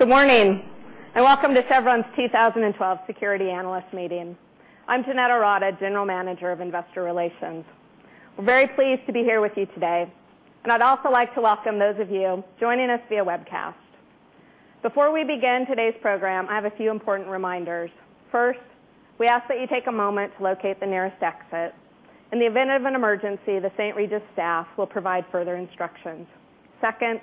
Good morning and welcome to Chevron's 2012 Security Analyst Meeting. I'm Jeanette Ourada, General Manager of Investor Relations. We're very pleased to be here with you today, and I'd also like to welcome those of you joining us via webcast. Before we begin today's program, I have a few important reminders. First, we ask that you take a moment to locate the nearest exit. In the event of an emergency, the St. Regis staff will provide further instructions. Second,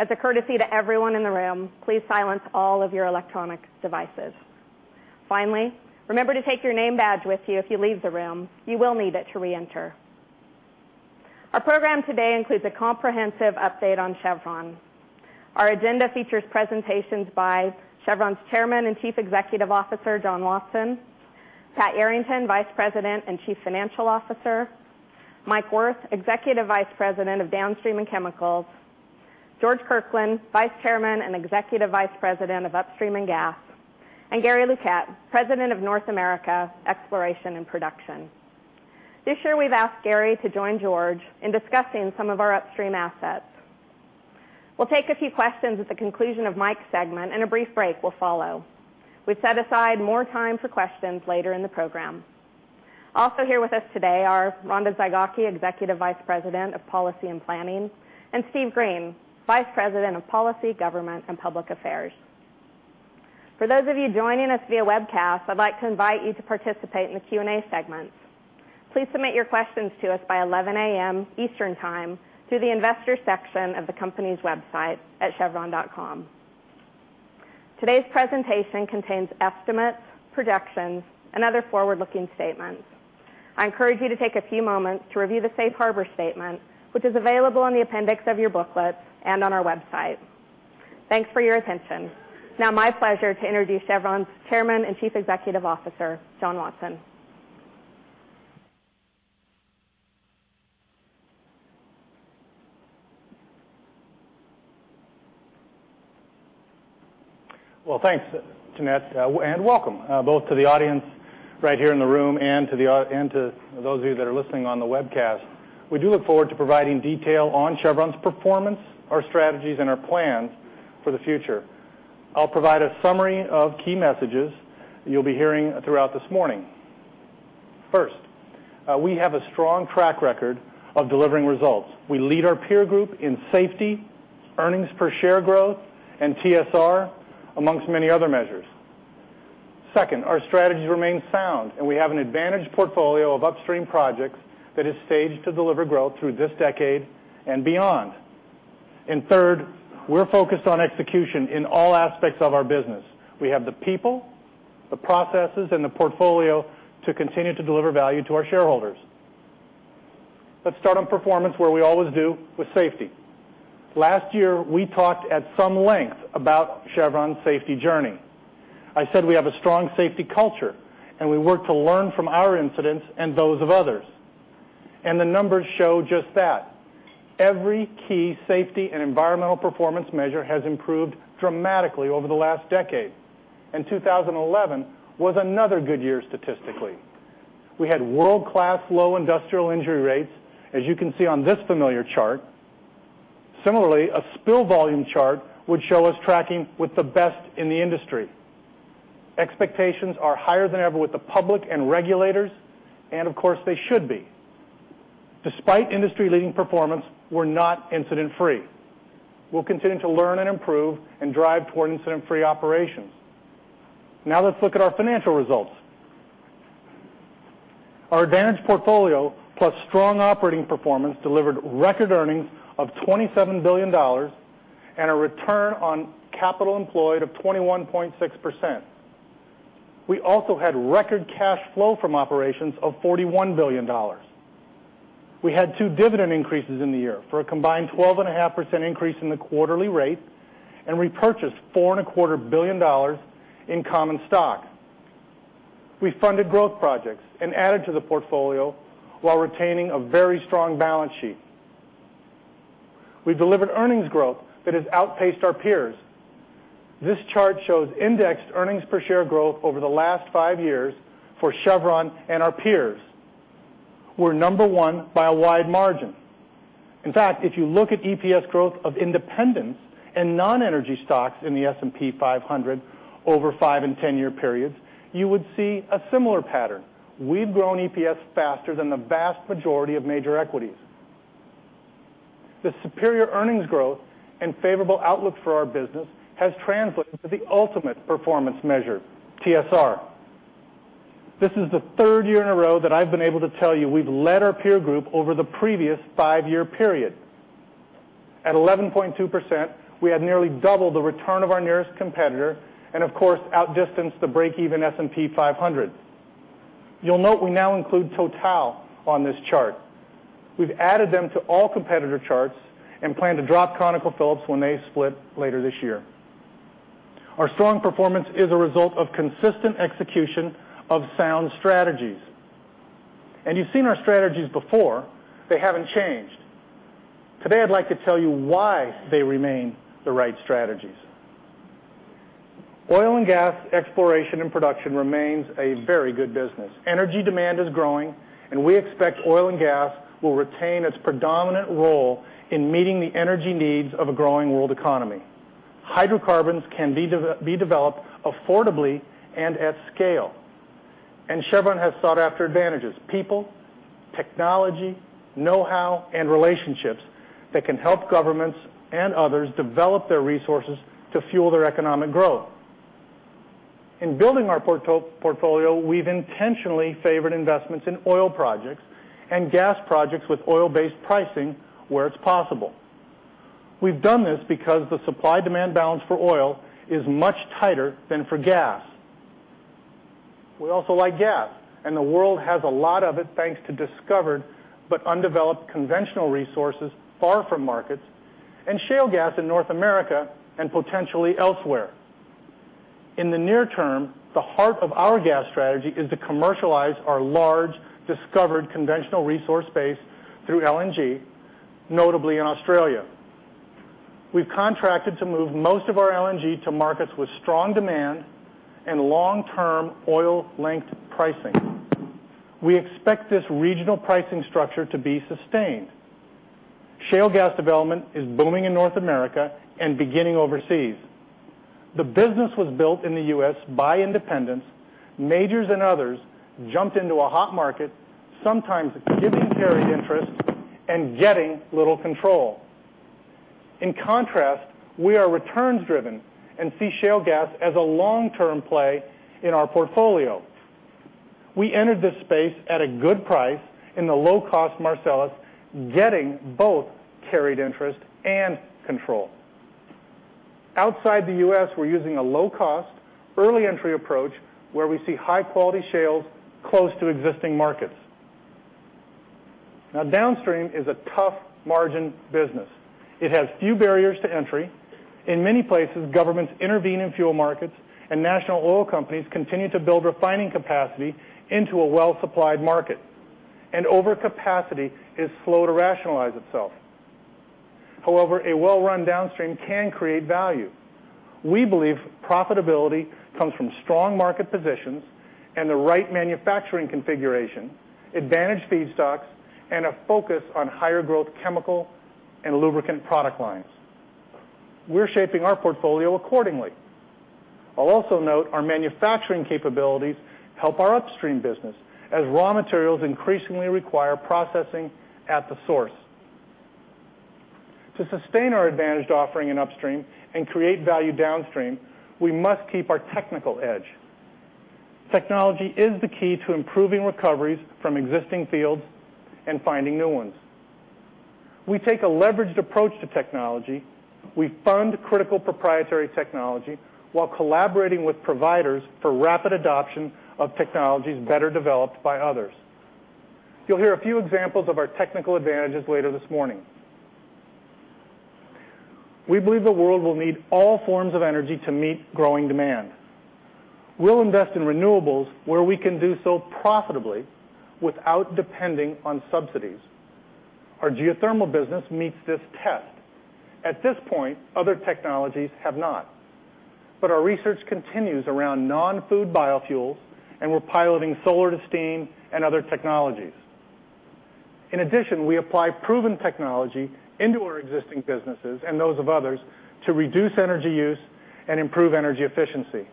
as a courtesy to everyone in the room, please silence all of your electronic devices. Finally, remember to take your name badge with you if you leave the room. You will need it to re-enter. Our program today includes a comprehensive update on Chevron. Our agenda features presentations by Chevron's Chairman and Chief Executive Officer, John Watson, Pat Yarrington, Vice President and Chief Financial Officer, Mike Wirth, Executive Vice President of Downstream and Chemicals, George Kirkland, Vice Chairman and Executive Vice President of Upstream and Gas, and Gary Luquette, President of North America Exploration and Production. This year, we've asked Gary to join George in discussing some of our upstream assets. We'll take a few questions at the conclusion of Mike's segment, and a brief break will follow. We've set aside more time for questions later in the program. Also here with us today are Rhonda Zygocki, Executive Vice President of Policy and Planning, and Steve Green, Vice President of Policy, Government, and Public Affairs. For those of you joining us via webcast, I'd like to invite you to participate in the Q&A segments. Please submit your questions to us by 11:00 A.M. Eastern Time through the Investor section of the company's website at chevron.com. Today's presentation contains estimates, projections, and other forward-looking statements. I encourage you to take a few moments to review the Safe Harbor Statement, which is available in the appendix of your booklets and on our website. Thanks for your attention. Now, my pleasure to introduce Chevron's Chairman and Chief Executive Officer, John Watson. Thanks, Jeanette, and welcome both to the audience right here in the room and to those of you that are listening on the webcast. We do look forward to providing detail on Chevron's performance, our strategies, and our plans for the future. I'll provide a summary of key messages you'll be hearing throughout this morning. First, we have a strong track record of delivering results. We lead our peer group in safety, earnings per share growth, and TSR, amongst many other measures. Second, our strategies remain sound, and we have an advantaged portfolio of upstream projects that are staged to deliver growth through this decade and beyond. Third, we're focused on execution in all aspects of our business. We have the people, the processes, and the portfolio to continue to deliver value to our shareholders. Let's start on performance, where we always do with safety. Last year, we talked at some length about Chevron's safety journey. I said we have a strong safety culture, and we work to learn from our incidents and those of others. The numbers show just that. Every key safety and environmental performance measure has improved dramatically over the last decade, and 2011 was another good year statistically. We had world-class low industrial injury rates, as you can see on this familiar chart. Similarly, a spill volume chart would show us tracking with the best in the industry. Expectations are higher than ever with the public and regulators, and of course, they should be. Despite industry-leading performance, we're not incident-free. We'll continue to learn and improve and drive toward incident-free operations. Now, let's look at our financial results. Our advantaged portfolio, plus strong operating performance, delivered record earnings of $27 billion and a return on capital employed of 21.6%. We also had record cash flow from operations of $41 billion. We had two dividend increases in the year for a combined 12.5% increase in the quarterly rate, and we purchased $4.25 billion in common stock. We funded growth projects and added to the portfolio while retaining a very strong balance sheet. We delivered earnings growth that has outpaced our peers. This chart shows indexed earnings per share growth over the last five years for Chevron and our peers. We're number one by a wide margin. In fact, if you look at EPS growth of independents and non-energy stocks in the S&P 500 over five and ten-year periods, you would see a similar pattern. We've grown EPS faster than the vast majority of major equities. The superior earnings growth and favorable outlook for our business have translated to the ultimate performance measure, TSR. This is the third year in a row that I've been able to tell you we've led our peer group over the previous five-year period. At 11.2%, we had nearly double the return of our nearest competitor and, of course, outdistanced the break-even S&P 500. You'll note we now include Total on this chart. We've added them to all competitor charts and plan to drop ConocoPhillips when they split later this year. Our strong performance is a result of consistent execution of sound strategies. You've seen our strategies before; they haven't changed. Today, I'd like to tell you why they remain the right strategies. Oil and gas exploration and production remain a very good business. Energy demand is growing, and we expect oil and gas will retain its predominant role in meeting the energy needs of a growing world economy. Hydrocarbons can be developed affordably and at scale. Chevron has sought after advantages: people, technology, know-how, and relationships that can help governments and others develop their resources to fuel their economic growth. In building our portfolio, we've intentionally favored investments in oil projects and gas projects with oil-based pricing where it's possible. We've done this because the supply-demand balance for oil is much tighter than for gas. We also like gas, and the world has a lot of it thanks to discovered but undeveloped conventional resources far from markets and shale gas in North America and potentially elsewhere. In the near term, the heart of our gas strategy is to commercialize our large discovered conventional resource base through LNG, notably in Australia. We've contracted to move most of our LNG to markets with strong demand and long-term oil-linked pricing. We expect this regional pricing structure to be sustained. Shale gas development is booming in North America and beginning overseas. The business was built in the U.S. by independents. Majors and others jumped into a hot market, sometimes giving carry interests and getting little control. In contrast, we are returns-driven and see shale gas as a long-term play in our portfolio. We entered this space at a good price in the low-cost Marcellus, getting both carried interest and control. Outside the U.S., we're using a low-cost, early-entry approach where we see high-quality shales close to existing markets. Now, downstream is a tough margin business. It has few barriers to entry. In many places, governments intervene in fuel markets, and national oil companies continue to build refining capacity into a well-supplied market. Overcapacity is slow to rationalize itself. However, a well-run downstream can create value. We believe profitability comes from strong market positions and the right manufacturing configuration, advantaged feedstocks, and a focus on higher-growth chemical and lubricant product lines. We're shaping our portfolio accordingly. I'll also note our manufacturing capabilities help our upstream business, as raw materials increasingly require processing at the source. To sustain our advantaged offering in upstream and create value downstream, we must keep our technical edge. Technology is the key to improving recoveries from existing fields and finding new ones. We take a leveraged approach to technology. We fund critical proprietary technology while collaborating with providers for rapid adoption of technologies better developed by others. You'll hear a few examples of our technical advantages later this morning. We believe the world will need all forms of energy to meet growing demand. We'll invest in renewables where we can do so profitably without depending on subsidies. Our geothermal business meets this test. At this point, other technologies have not. Our research continues around non-food biofuels, and we're piloting solar to steam and other technologies. In addition, we apply proven technology into our existing businesses and those of others to reduce energy use and improve energy efficiency.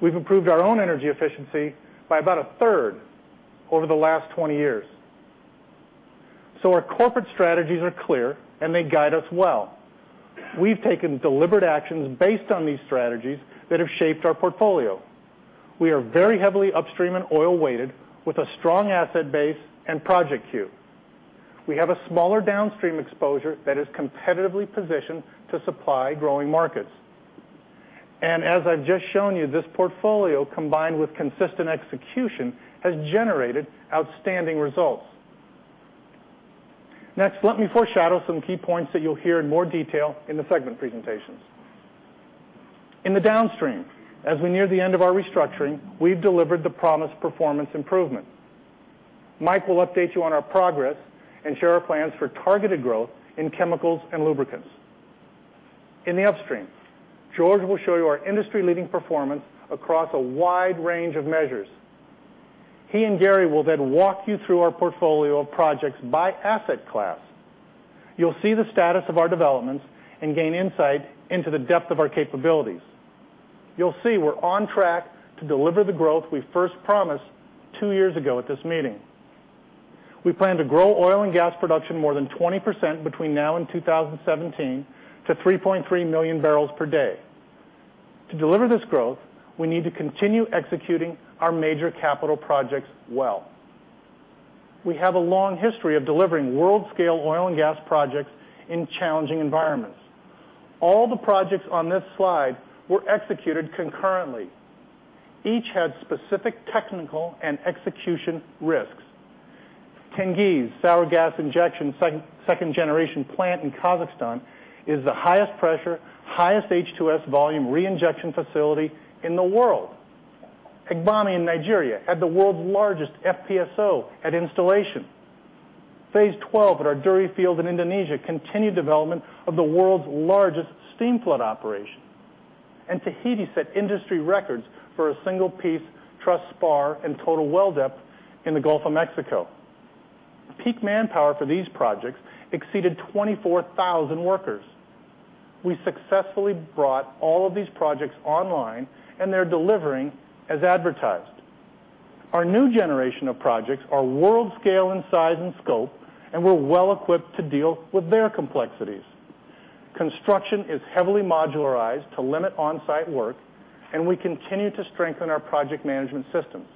We've improved our own energy efficiency by about a third over the last 20 years. Our corporate strategies are clear, and they guide us well. We've taken deliberate actions based on these strategies that have shaped our portfolio. We are very heavily upstream and oil-weighted, with a strong asset base and project queue. We have a smaller downstream exposure that is competitively positioned to supply growing markets. As I've just shown you, this portfolio, combined with consistent execution, has generated outstanding results. Next, let me foreshadow some key points that you'll hear in more detail in the segment presentations. In the downstream, as we near the end of our restructuring, we've delivered the promised performance improvement. Mike will update you on our progress and share our plans for targeted growth in chemicals and lubricants. In the upstream, George will show you our industry-leading performance across a wide range of measures. He and Gary will then walk you through our portfolio of projects by asset class. You'll see the status of our developments and gain insight into the depth of our capabilities. You'll see we're on track to deliver the growth we first promised two years ago at this meeting. We plan to grow oil and gas production more than 20% between now and 2017 to 3.3 million barrels per day. To deliver this growth, we need to continue executing our major capital projects well. We have a long history of delivering world-scale oil and gas projects in challenging environments. All the projects on this slide were executed concurrently. Each had specific technical and execution risks. Tengiz, sour gas injection second-generation plant in Kazakhstan, is the highest pressure, highest H2S volume reinjection facility in the world. Agbami in Nigeria had the world's largest FPSO at installation. Phase 12 at our Duri Field in Indonesia continued development of the world's largest steam flood operation. Tahiti set industry records for a single piece truss spar and total well depth in the Gulf of Mexico. Peak manpower for these projects exceeded 24,000 workers. We successfully brought all of these projects online, and they're delivering as advertised. Our new generation of projects are world scale in size and scope, and we're well equipped to deal with their complexities. Construction is heavily modularized to limit on-site work, and we continue to strengthen our project management systems.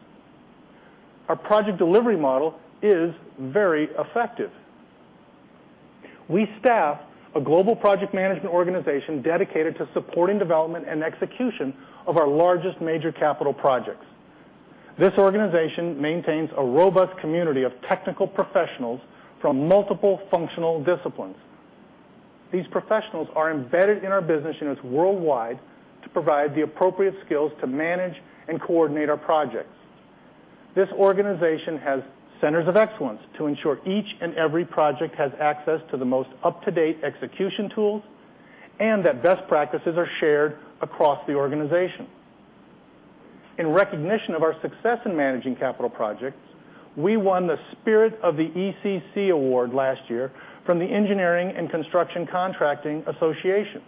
Our project delivery model is very effective. We staff a global project management organization dedicated to supporting development and execution of our largest major capital projects. This organization maintains a robust community of technical professionals from multiple functional disciplines. These professionals are embedded in our business units worldwide to provide the appropriate skills to manage and coordinate our projects. This organization has centers of excellence to ensure each and every project has access to the most up-to-date execution tools and that best practices are shared across the organization. In recognition of our success in managing capital projects, we won the Spirit of the ECC Award last year from the Engineering and Construction Contracting Association.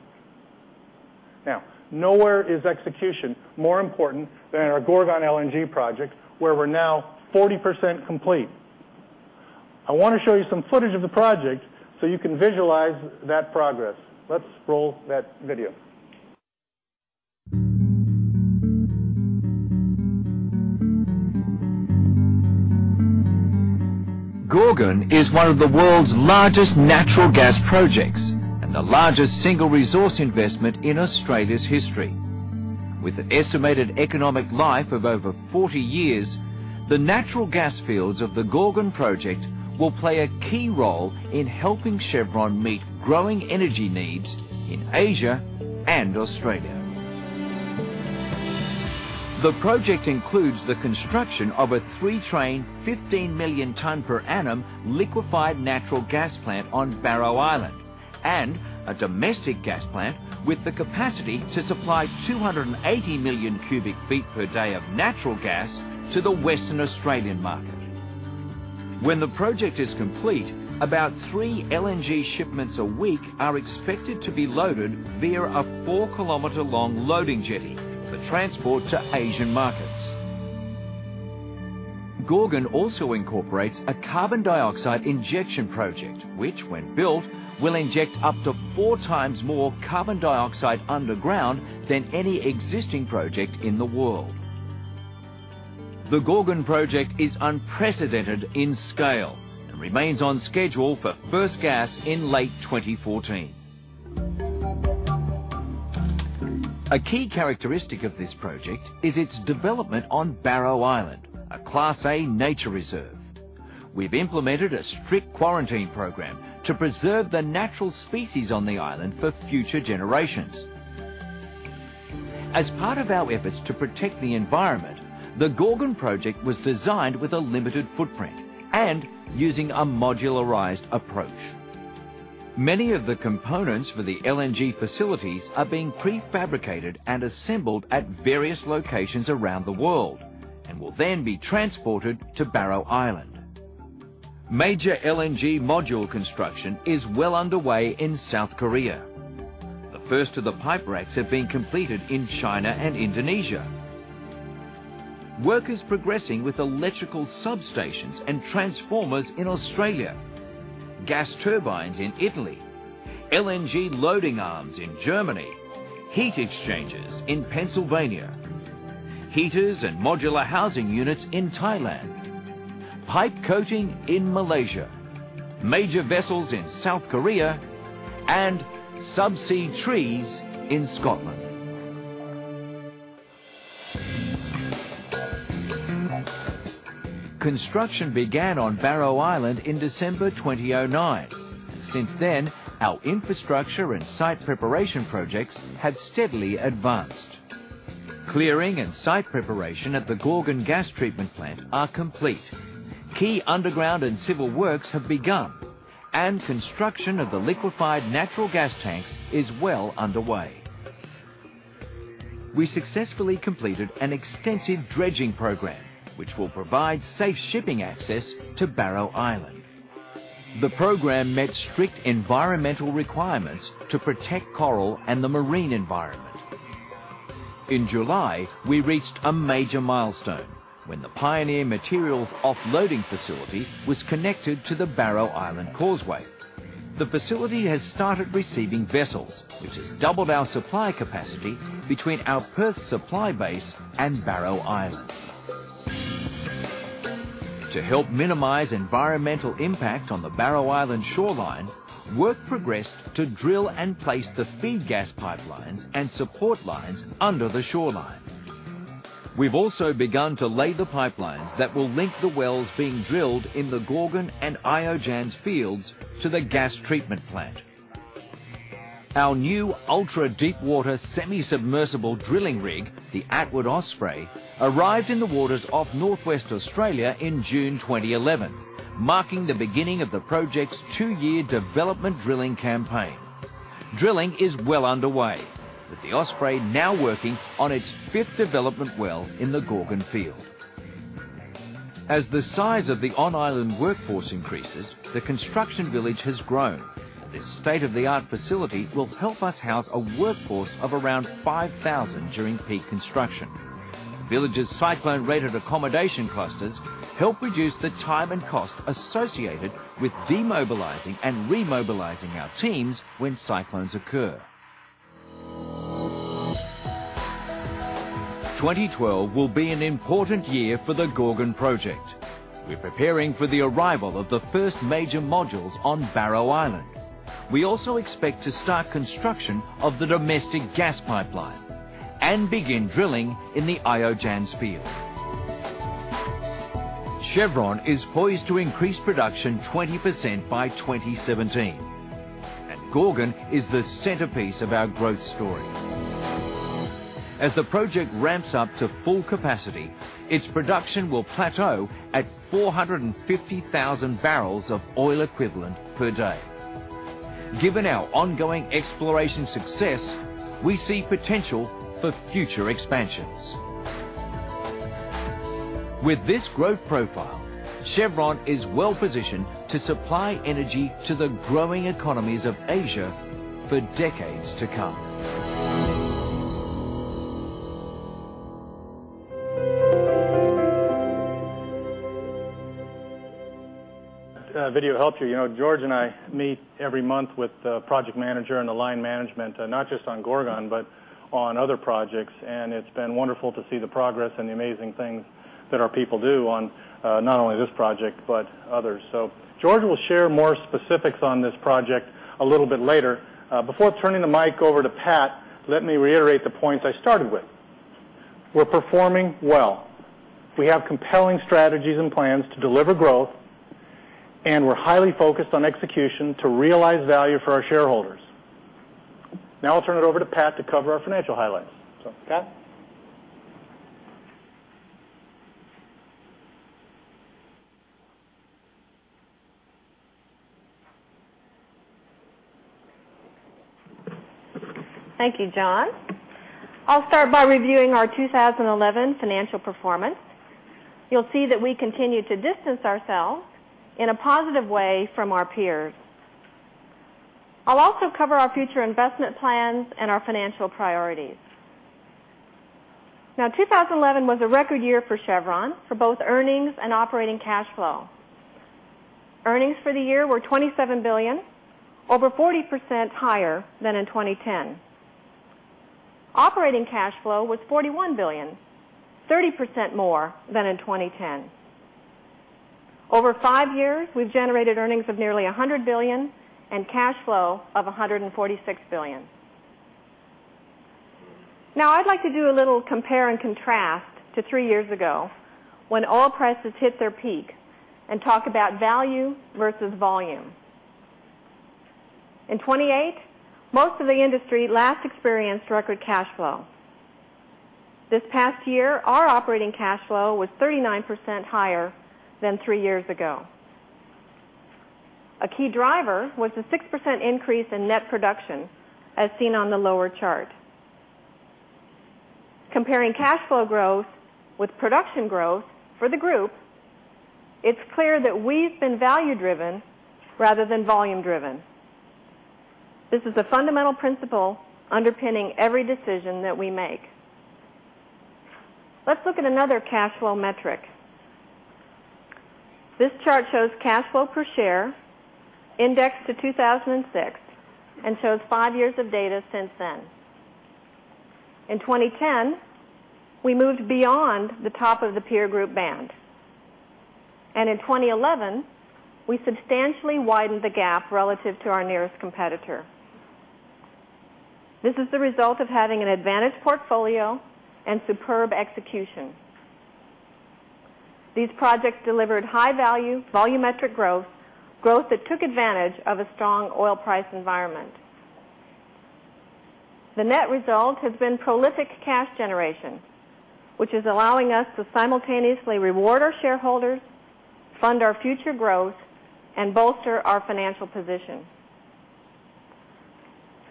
Now, nowhere is execution more important than our Gorgon LNG project, where we're now 40% complete. I want to show you some footage of the project so you can visualize that progress. Let's roll that video. Gorgon is one of the world's largest natural gas projects and the largest single resource investment in Australia's history. With an estimated economic life of over 40 years, the natural gas fields of the Gorgon project will play a key role in helping Chevron meet growing energy needs in Asia and Australia. The project includes the construction of a three-train, 15 million ton per annum liquefied natural gas plant on Barrow Island and a domestic gas plant with the capacity to supply 280 million cubic feet per day of natural gas to the Western Australian market. When the project is complete, about three LNG shipments a week are expected to be loaded via a four-kilometer-long loading jetty for transport to Asian markets. Gorgon also incorporates a carbon dioxide injection project, which, when built, will inject up to four times more carbon dioxide underground than any existing project in the world. The Gorgon project is unprecedented in scale and remains on schedule for first gas in late 2014. A key characteristic of this project is its development on Barrow Island, a Class A nature reserve. We've implemented a strict quarantine program to preserve the natural species on the island for future generations. As part of our efforts to protect the environment, the Gorgon project was designed with a limited footprint and using a modularized approach. Many of the components for the LNG facilities are being prefabricated and assembled at various locations around the world and will then be transported to Barrow Island. Major LNG module construction is well underway in South Korea. The first of the pipeworks has been completed in China and Indonesia. Work is progressing with electrical substations and transformers in Australia, gas turbines in Italy, LNG loading arms in Germany, heat exchangers in Pennsylvania, heaters and modular housing units in Thailand, pipe coating in Malaysia, major vessels in South Korea, and subsea trees in Scotland. Construction began on Barrow Island in December 2009. Since then, our infrastructure and site preparation projects have steadily advanced. Clearing and site preparation at the Gorgon gas treatment plant are complete. Key underground and civil works have begun, and construction of the liquefied natural gas tanks is well underway. We successfully completed an extensive dredging program, which will provide safe shipping access to Barrow Island. The program met strict environmental requirements to protect coral and the marine environment. In July, we reached a major milestone when the Pioneer Materials Offloading Facility was connected to the Barrow Island causeway. The facility has started receiving vessels, which has doubled our supply capacity between our Perth supply base and Barrow Island. To help minimize environmental impact on the Barrow Island shoreline, work progressed to drill and place the feed gas pipelines and support lines under the shoreline. We've also begun to lay the pipelines that will link the wells being drilled in the Gorgon and Io-Janz fields to the gas treatment plant. Our new ultra-deepwater semi-submersible drilling rig, the Atwood Osprey, arrived in the waters off northwest Australia in June 2011, marking the beginning of the project's two-year development drilling campaign. Drilling is well underway, with the Osprey now working on its fifth development well in the Gorgon field. As the size of the on-island workforce increases, the construction village has grown. This state-of-the-art facility will help us house a workforce of around 5,000 during peak construction. Village's cyclone-rated accommodation clusters help reduce the time and cost associated with demobilizing and remobilizing our teams when cyclones occur. 2012 will be an important year for the Gorgon project. We're preparing for the arrival of the first major modules on Barrow Island. We also expect to start construction of the domestic gas pipeline and begin drilling in the Io-Janz field. Chevron is poised to increase production 20% by 2017, and Gorgon is the centerpiece of our growth story. As the project ramps up to full capacity, its production will plateau at 450,000 barrels of oil equivalent per day. Given our ongoing exploration success, we see potential for future expansions. With this growth profile, Chevron is well-positioned to supply energy to the growing economies of Asia for decades to come. I hope that the video helped you. You know, George and I meet every month with the project manager and the line management, not just on Gorgon but on other projects, and it's been wonderful to see the progress and the amazing things that our people do on not only this project but others. George will share more specifics on this project a little bit later. Before turning the mic over to Pat, let me reiterate the point I started with. We're performing well. We have compelling strategies and plans to deliver growth, and we're highly focused on execution to realize value for our shareholders. Now, I'll turn it over to Pat to cover our financial highlights. So, Pat. Thank you, John. I'll start by reviewing our 2011 financial performance. You'll see that we continue to distance ourselves in a positive way from our peers. I'll also cover our future investment plans and our financial priorities. Now, 2011 was a record year for Chevron for both earnings and operating cash flow. Earnings for the year were $27 billion, over 40% higher than in 2010. Operating cash flow was $41 billion, 30% more than in 2010. Over five years, we've generated earnings of nearly $100 billion and cash flow of $146 billion. Now, I'd like to do a little compare and contrast to three years ago when oil prices hit their peak and talk about value versus volume. In 2008, most of the industry last experienced record cash flow. This past year, our operating cash flow was 39% higher than three years ago. A key driver was the 6% increase in net production, as seen on the lower chart. Comparing cash flow growth with production growth for the group, it's clear that we've been value-driven rather than volume-driven. This is a fundamental principle underpinning every decision that we make. Let's look at another cash flow metric. This chart shows cash flow per share indexed to 2006 and shows five years of data since then. In 2010, we moved beyond the top of the peer group band, and in 2011, we substantially widened the gap relative to our nearest competitor. This is the result of having an advantaged portfolio and superb execution. These projects delivered high-value volumetric growth, growth that took advantage of a strong oil price environment. The net result has been prolific cash generation, which is allowing us to simultaneously reward our shareholders, fund our future growth, and bolster our financial position.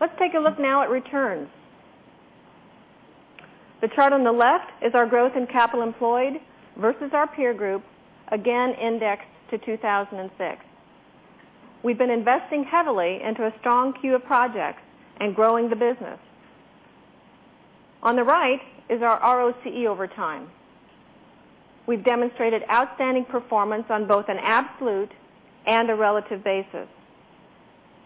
Let's take a look now at returns. The chart on the left is our growth in capital employed versus our peer group, again indexed to 2006. We've been investing heavily into a strong queue of projects and growing the business. On the right is our ROCE over time. We've demonstrated outstanding performance on both an absolute and a relative basis.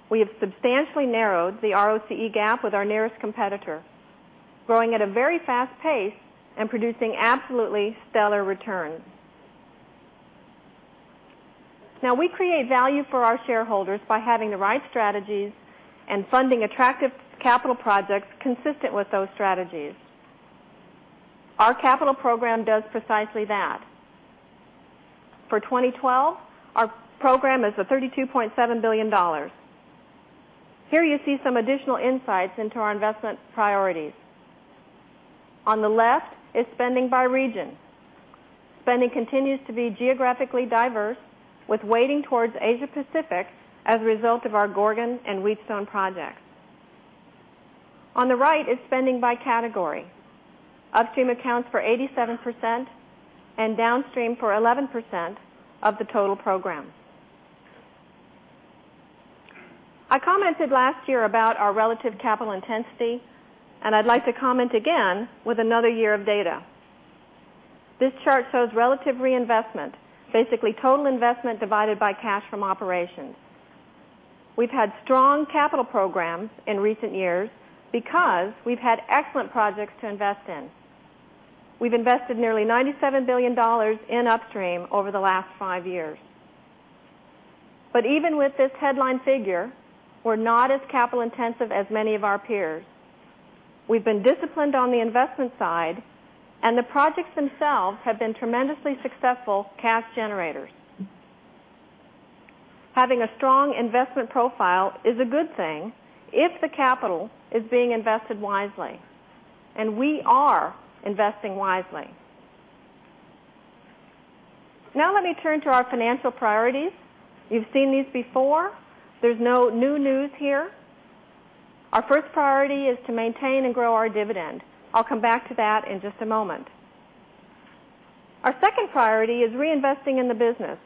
We have substantially narrowed the ROCE gap with our nearest competitor, growing at a very fast pace and producing absolutely stellar returns. Now, we create value for our shareholders by having the right strategies and funding attractive capital projects consistent with those strategies. Our capital program does precisely that. For 2012, our program is $32.7 billion. Here you see some additional insights into our investment priorities. On the left is spending by region. Spending continues to be geographically diverse, with weighting towards Asia-Pacific as a result of our Gorgon and Wheatstone projects. On the right is spending by category. Upstream accounts for 87% and downstream for 11% of the total program. I commented last year about our relative capital intensity, and I'd like to comment again with another year of data. This chart shows relative reinvestment, basically total investment divided by cash from operations. We've had strong capital programs in recent years because we've had excellent projects to invest in. We've invested nearly $97 billion in upstream over the last five years. Even with this headline figure, we're not as capital intensive as many of our peers. We've been disciplined on the investment side, and the projects themselves have been tremendously successful cash generators. Having a strong investment profile is a good thing if the capital is being invested wisely, and we are investing wisely. Now, let me turn to our financial priorities. You've seen these before. There's no new news here. Our first priority is to maintain and grow our dividend. I'll come back to that in just a moment. Our second priority is reinvesting in the business.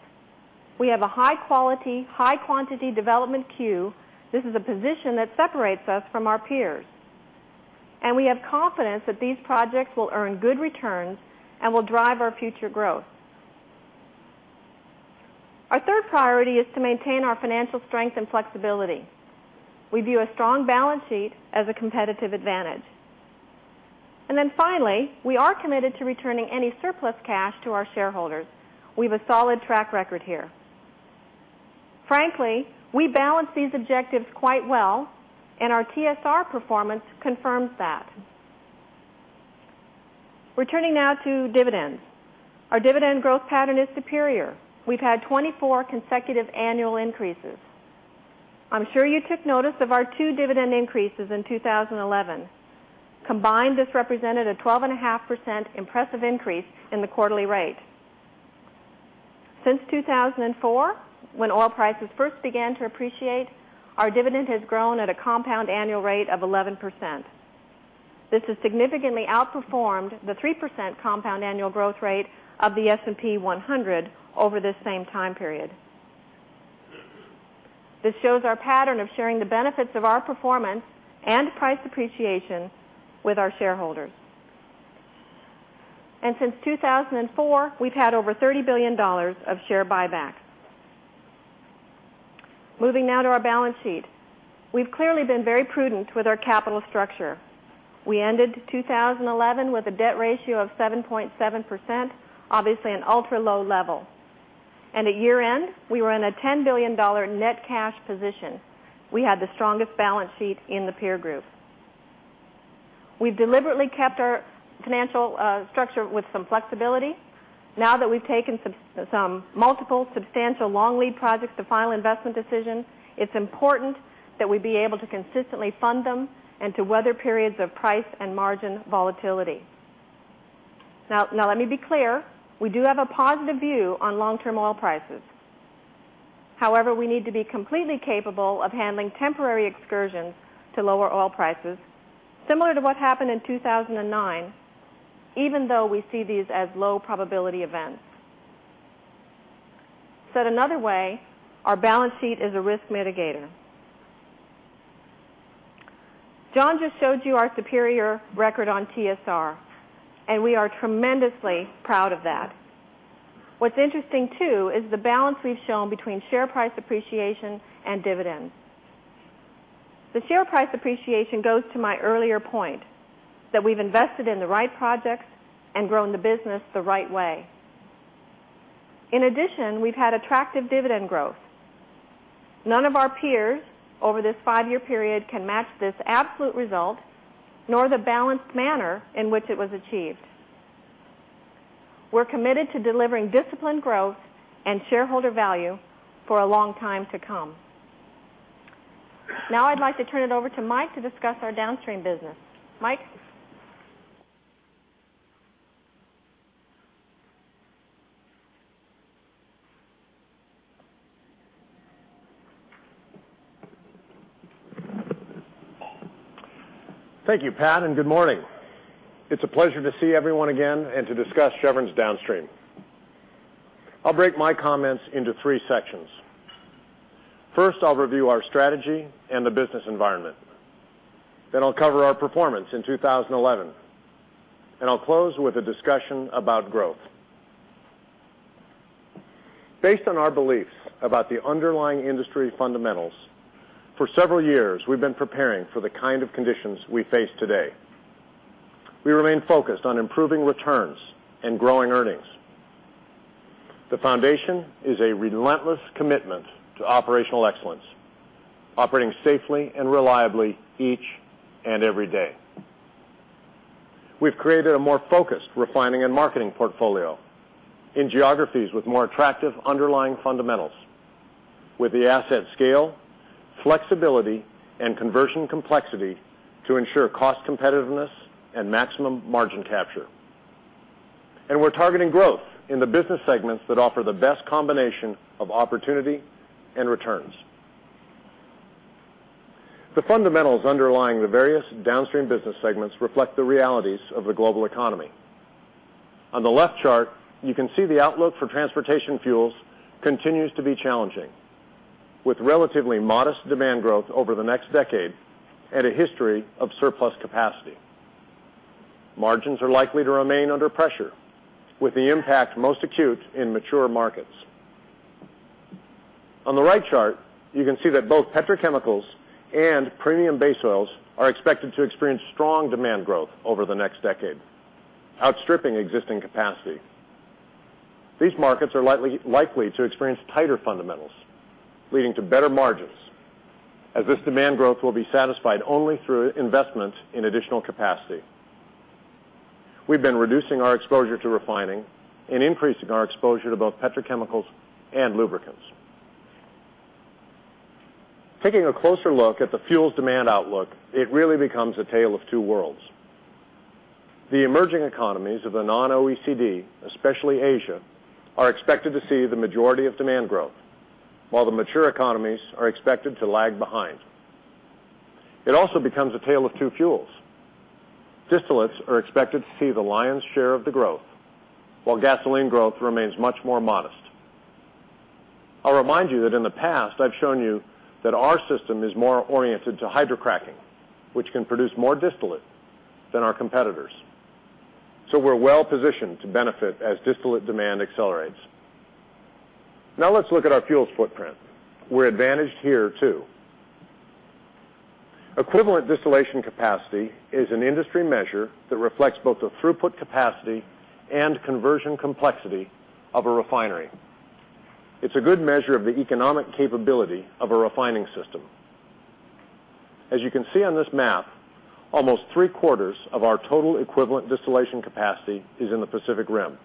We have a high-quality, high-quantity development queue. This is a position that separates us from our peers, and we have confidence that these projects will earn good returns and will drive our future growth. Our third priority is to maintain our financial strength and flexibility. We view a strong balance sheet as a competitive advantage. Finally, we are committed to returning any surplus cash to our shareholders. We have a solid track record here. Frankly, we balance these objectives quite well, and our TSR performance confirms that. Returning now to dividends. Our dividend growth pattern is superior. We've had 24 consecutive annual increases. I'm sure you took notice of our two dividend increases in 2011. Combined, this represented a 12.5% impressive increase in the quarterly rate. Since 2004, when oil prices first began to appreciate, our dividend has grown at a compound annual rate of 11%. This has significantly outperformed the 3% compound annual growth rate of the S&P 100 over this same time period. This shows our pattern of sharing the benefits of our performance and price appreciation with our shareholders. Since 2004, we've had over $30 billion of share buybacks. Moving now to our balance sheet, we've clearly been very prudent with our capital structure. We ended 2011 with a debt ratio of 7.7%, obviously an ultra-low level. At year-end, we were in a $10 billion net cash position. We had the strongest balance sheet in the peer group. We've deliberately kept our financial structure with some flexibility. Now that we've taken some multiple substantial long-lead projects to final investment decisions, it's important that we be able to consistently fund them and to weather periods of price and margin volatility. Let me be clear. We do have a positive view on long-term oil prices. However, we need to be completely capable of handling temporary excursions to lower oil prices, similar to what happened in 2009, even though we see these as low-probability events. Said another way, our balance sheet is a risk mitigator. John just showed you our superior record on TSR, and we are tremendously proud of that. What's interesting, too, is the balance we've shown between share price appreciation and dividends. The share price appreciation goes to my earlier point that we've invested in the right projects and grown the business the right way. In addition, we've had attractive dividend growth. None of our peers over this five-year period can match this absolute result, nor the balanced manner in which it was achieved. We're committed to delivering disciplined growth and shareholder value for a long time to come. Now, I'd like to turn it over to Mike to discuss our downstream business. Mike. Thank you, Pat, and good morning. It's a pleasure to see everyone again and to discuss Chevron's downstream. I'll break my comments into three sections. First, I'll review our strategy and the business environment. Then I'll cover our performance in 2011, and I'll close with a discussion about growth. Based on our beliefs about the underlying industry fundamentals, for several years, we've been preparing for the kind of conditions we face today. We remain focused on improving returns and growing earnings. The foundation is a relentless commitment to operational excellence, operating safely and reliably each and every day. We've created a more focused refining and marketing portfolio in geographies with more attractive underlying fundamentals, with the asset scale, flexibility, and conversion complexity to ensure cost competitiveness and maximum margin capture. We're targeting growth in the business segments that offer the best combination of opportunity and returns. The fundamentals underlying the various downstream business segments reflect the realities of the global economy. On the left chart, you can see the outlook for transportation fuels continues to be challenging, with relatively modest demand growth over the next decade and a history of surplus capacity. Margins are likely to remain under pressure, with the impact most acute in mature markets. On the right chart, you can see that both petrochemicals and premium base oils are expected to experience strong demand growth over the next decade, outstripping existing capacity. These markets are likely to experience tighter fundamentals, leading to better margins, as this demand growth will be satisfied only through investment in additional capacity. We've been reducing our exposure to refining and increasing our exposure to both petrochemicals and lubricants. Taking a closer look at the fuel's demand outlook, it really becomes a tale of two worlds. The emerging economies of the non-OECD, especially Asia, are expected to see the majority of demand growth, while the mature economies are expected to lag behind. It also becomes a tale of two fuels. Distillates are expected to see the lion's share of the growth, while gasoline growth remains much more modest. I'll remind you that in the past, I've shown you that our system is more oriented to hydrocracking, which can produce more distillate than our competitors. We're well positioned to benefit as distillate demand accelerates. Now, let's look at our fuel's footprint. We're advantaged here, too. Equivalent distillation capacity is an industry measure that reflects both the throughput capacity and conversion complexity of a refinery. It's a good measure of the economic capability of a refining system. As you can see on this map, almost three-quarters of our total equivalent distillation capacity is in the Pacific Rim.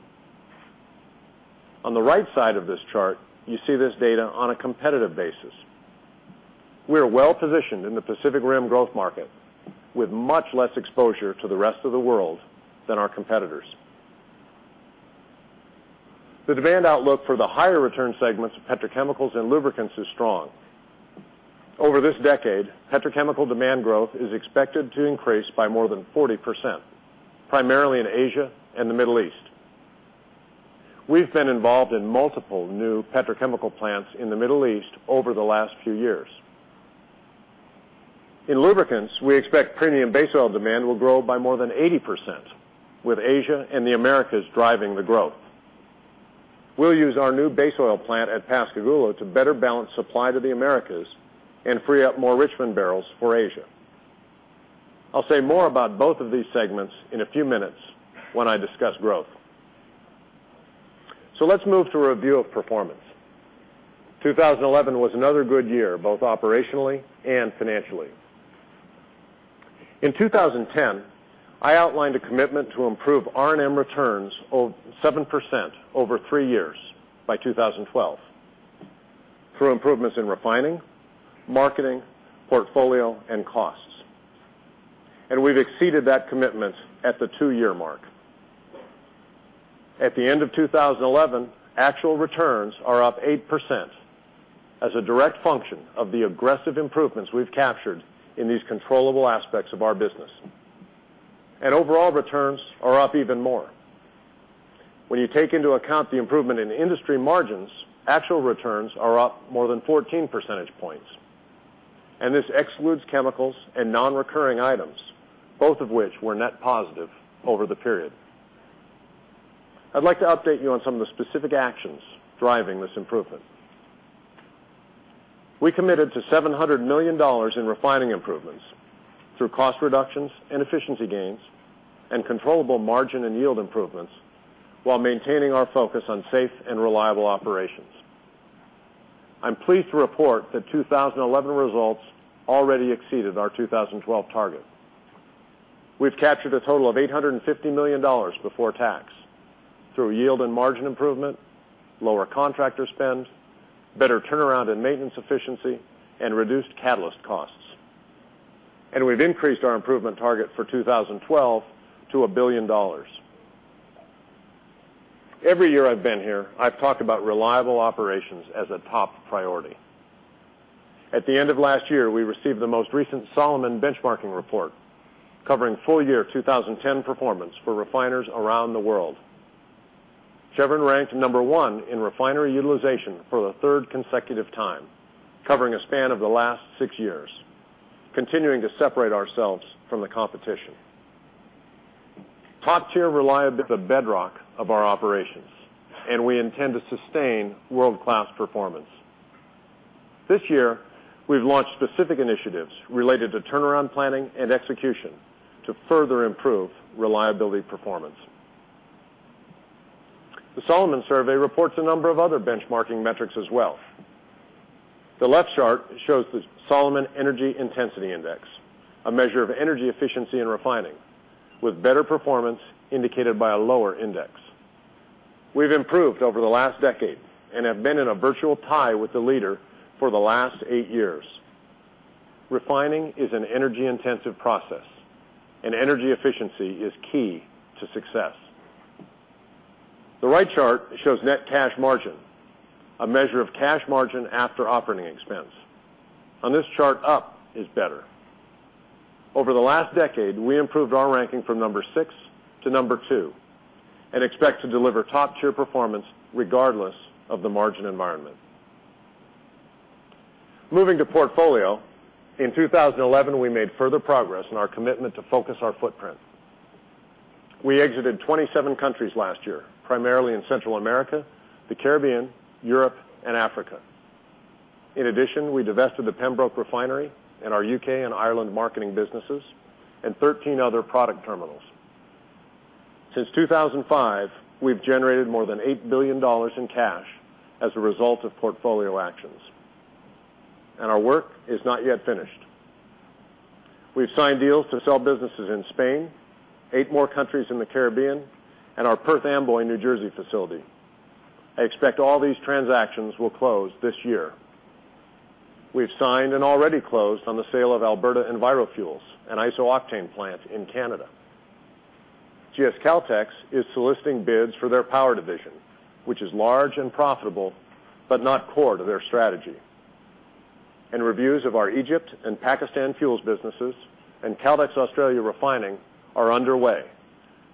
On the right side of this chart, you see this data on a competitive basis. We are well positioned in the Pacific Rim growth market, with much less exposure to the rest of the world than our competitors. The demand outlook for the higher-return segments of petrochemicals and lubricants is strong. Over this decade, petrochemical demand growth is expected to increase by more than 40%, primarily in Asia and the Middle East. We've been involved in multiple new petrochemical plants in the Middle East over the last few years. In lubricants, we expect premium base oil demand will grow by more than 80%, with Asia and the Americas driving the growth. We'll use our new base oil plant at Pascagoula to better balance supply to the Americas and free up more Richmond barrels for Asia. I'll say more about both of these segments in a few minutes when I discuss growth. Let's move to a review of performance. 2011 was another good year, both operationally and financially. In 2010, I outlined a commitment to improve R&M returns of 7% over three years by 2012 through improvements in refining, marketing, portfolio, and costs. We've exceeded that commitment at the two-year mark. At the end of 2011, actual returns are up 8% as a direct function of the aggressive improvements we've captured in these controllable aspects of our business. Overall returns are up even more. When you take into account the improvement in industry margins, actual returns are up more than 14 percentage points. This excludes chemicals and non-recurring items, both of which were net positive over the period. I'd like to update you on some of the specific actions driving this improvement. We committed to $700 million in refining improvements through cost reductions and efficiency gains and controllable margin and yield improvements, while maintaining our focus on safe and reliable operations. I'm pleased to report that 2011 results already exceeded our 2012 target. We've captured a total of $850 million before tax through yield and margin improvement, lower contractor spend, better turnaround and maintenance efficiency, and reduced catalyst costs. We've increased our improvement target for 2012 to $1 billion. Every year I've been here, I've talked about reliable operations as a top priority. At the end of last year, we received the most recent Solomon benchmarking report covering full-year 2010 performance for refiners around the world. Chevron ranked number one in refinery utilization for the third consecutive time, covering a span of the last six years, continuing to separate ourselves from the competition. Hot, cheer, reliable is the bedrock of our operations, and we intend to sustain world-class performance. This year, we've launched specific initiatives related to turnaround planning and execution to further improve reliability performance. The Solomon survey reports a number of other benchmarking metrics as well. The left chart shows the Solomon Energy Intensity Index, a measure of energy efficiency in refining, with better performance indicated by a lower index. We've improved over the last decade and have been in a virtual tie with the leader for the last eight years. Refining is an energy-intensive process, and energy efficiency is key to success. The right chart shows net cash margin, a measure of cash margin after operating expense. On this chart up is better. Over the last decade, we improved our ranking from number six to number two and expect to deliver top-tier performance regardless of the margin environment. Moving to portfolio, in 2011, we made further progress in our commitment to focus our footprint. We exited 27 countries last year, primarily in Central America, the Caribbean, Europe, and Africa. In addition, we divested the Pembroke Refinery and our UK and Ireland marketing businesses and 13 other product terminals. Since 2005, we've generated more than $8 billion in cash as a result of portfolio actions. Our work is not yet finished. We've signed deals to sell businesses in Spain, eight more countries in the Caribbean, and our Perth Amboy, New Jersey facility. I expect all these transactions will close this year. We've signed and already closed on the sale of Alberta Envirofuels, an iso-octane plant in Canada. GS Caltex is soliciting bids for their power division, which is large and profitable but not core to their strategy. Reviews of our Egypt and Pakistan fuels businesses and Caltex Australia Refining are underway,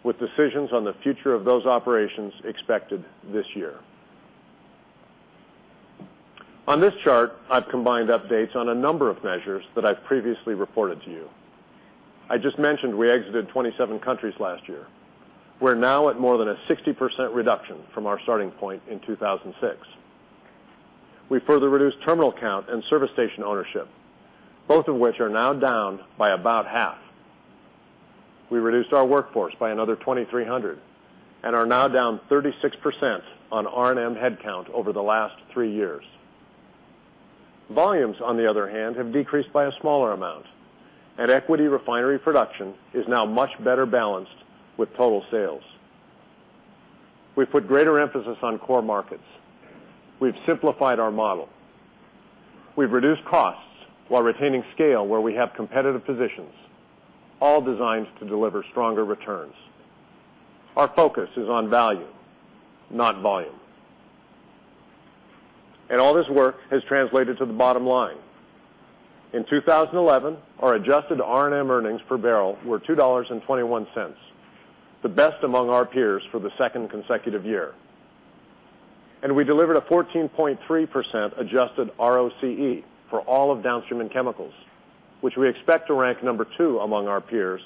with decisions on the future of those operations expected this year. On this chart, I've combined updates on a number of measures that I've previously reported to you. I just mentioned we exited 27 countries last year. We're now at more than a 60% reduction from our starting point in 2006. We further reduced terminal count and service station ownership, both of which are now down by about half. We reduced our workforce by another 2,300 and are now down 36% on R&M headcount over the last three years. Volumes, on the other hand, have decreased by a smaller amount, and equity refinery production is now much better balanced with total sales. We've put greater emphasis on core markets. We've simplified our model. We've reduced costs while retaining scale where we have competitive positions, all designed to deliver stronger returns. Our focus is on value, not volume. All this work has translated to the bottom line. In 2011, our adjusted R&M earnings per barrel were $2.21, the best among our peers for the second consecutive year. We delivered a 14.3% adjusted ROCE for all of downstream and chemicals, which we expect to rank number two among our peers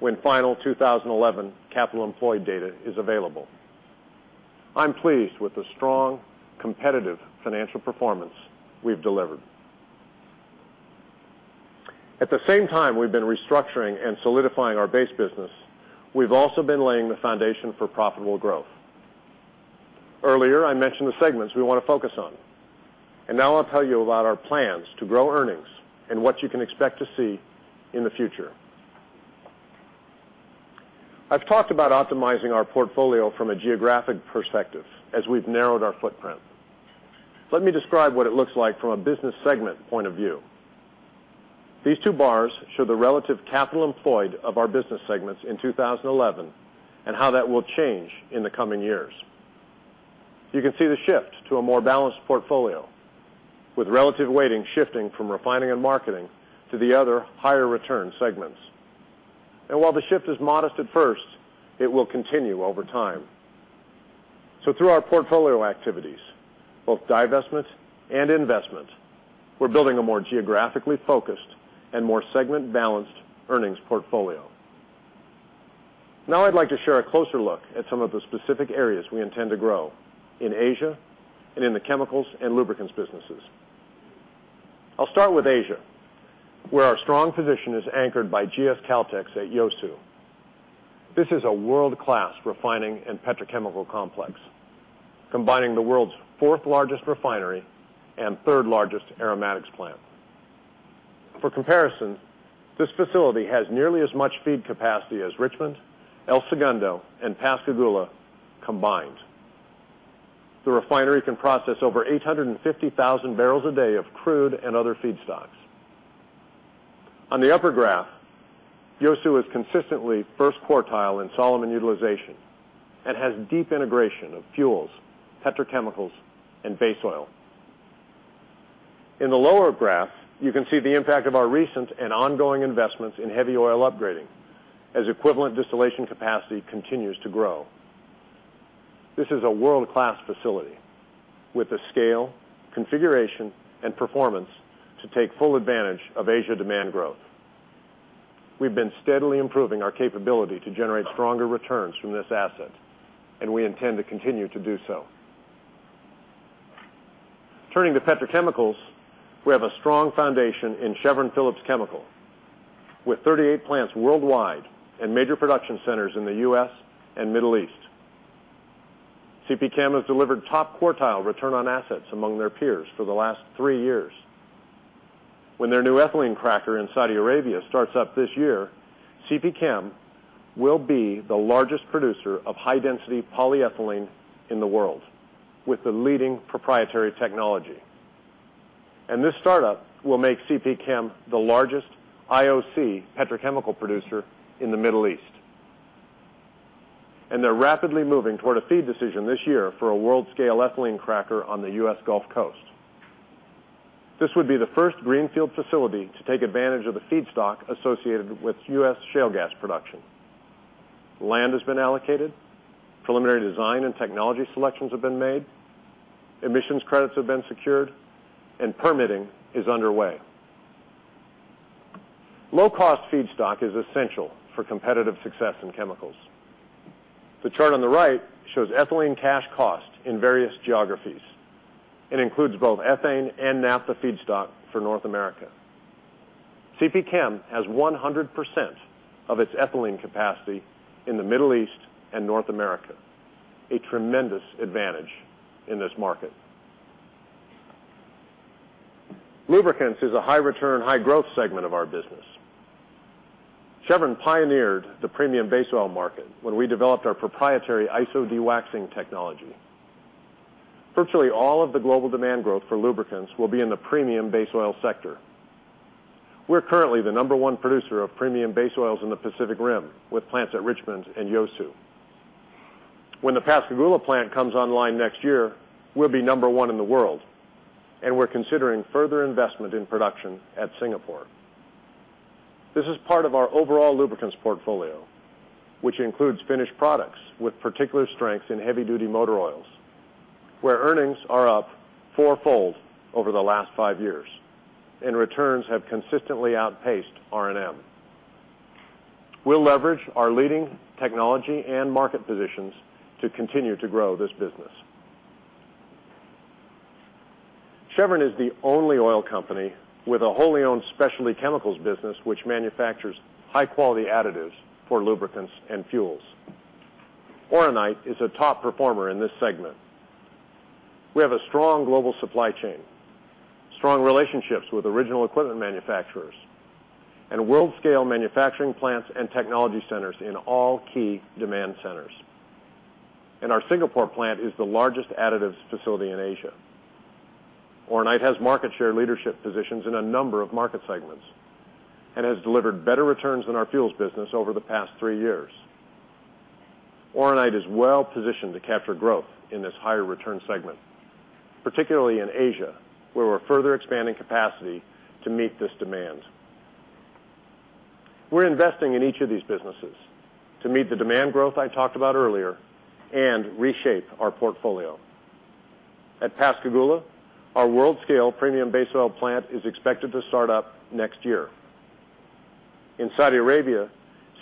when final 2011 capital employed data is available. I'm pleased with the strong, competitive financial performance we've delivered. At the same time, we've been restructuring and solidifying our base business. We've also been laying the foundation for profitable growth. Earlier, I mentioned the segments we want to focus on. Now I'll tell you about our plans to grow earnings and what you can expect to see in the future. I've talked about optimizing our portfolio from a geographic perspective as we've narrowed our footprint. Let me describe what it looks like from a business segment point of view. These two bars show the relative capital employed of our business segments in 2011 and how that will change in the coming years. You can see the shift to a more balanced portfolio, with relative weighting shifting from refining and marketing to the other higher-return segments. While the shift is modest at first, it will continue over time. Through our portfolio activities, both divestment and investment, we're building a more geographically focused and more segment-balanced earnings portfolio. Now, I'd like to share a closer look at some of the specific areas we intend to grow in Asia and in the chemicals and lubricants businesses. I'll start with Asia, where our strong position is anchored by GS Caltex at Yeosu. This is a world-class refining and petrochemical complex, combining the world's fourth-largest refinery and third-largest aromatics plant. For comparison, this facility has nearly as much feed capacity as Richmond, El Segundo, and Pascagoula combined. The refinery can process over 850,000 barrels a day of crude and other feedstocks. On the upper graph, Yeosu is consistently first quartile in Solomon utilization and has deep integration of fuels, petrochemicals, and base oil. In the lower graph, you can see the impact of our recent and ongoing investments in heavy oil upgrading as equivalent distillation capacity continues to grow. This is a world-class facility with the scale, configuration, and performance to take full advantage of Asia demand growth. We've been steadily improving our capability to generate stronger returns from this asset, and we intend to continue to do so. Turning to petrochemicals, we have a strong foundation in Chevron Phillips Chemical, with 38 plants worldwide and major production centers in the U.S. and Middle East. CP Chem has delivered top quartile return on assets among their peers for the last three years. When their new ethylene cracker in Saudi Arabia starts up this year, CP Chem will be the largest producer of high-density polyethylene in the world, with the leading proprietary technology. This startup will make CP Chem the largest IOC petrochemical producer in the Middle East. They're rapidly moving toward a feed decision this year for a world-scale ethylene cracker on the U.S. Gulf Coast. This would be the first greenfield facility to take advantage of the feedstock associated with U.S. shale gas production. Land has been allocated, preliminary design and technology selections have been made, emissions credits have been secured, and permitting is underway. Low-cost feedstock is essential for competitive success in chemicals. The chart on the right shows ethylene cash cost in various geographies and includes both ethane and NAPA feedstock for North America. CP Chem has 100% of its ethylene capacity in the Middle East and North America, a tremendous advantage in this market. Lubricants is a high-return, high-growth segment of our business. Chevron pioneered the premium base oil market when we developed our proprietary ISO dewaxing technology. Virtually all of the global demand growth for lubricants will be in the premium base oil sector. We're currently the number one producer of premium base oils in the Pacific Rim, with plants at Richmond and Yeosu. When the Pascagoula plant comes online next year, we'll be number one in the world, and we're considering further investment in production at Singapore. This is part of our overall lubricants portfolio, which includes finished products with particular strength in heavy-duty motor oils, where earnings are up four-fold over the last five years, and returns have consistently outpaced R&M. We'll leverage our leading technology and market positions to continue to grow this business. Chevron is the only oil company with a wholly owned specialty chemicals business which manufactures high-quality additives for lubricants and fuels. Oronite is a top performer in this segment. We have a strong global supply chain, strong relationships with original equipment manufacturers, and world-scale manufacturing plants and technology centers in all key demand centers. Our Singapore plant is the largest additives facility in Asia. Oronite has market share leadership positions in a number of market segments and has delivered better returns than our fuels business over the past three years. Oronite is well-positioned to capture growth in this higher-return segment, particularly in Asia, where we're further expanding capacity to meet this demand. We're investing in each of these businesses to meet the demand growth I talked about earlier and reshape our portfolio. At Pascagoula, our world-scale premium base oil plant is expected to start up next year. In Saudi Arabia,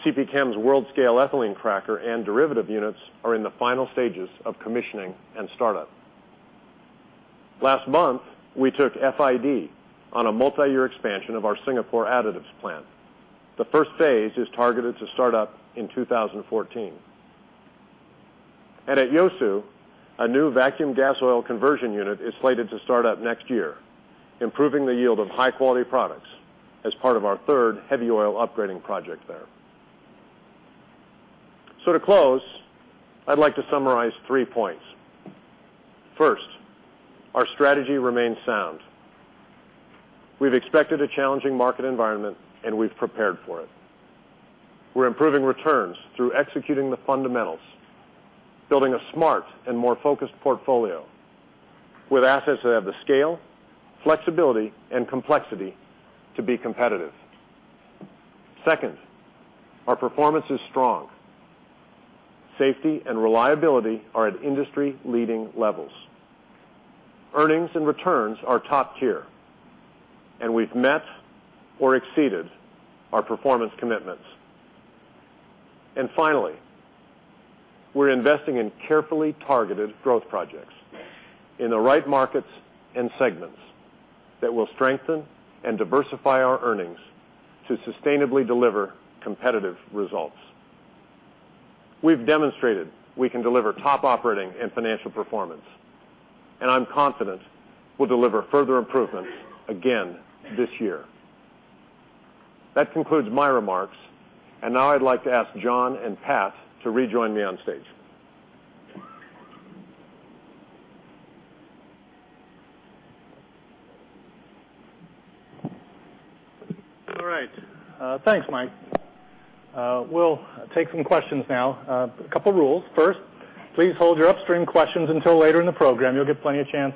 CP Chem's world-scale ethylene cracker and derivative units are in the final stages of commissioning and startup. Last month, we took FID on a multi-year expansion of our Singapore additives plant. The first phase is targeted to start up in 2014. At Yeosu, a new vacuum gas oil conversion unit is slated to start up next year, improving the yield of high-quality products as part of our third heavy oil upgrading project there. To close, I'd like to summarize three points. First, our strategy remains sound. We've expected a challenging market environment, and we've prepared for it. We're improving returns through executing the fundamentals, building a smart and more focused portfolio with assets that have the scale, flexibility, and complexity to be competitive. Second, our performance is strong. Safety and reliability are at industry-leading levels. Earnings and returns are top tier, and we've met or exceeded our performance commitments. Finally, we're investing in carefully targeted growth projects in the right markets and segments that will strengthen and diversify our earnings to sustainably deliver competitive results. We've demonstrated we can deliver top operating and financial performance, and I'm confident we'll deliver further improvements again this year. That concludes my remarks, and now I'd like to ask John and Pat to rejoin me on stage. All right. Thanks, Mike. We'll take some questions now. A couple of rules. First, please hold your upstream questions until later in the program. You'll get plenty of chance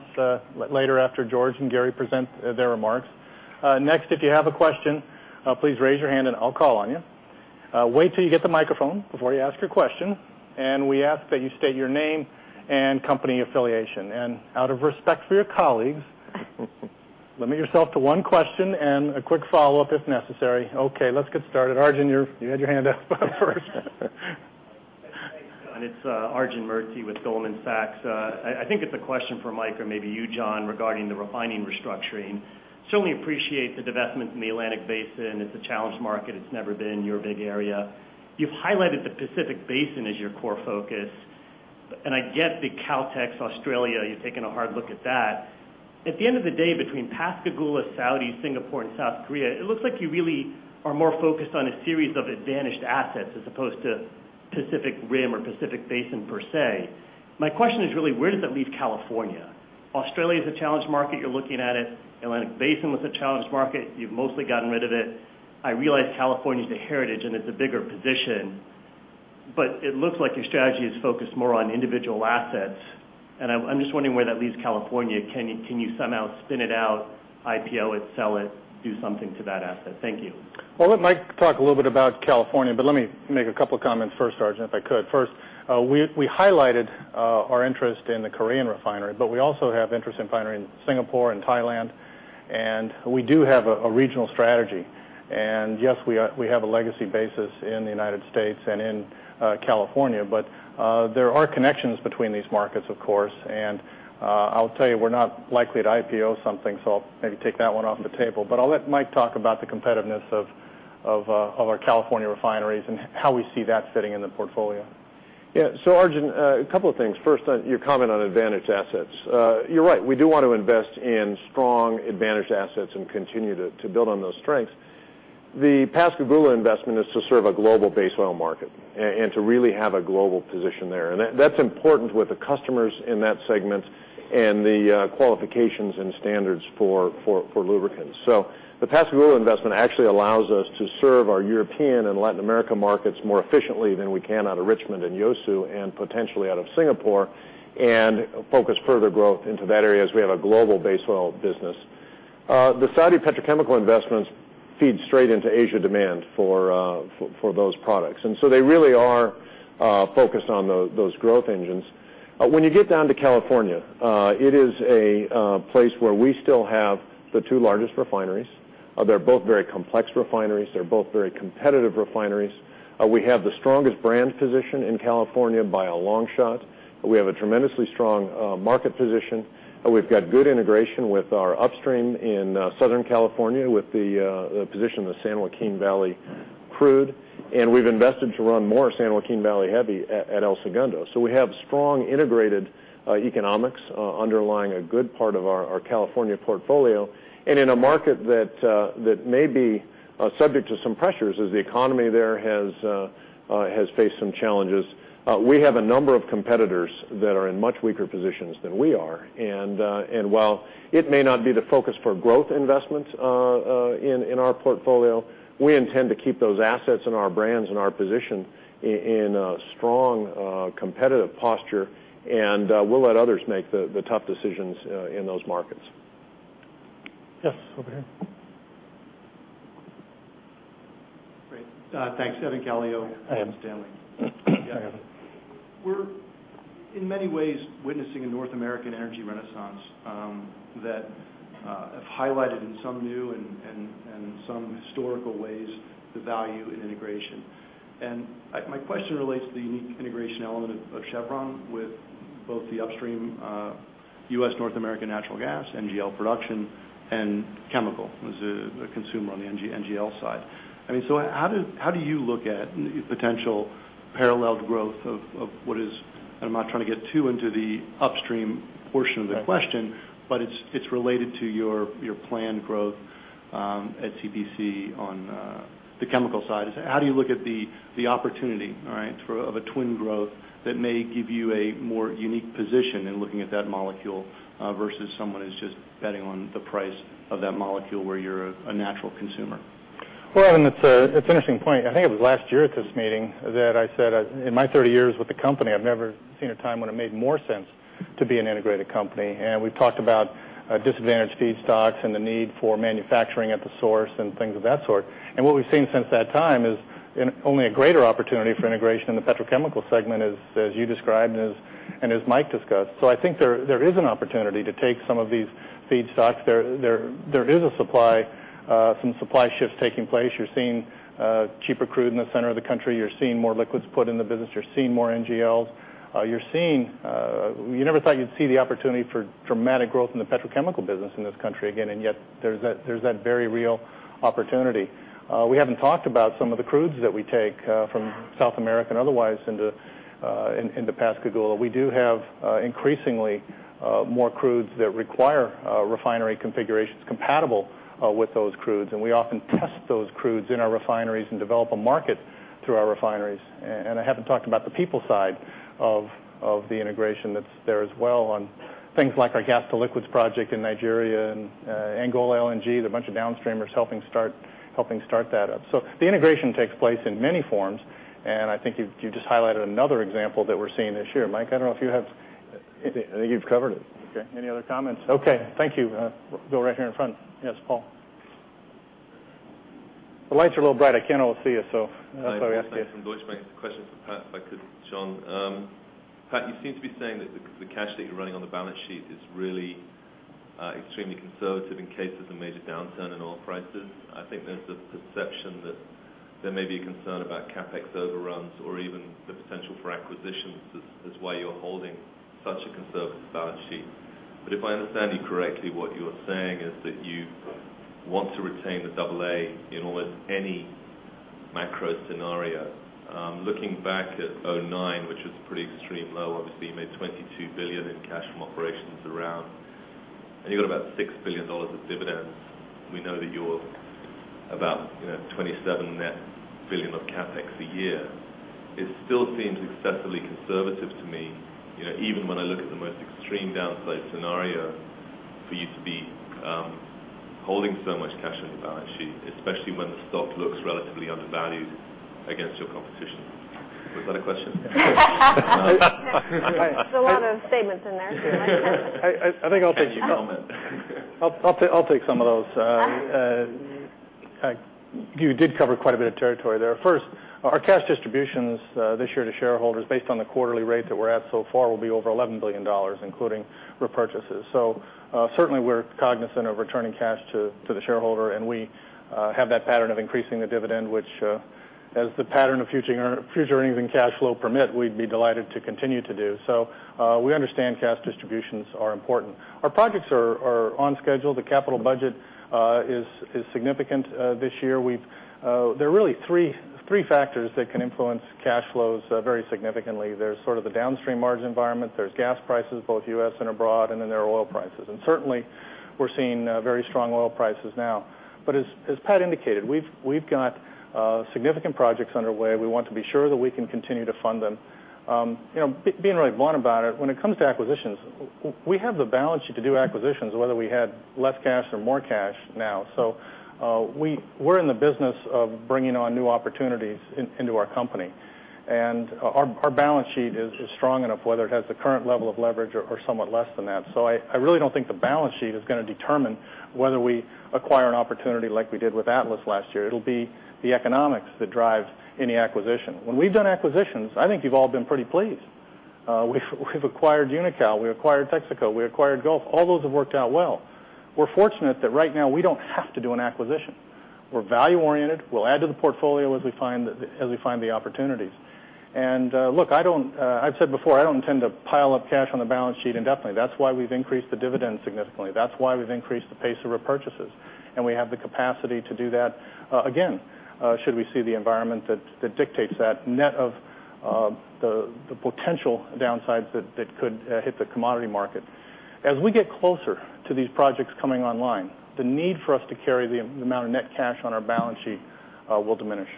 later after George and Gary present their remarks. Next, if you have a question, please raise your hand and I'll call on you. Wait till you get the microphone before you ask your question, and we ask that you state your name and company affiliation. Out of respect for your colleagues, limit yourself to one question and a quick follow-up if necessary. Okay, let's get started. Arjun, you had your hand up first. It's Arjun Murti with Goldman Sachs. I think it's a question for Mike or maybe you, John, regarding the refining restructuring. I certainly appreciate the divestment in the Atlantic Basin. It's a challenged market. It's never been your big area. You've highlighted the Pacific Basin as your core focus, and I get the Caltex, Australia. You've taken a hard look at that. At the end of the day, between Pascagoula, Saudi, Singapore, and South Korea, it looks like you really are more focused on a series of advantaged assets as opposed to Pacific Rim or Pacific Basin per se. My question is really, where does that leave California? Australia is a challenged market. You're looking at it. The Atlantic Basin was a challenged market. You've mostly gotten rid of it. I realize California is the heritage and it's a bigger position, but it looks like your strategy is focused more on individual assets, and I'm just wondering where that leaves California. Can you somehow spin it out, IPO it, sell it, do something to that asset? Thank you. Let Mike talk a little bit about California, but let me make a couple of comments first, Arjun, if I could. First, we highlighted our interest in the Korean refinery, but we also have interest in refinery in Singapore and Thailand, and we do have a regional strategy. Yes, we have a legacy basis in the United States and in California, but there are connections between these markets, of course. I'll tell you, we're not likely to IPO something, so I'll maybe take that one off the table, but I'll let Mike talk about the competitiveness of our California refineries and how we see that fitting in the portfolio. Yeah. Arjun, a couple of things. First, your comment on advantaged assets. You're right. We do want to invest in strong advantaged assets and continue to build on those strengths. The Pascagoula investment is to serve a global base oil market and to really have a global position there, and that's important with the customers in that segment and the qualifications and standards for lubricants. The Pascagoula investment actually allows us to serve our European and Latin America markets more efficiently than we can out of Richmond and Yeosu and potentially out of Singapore and focus further growth into that area as we have a global base oil business. The Saudi petrochemical investments feed straight into Asia demand for those products, and they really are focused on those growth engines. When you get down to California, it is a place where we still have the two largest refineries. They're both very complex refineries. They're both very competitive refineries. We have the strongest brand position in California by a long shot. We have a tremendously strong market position. We've got good integration with our upstream in Southern California with the position in the San Joaquin Valley crude, and we've invested to run more San Joaquin Valley heavy at El Segundo. We have strong integrated economics underlying a good part of our California portfolio. In a market that may be subject to some pressures as the economy there has faced some challenges, we have a number of competitors that are in much weaker positions than we are. While it may not be the focus for growth investment in our portfolio, we intend to keep those assets and our brands and our position in a strong competitive posture, and we'll let others make the tough decisions in those markets. Yes, over here. Great. Thanks. Evan Calio, Morgan Stanley. We're, in many ways, witnessing a North American energy renaissance that has highlighted in some new and some historical ways the value in integration. My question relates to the unique integration element of Chevron with both the upstream U.S. North American natural gas NGL production and chemical as a consumer on the NGL side. I mean, how do you look at potential parallel growth of what is, and I'm not trying to get too into the upstream portion of the question, but it's related to your planned growth at CPC on the chemical side. How do you look at the opportunity of a twin growth that may give you a more unique position in looking at that molecule versus someone who's just betting on the price of that molecule where you're a natural consumer? It's an interesting point. I think it was last year at this meeting that I said in my 30 years with the company, I've never seen a time when it made more sense to be an integrated company. We've talked about disadvantaged feedstocks and the need for manufacturing at the source and things of that sort. What we've seen since that time is only a greater opportunity for integration in the petrochemical segment, as you described and as Mike discussed. I think there is an opportunity to take some of these feedstocks. There is a supply, some supply shifts taking place. You're seeing cheaper crude in the center of the country. You're seeing more liquids put in the business. You're seeing more NGLs. You never thought you'd see the opportunity for dramatic growth in the petrochemical business in this country again, and yet there's that very real opportunity. We haven't talked about some of the crudes that we take from South America and otherwise into Pascagoula. We do have increasingly more crudes that require refinery configurations compatible with those crudes, and we often test those crudes in our refineries and develop a market through our refineries. I haven't talked about the people side of the integration that's there as well on things like our Gas-to-Liquids project in Nigeria and Angola LNG, the bunch of downstreamers helping start that up. The integration takes place in many forms, and I think you just highlighted another example that we're seeing this year. Mike, I don't know if you have... I think you've covered it. Okay, any other comments? Okay, thank you. Go right here in front. Yes, Paul. The lights are a little bright. I can't all see you, so that's why we asked you. Hi. Paul Sankey from Deutsche Bank. I'd like to ask some questions for Pat if I could, John. Pat, you seem to be saying that the cash that you're running on the balance sheet is really extremely conservative in case there's a major downturn in oil prices. I think there's a perception that there may be a concern about CapEx overruns or even the potential for acquisitions is why you're holding such a conservative balance sheet. If I understand you correctly, what you're saying is that you want to retain the AA in almost any macro scenario. Looking back at 2009, which was a pretty extreme low, obviously, you made $22 billion in cash from operations around, and you got about $6 billion of dividends. We know that you're about $27 billion net of CapEx a year. It still seems excessively conservative to me, even when I look at the most extreme downside scenario, for you to be holding so much cash on your balance sheet, especially when the stock looks relatively undervalued against your competition. Was that a question? There are a lot of statements in there. I'll take some of those. You did cover quite a bit of territory there. First, our cash distributions this year to shareholders, based on the quarterly rate that we're at so far, will be over $11 billion, including repurchases. Certainly, we're cognizant of returning cash to the shareholder, and we have that pattern of increasing the dividend, which, as the pattern of future earnings and cash flow permit, we'd be delighted to continue to do. We understand cash distributions are important. Our projects are on schedule. The capital budget is significant this year. There are really three factors that can influence cash flows very significantly. There's sort of the downstream margin environment. There's gas prices, both U.S. and abroad, and then there are oil prices. Certainly, we're seeing very strong oil prices now. As Pat indicated, we've got significant projects underway. We want to be sure that we can continue to fund them. Being really blunt about it, when it comes to acquisitions, we have the balance sheet to do acquisitions, whether we had less cash or more cash now. We're in the business of bringing on new opportunities into our company, and our balance sheet is strong enough, whether it has the current level of leverage or somewhat less than that. I really don't think the balance sheet is going to determine whether we acquire an opportunity like we did with Atlas last year. It'll be the economics that drive any acquisition. When we've done acquisitions, I think you've all been pretty pleased. We've acquired Unocal. We acquired Texaco. We acquired Gulf. All those have worked out well. We're fortunate that right now we don't have to do an acquisition. We're value-oriented. We'll add to the portfolio as we find the opportunities. I've said before, I don't intend to pile up cash on the balance sheet indefinitely. That's why we've increased the dividend significantly. That's why we've increased the pace of repurchases, and we have the capacity to do that again, should we see the environment that dictates that, net of the potential downsides that could hit the commodity market. As we get closer to these projects coming online, the need for us to carry the amount of net cash on our balance sheet will diminish.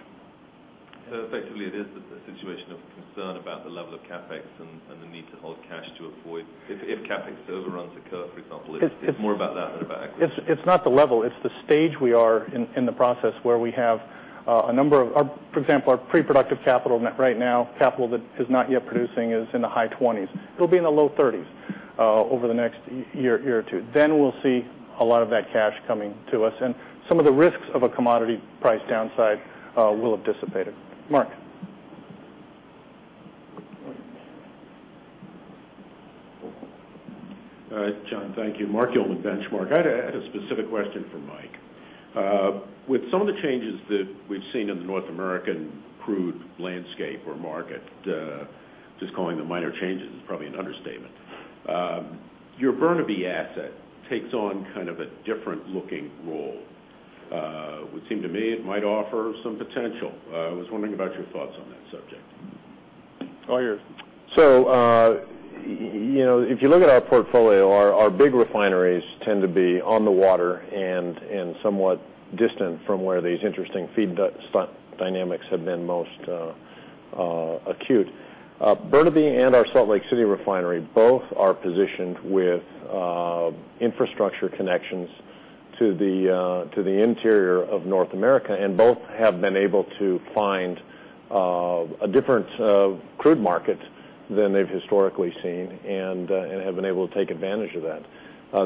Effectively, it is that the situation of concern about the level of CapEx and the need to hold cash to avoid, if CapEx overruns occur for example, it's more about that than about. It's not the level. It's the stage we are in the process where we have a number of, for example, our preproductive capital net right now, capital that is not yet producing, is in the high 20s. It'll be in the low 30s over the next year or two. We will see a lot of that cash coming to us, and some of the risks of a commodity price downside will have dissipated. Mark. John, thank you. Mark Gilman, Benchmark. I had a specific question for Mike. With some of the changes that we've seen in the North American crude landscape or market, just calling the minor changes is probably an understatement. Your Burnaby asset takes on kind of a different-looking role. It would seem to me it might offer some potential. I was wondering about your thoughts on that subject. All yours. If you look at our portfolio, our big refineries tend to be on the water and somewhat distant from where these interesting feed dynamics have been most acute. Burnaby and our Salt Lake City refinery both are positioned with infrastructure connections to the interior of North America, and both have been able to find a different crude market than they've historically seen and have been able to take advantage of that.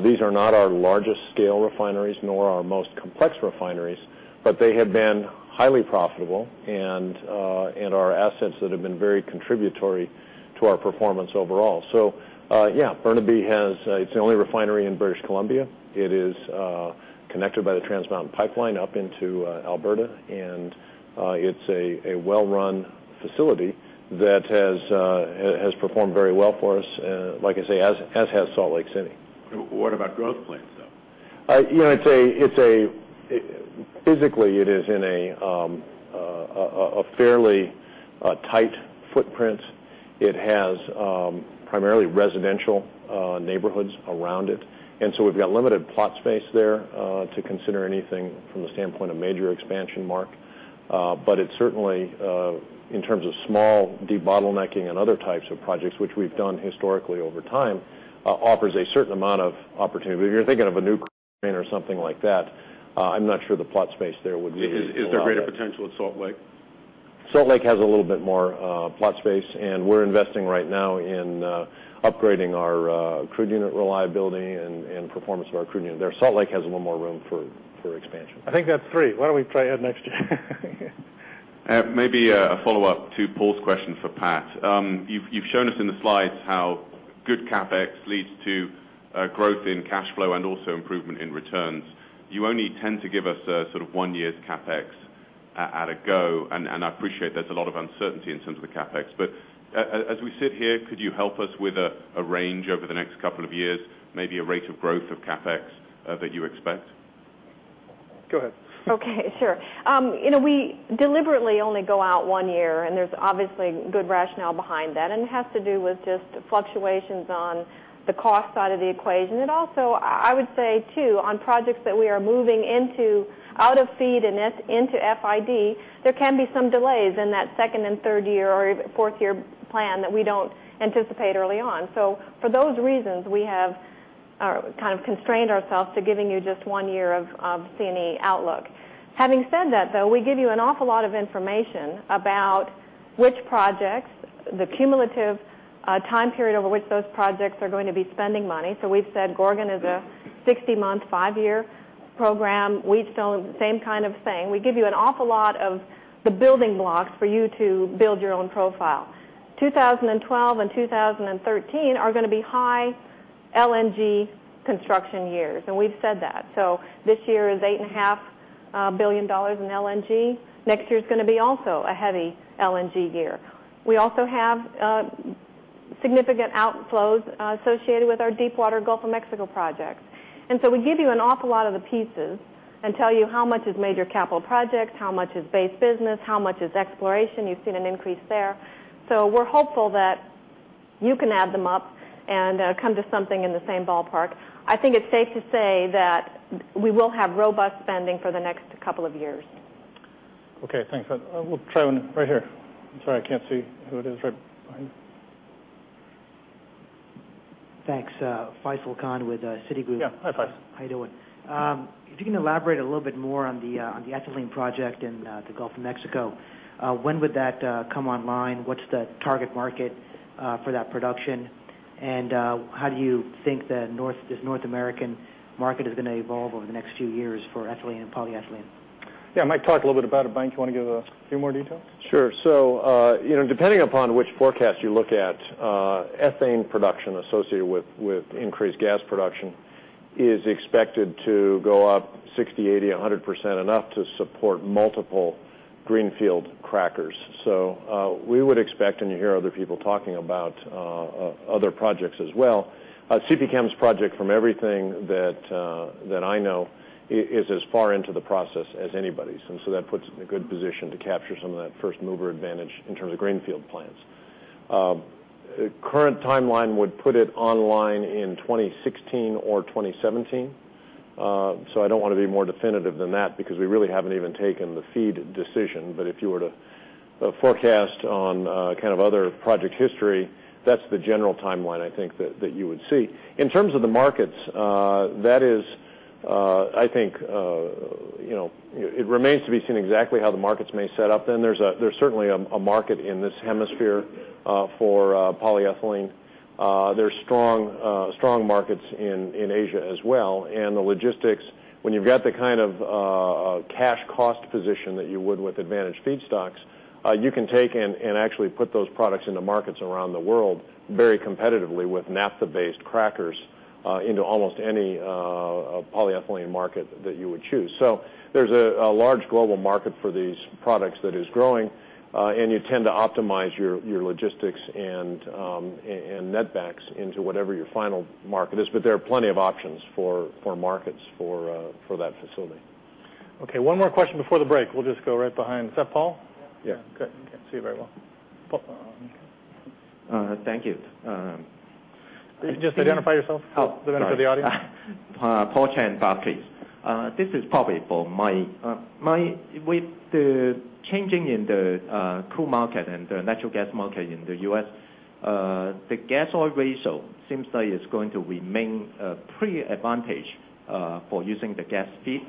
These are not our largest-scale refineries nor our most complex refineries, but they have been highly profitable and are assets that have been very contributory to our performance overall. Burnaby is the only refinery in British Columbia. It is connected by the Transmountain Pipeline up into Alberta, and it's a well-run facility that has performed very well for us, like I say, as has Salt Lake City. What about growth plans, though? You know, physically, it is in a fairly tight footprint. It has primarily residential neighborhoods around it, and we've got limited plot space there to consider anything from the standpoint of major expansion, Mark. It certainly, in terms of small de-bottlenecking and other types of projects, which we've done historically over time, offers a certain amount of opportunity. If you're thinking of a new plant or something like that, I'm not sure the plot space there would be. Is there greater potential at Salt Lake? Salt Lake has a little bit more plot space, and we're investing right now in upgrading our crude unit reliability and performance of our crude unit there. Salt Lake has a little more room for expansion. I think that's three. Why don't we try Ed next here? Maybe a follow-up to Paul's question for Pat. You've shown us in the slides how good CapEx leads to growth in cash flow and also improvement in returns. You only tend to give us sort of one year's CapEx at a go, and I appreciate there's a lot of uncertainty in terms of the CapEx. As we sit here, could you help us with a range over the next couple of years, maybe a rate of growth of CapEx that you expect? Go ahead. Okay, sure. You know, we deliberately only go out one year, and there's obviously good rationale behind that, and it has to do with just fluctuations on the cost side of the equation. I would say, too, on projects that we are moving into out of FEED and into FID, there can be some delays in that second and third year or fourth year plan that we don't anticipate early on. For those reasons, we have kind of constrained ourselves to giving you just one year of C&E outlook. Having said that, we give you an awful lot of information about which projects, the cumulative time period over which those projects are going to be spending money. We've said Gorgon is a 60-month, five-year program. Wheatstone, same kind of thing. We give you an awful lot of the building blocks for you to build your own profile. 2012 and 2013 are going to be high LNG construction years, and we've said that. This year is $8.5 billion in LNG. Next year is going to be also a heavy LNG year. We also have significant outflows associated with our deepwater Gulf of Mexico projects. We give you an awful lot of the pieces and tell you how much is major capital projects, how much is base business, how much is exploration. You've seen an increase there. We're hopeful that you can add them up and come to something in the same ballpark. I think it's safe to say that we will have robust spending for the next couple of years. Okay, thanks. We'll try one right here. I'm sorry, I can't see who it is right behind you. Thanks. Faisel Khan with Citigroup. Yeah, hi, Fais. How you doing? If you can elaborate a little bit more on the ethylene project in the Gulf of Mexico, when would that come online? What's the target market for that production? How do you think this North American market is going to evolve over the next few years for ethylene and polyethylene? Yeah, Mike, talk a little bit about it. Mike, you want to give a few more details? Sure. You know, depending upon which forecast you look at, ethane production associated with increased gas production is expected to go up 60%, 80%, 100%, enough to support multiple greenfield crackers. We would expect, and you hear other people talking about other projects as well, CP Chem's project, from everything that I know, is far into the process as anybody, so that puts us in a good position to capture some of that first mover advantage in terms of greenfield plants. Current timeline would put it online in 2016 or 2017. I don't want to be more definitive than that because we really haven't even taken the FEED decision. If you were to forecast on kind of other project history, that's the general timeline I think that you would see. In terms of the markets, it remains to be seen exactly how the markets may set up then. There's certainly a market in this hemisphere for polyethylene. There's strong markets in Asia as well. The logistics, when you've got the kind of cash cost position that you would with advantaged feedstocks, you can take and actually put those products into markets around the world very competitively with naphtha-based crackers into almost any polyethylene market that you would choose. There's a large global market for these products that is growing, and you tend to optimize your logistics and netbacks into whatever your final market is. There are plenty of options for markets for that facility. Okay, one more question before the break. We'll just go right behind. Is that Paul? Yeah. Okay, I see you very well. Paul, go ahead. Thank you. Just identify yourself for the benefit of the audience. Paul Cheng, Barclays. This is probably for Mike. With the change in the crude market and the natural gas market in the U.S., the gas-oil ratio seems like it's going to remain pretty advantageous for using the gas feed.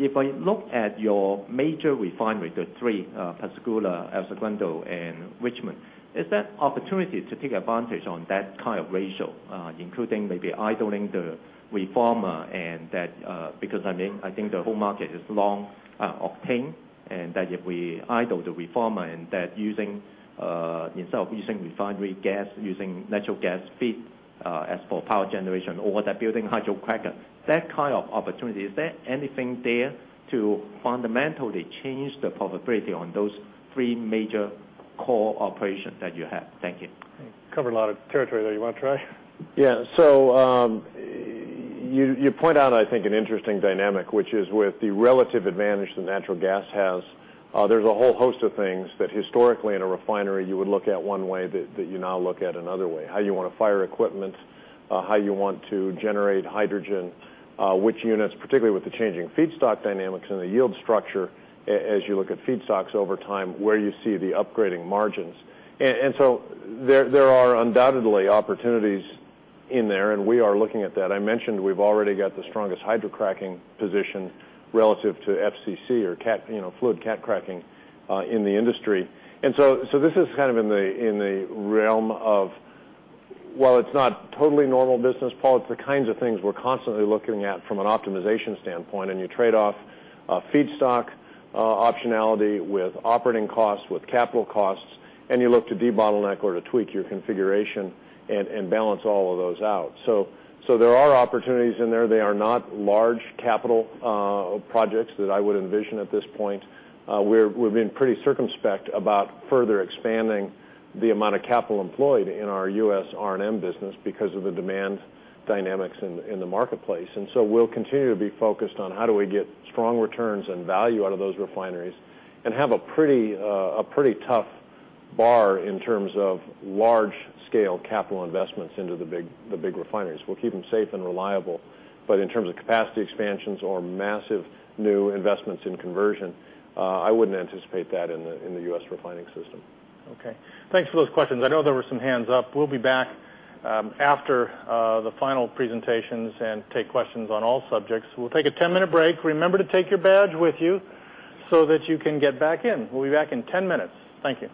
If I look at your major refineries, the three, Pascagoula, El Segundo, and Richmond, is that opportunity to take advantage of that kind of ratio, including maybe idling the reformer? I think the whole market is long-octane, and that if we idle the reformer and that using, instead of using refinery gas, using natural gas feed as for power generation or that building hydrocracker, that kind of opportunity, is there anything there to fundamentally change the probability on those three major core operations that you have? Thank you. Covered a lot of territory there. You want to try? Yeah, you point out, I think, an interesting dynamic, which is with the relative advantage that natural gas has, there's a whole host of things that historically in a refinery you would look at one way that you now look at another way. How you want to fire equipment, how you want to generate hydrogen, which units, particularly with the changing feedstock dynamics and the yield structure, as you look at feedstocks over time, where you see the upgrading margins. There are undoubtedly opportunities in there, and we are looking at that. I mentioned we've already got the strongest hydrocracking position relative to FCC or fluid cat-cracking in the industry. This is kind of in the realm of, it's not totally normal business, Paul, it's the kinds of things we're constantly looking at from an optimization standpoint. You trade off feedstock optionality with operating costs, with capital costs, and you look to debottleneck or to tweak your configuration and balance all of those out. There are opportunities in there. They are not large capital projects that I would envision at this point. We're being pretty circumspect about further expanding the amount of capital employed in our U.S. R&M business because of the demand dynamics in the marketplace. We'll continue to be focused on how do we get strong returns and value out of those refineries and have a pretty tough bar in terms of large-scale capital investments into the big refineries. We'll keep them safe and reliable. In terms of capacity expansions or massive new investments in conversion, I wouldn't anticipate that in the U.S. refining system. Okay, thanks for those questions. I know there were some hands up. We'll be back after the final presentations and take questions on all subjects. We'll take a 10-minute break. Remember to take your badge with you so that you can get back in. We'll be back in 10 minutes. Thank you.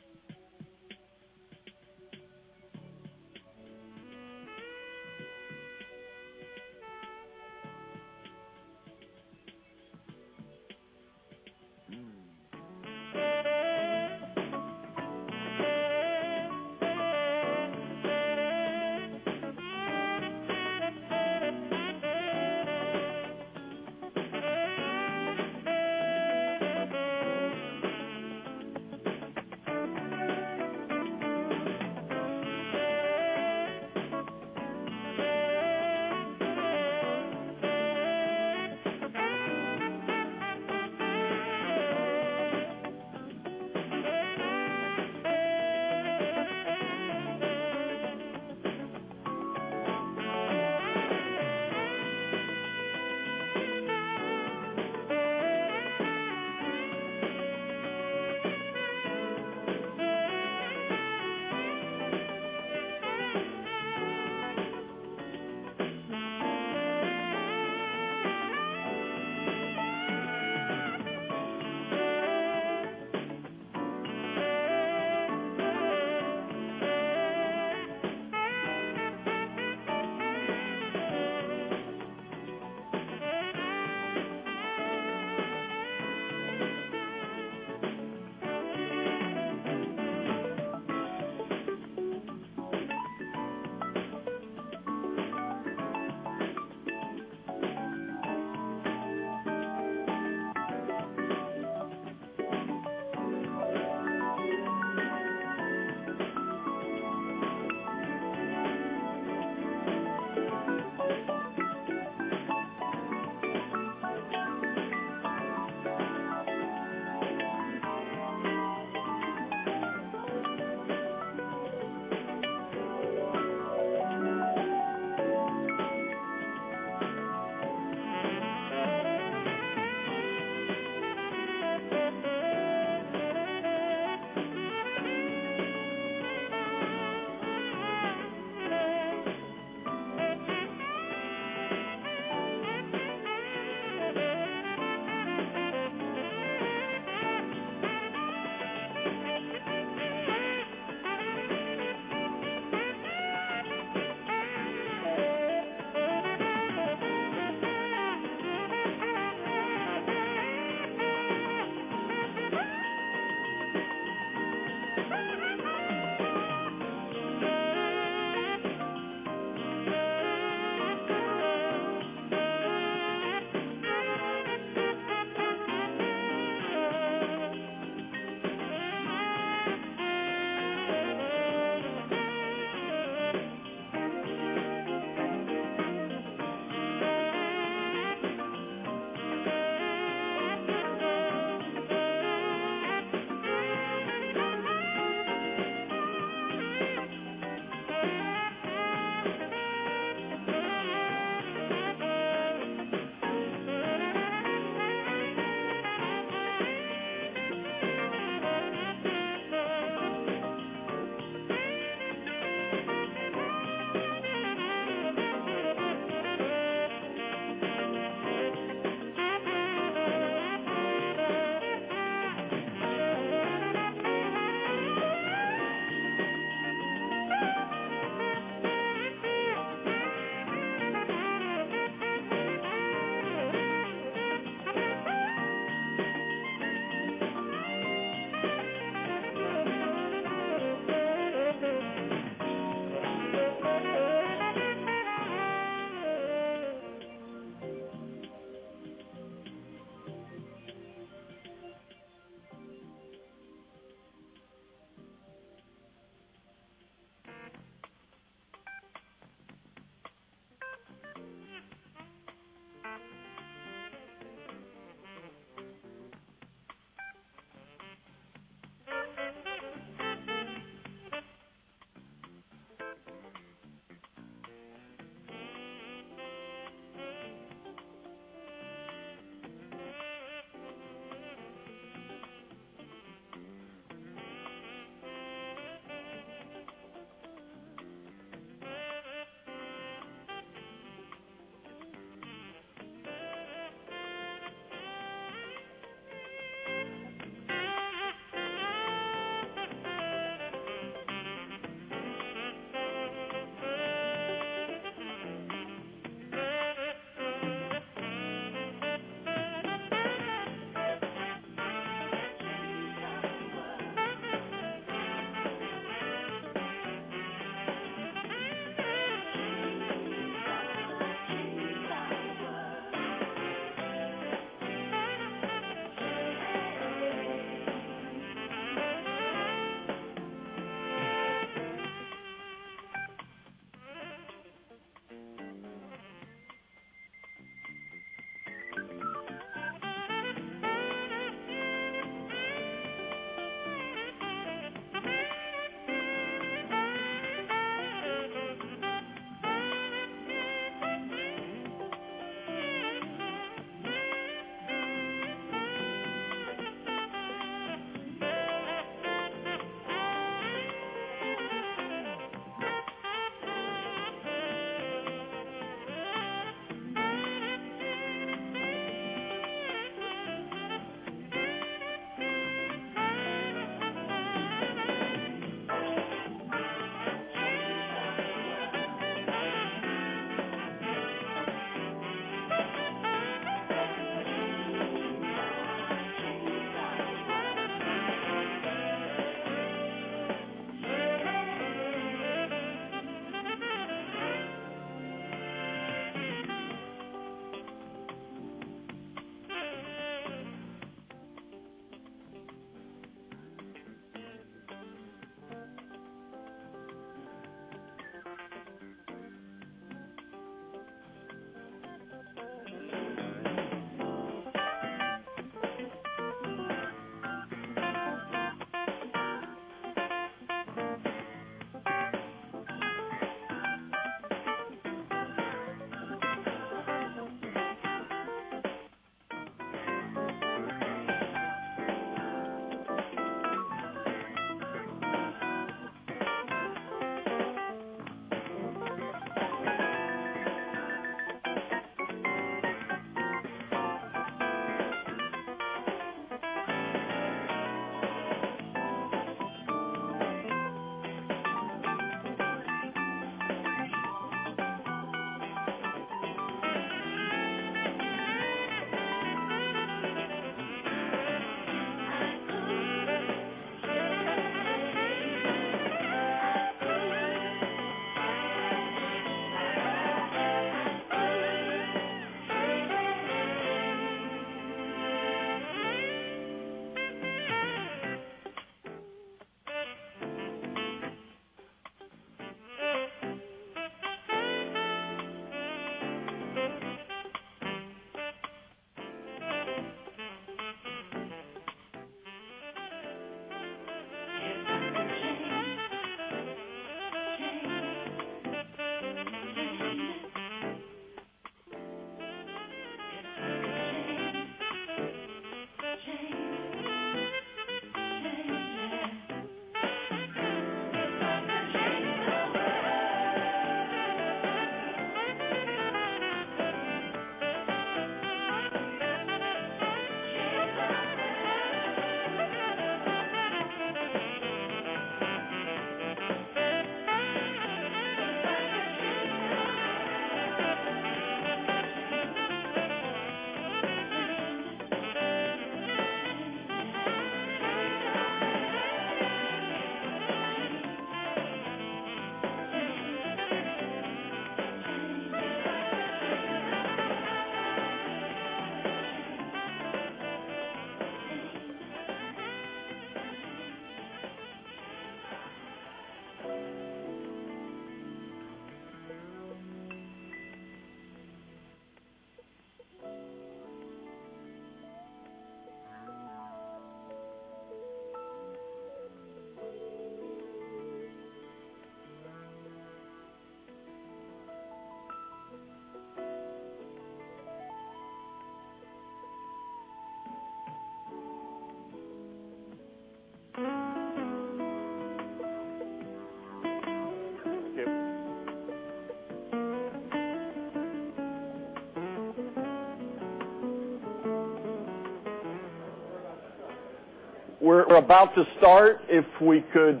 We're about to start. If we could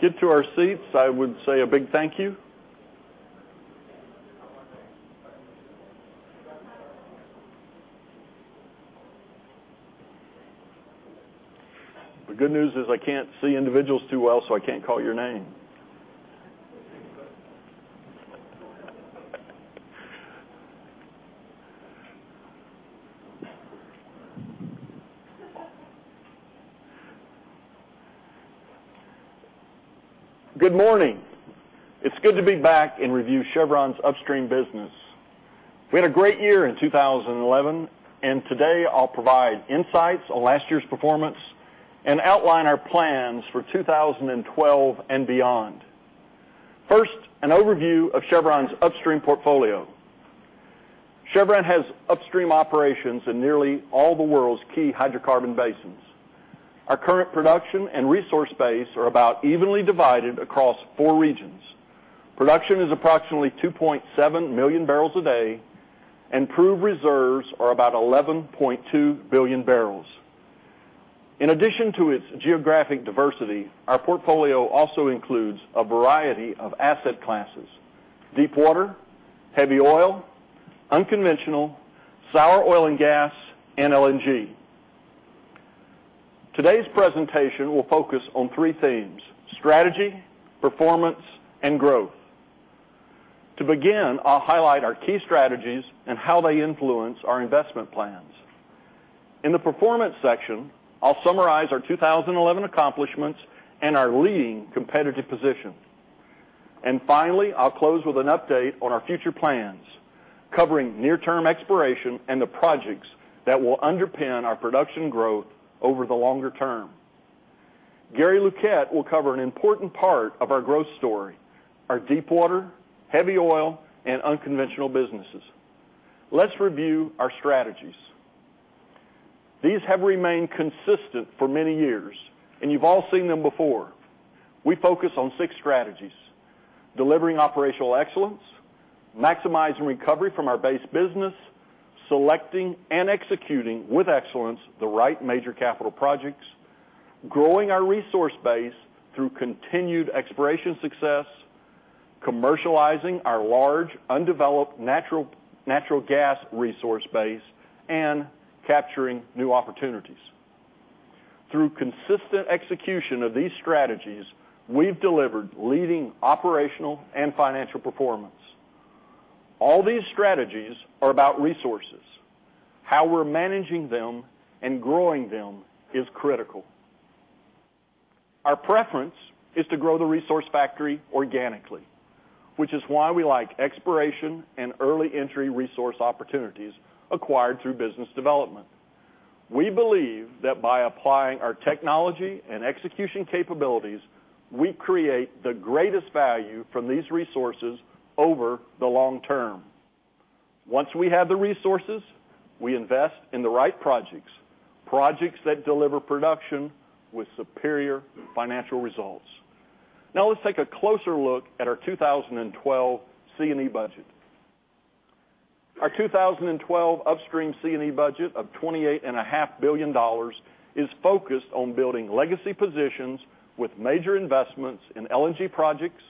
get to our seats, I would say a big thank you. The good news is I can't see individuals too well, so I can't call your name. Good morning. It's good to be back and review Chevron's upstream business. We had a great year in 2011, and today I'll provide insights on last year's performance and outline our plans for 2012 and beyond. First, an overview of Chevron's upstream portfolio. Chevron has upstream operations in nearly all the world's key hydrocarbon basins. Our current production and resource base are about evenly divided across four regions. Production is approximately 2.7 million barrels a day, and crude reserves are about 11.2 billion barrels. In addition to its geographic diversity, our portfolio also includes a variety of asset classes: deepwater, heavy oil, unconventional, sour oil and gas, and LNG. Today's presentation will focus on three themes: strategy, performance, and growth. To begin, I'll highlight our key strategies and how they influence our investment plans. In the performance section, I'll summarize our 2011 accomplishments and our leading competitive position. Finally, I'll close with an update on our future plans, covering near-term exploration and the projects that will underpin our production growth over the longer term. Gary Luquette will cover an important part of our growth story: our deepwater, heavy oil, and unconventional businesses. Let's review our strategies. These have remained consistent for many years, and you've all seen them before. We focus on six strategies: delivering operational excellence, maximizing recovery from our base business, selecting and executing with excellence the right major capital projects, growing our resource base through continued exploration success, commercializing our large undeveloped natural gas resource base, and capturing new opportunities. Through consistent execution of these strategies, we've delivered leading operational and financial performance. All these strategies are about resources. How we're managing them and growing them is critical. Our preference is to grow the resource factory organically, which is why we like exploration and early entry resource opportunities acquired through business development. We believe that by applying our technology and execution capabilities, we create the greatest value from these resources over the long term. Once we have the resources, we invest in the right projects, projects that deliver production with superior financial results. Now let's take a closer look at our 2012 C&E budget. Our 2012 upstream C&E budget of $28.5 billion is focused on building legacy positions with major investments in LNG projects,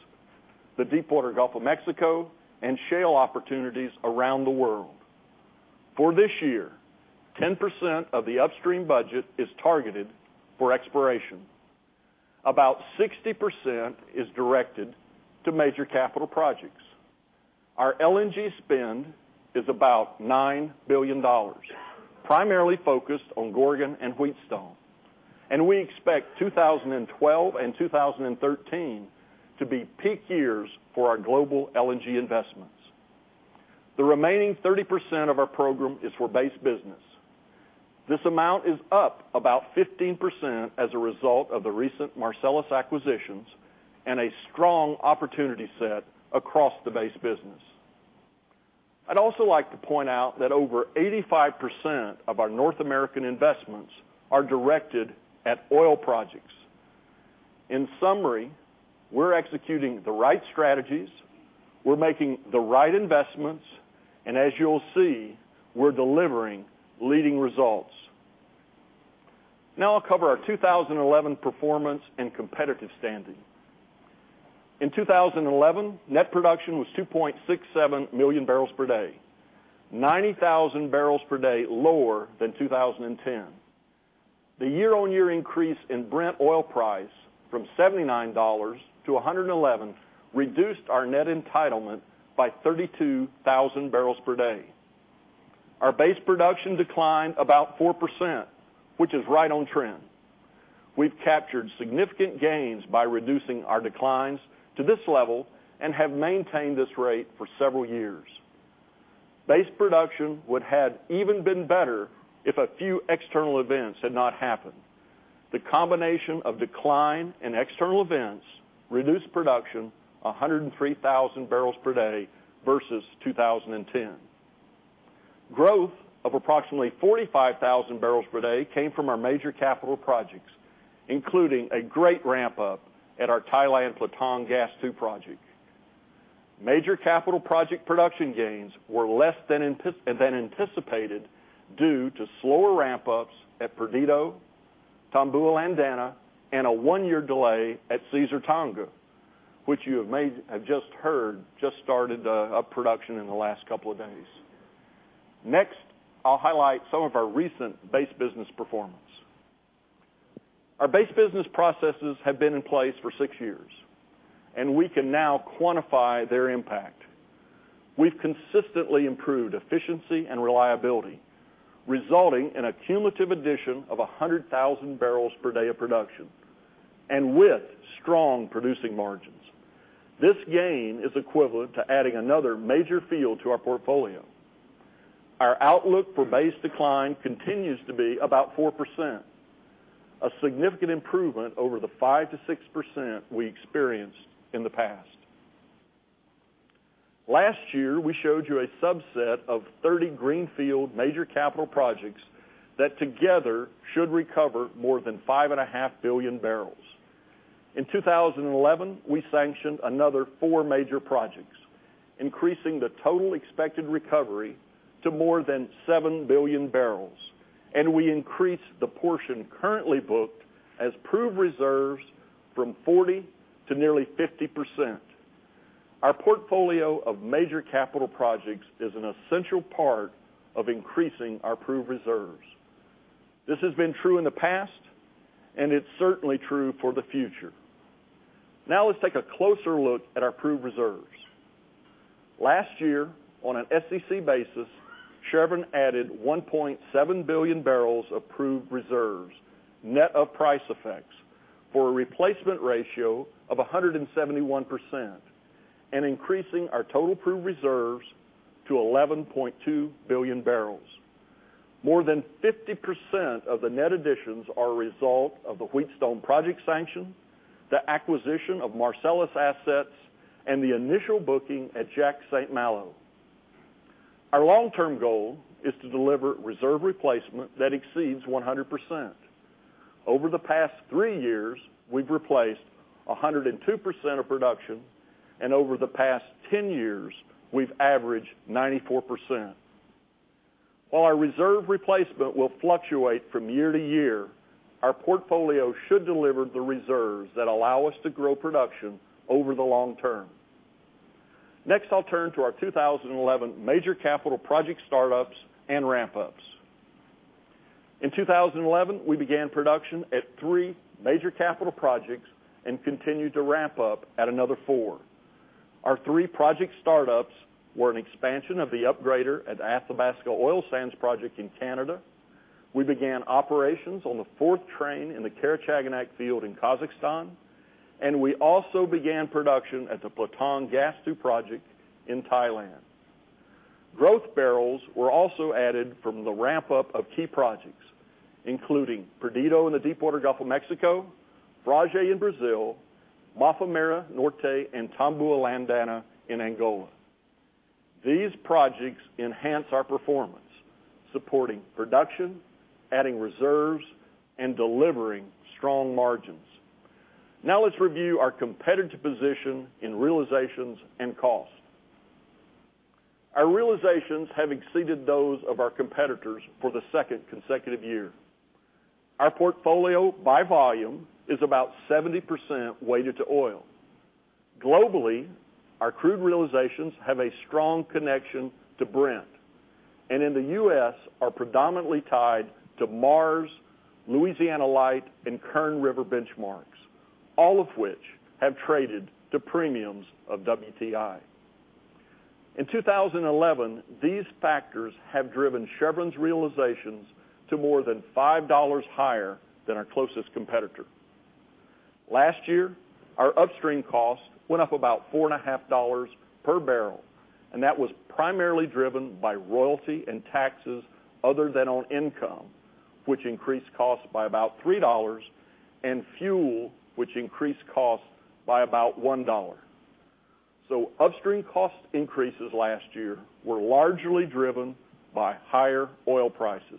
the deepwater Gulf of Mexico, and shale opportunities around the world. For this year, 10% of the upstream budget is targeted for exploration. About 60% is directed to major capital projects. Our LNG spend is about $9 billion, primarily focused on Gorgon and Wheatstone, and we expect 2012 and 2013 to be peak years for our global LNG investments. The remaining 30% of our program is for base business. This amount is up about 15% as a result of the recent Marcellus acquisitions and a strong opportunity set across the base business. I'd also like to point out that over 85% of our North American investments are directed at oil projects. In summary, we're executing the right strategies, we're making the right investments, and as you'll see, we're delivering leading results. Now I'll cover our 2011 performance and competitive standing. In 2011, net production was 2.67 million barrels per day, 90,000 barrels per day lower than 2010. The year-on-year increase in Brent oil price from $79 to $111 reduced our net entitlement by 32,000 barrels per day. Our base production declined about 4%, which is right on trend. We've captured significant gains by reducing our declines to this level and have maintained this rate for several years. Base production would have even been better if a few external events had not happened. The combination of decline and external events reduced production to 103,000 barrels per day versus 2010. Growth of approximately 45,000 barrels per day came from our major capital projects, including a great ramp-up at our Thailand Platong Gas II project. Major capital project production gains were less than anticipated due to slower ramp-ups at Perdido, Tombua-Landana, and a one-year delay at Caesar-Tonga, which you have just heard just started production in the last couple of days. Next, I'll highlight some of our recent base business performance. Our base business processes have been in place for six years, and we can now quantify their impact. We've consistently improved efficiency and reliability, resulting in a cumulative addition of 100,000 barrels per day of production and with strong producing margins. This gain is equivalent to adding another major field to our portfolio. Our outlook for base decline continues to be about 4%, a significant improvement over the 5%-6% we experienced in the past. Last year, we showed you a subset of 30 greenfield major capital projects that together should recover more than 5.5 billion barrels. In 2011, we sanctioned another four major projects, increasing the total expected recovery to more than 7 billion barrels, and we increased the portion currently booked as crude reserves from 40% to nearly 50%. Our portfolio of major capital projects is an essential part of increasing our crude reserves. This has been true in the past, and it's certainly true for the future. Now let's take a closer look at our crude reserves. Last year, on an SEC basis, Chevron added 1.7 billion barrels of crude reserves, net of price effects, for a replacement ratio of 171% and increasing our total crude reserves to 11.2 billion barrels. More than 50% of the net additions are a result of the Wheatstone project sanction, the acquisition of Marcellus assets, and the initial booking at Jack St. Malo. Our long-term goal is to deliver reserve replacement that exceeds 100%. Over the past three years, we've replaced 102% of production, and over the past 10 years, we've averaged 94%. While our reserve replacement will fluctuate from year to year, our portfolio should deliver the reserves that allow us to grow production over the long term. Next, I'll turn to our 2011 major capital project startups and ramp-ups. In 2011, we began production at three major capital projects and continued to ramp up at another four. Our three project startups were an expansion of the upgrader at Athabasca Oil Sands project in Canada. We began operations on the fourth train in the Karachaganak Field in Kazakhstan, and we also began production at the Platong Gas II project in Thailand. Growth barrels were also added from the ramp-up of key projects, including Perdido in the deepwater Gulf of Mexico, Frade in Brazil, Mafumeira Norte, and Tombua Landana in Angola. These projects enhance our performance, supporting production, adding reserves, and delivering strong margins. Now let's review our competitive position in realizations and cost. Our realizations have exceeded those of our competitors for the second consecutive year. Our portfolio by volume is about 70% weighted to oil. Globally, our crude realizations have a strong connection to Brent, and in the U.S., are predominantly tied to Mars, Louisiana Light, and Kern River benchmarks, all of which have traded to premiums of WTI. In 2011, these factors have driven Chevron's realizations to more than $5 higher than our closest competitor. Last year, our upstream cost went up about $4.50 per barrel, and that was primarily driven by royalty and taxes other than on income, which increased costs by about $3, and fuel, which increased costs by about $1. Upstream cost increases last year were largely driven by higher oil prices.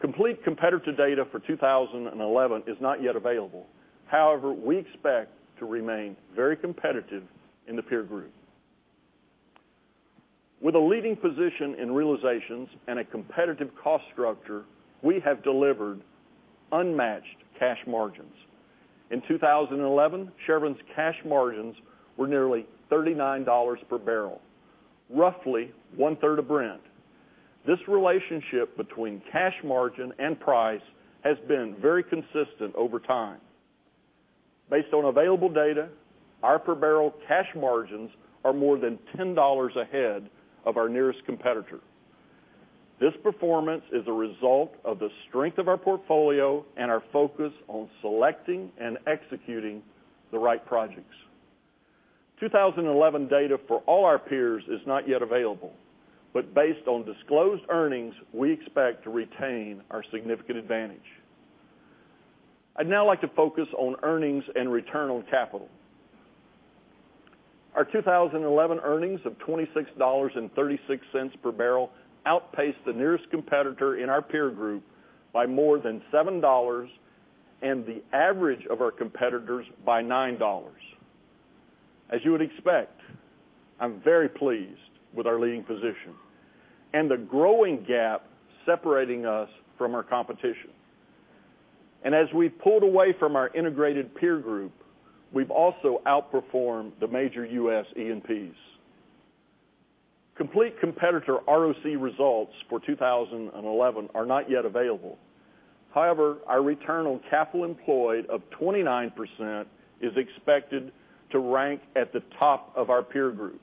Complete competitive data for 2011 is not yet available. However, we expect to remain very competitive in the peer group. With a leading position in realizations and a competitive cost structure, we have delivered unmatched cash margins. In 2011, Chevron's cash margins were nearly $39 per barrel, roughly one-third of Brent. This relationship between cash margin and price has been very consistent over time. Based on available data, our per barrel cash margins are more than $10 ahead of our nearest competitor. This performance is a result of the strength of our portfolio and our focus on selecting and executing the right projects. 2011 data for all our peers is not yet available, but based on disclosed earnings, we expect to retain our significant advantage. I'd now like to focus on earnings and return on capital. Our 2011 earnings of $26.36 per barrel outpaced the nearest competitor in our peer group by more than $7 and the average of our competitors by $9. As you would expect, I'm very pleased with our leading position and the growing gap separating us from our competition. As we've pulled away from our integrated peer group, we've also outperformed the major U.S. E&Ps. Complete competitor ROC results for 2011 are not yet available. However, our return on capital employed of 29% is expected to rank at the top of our peer group.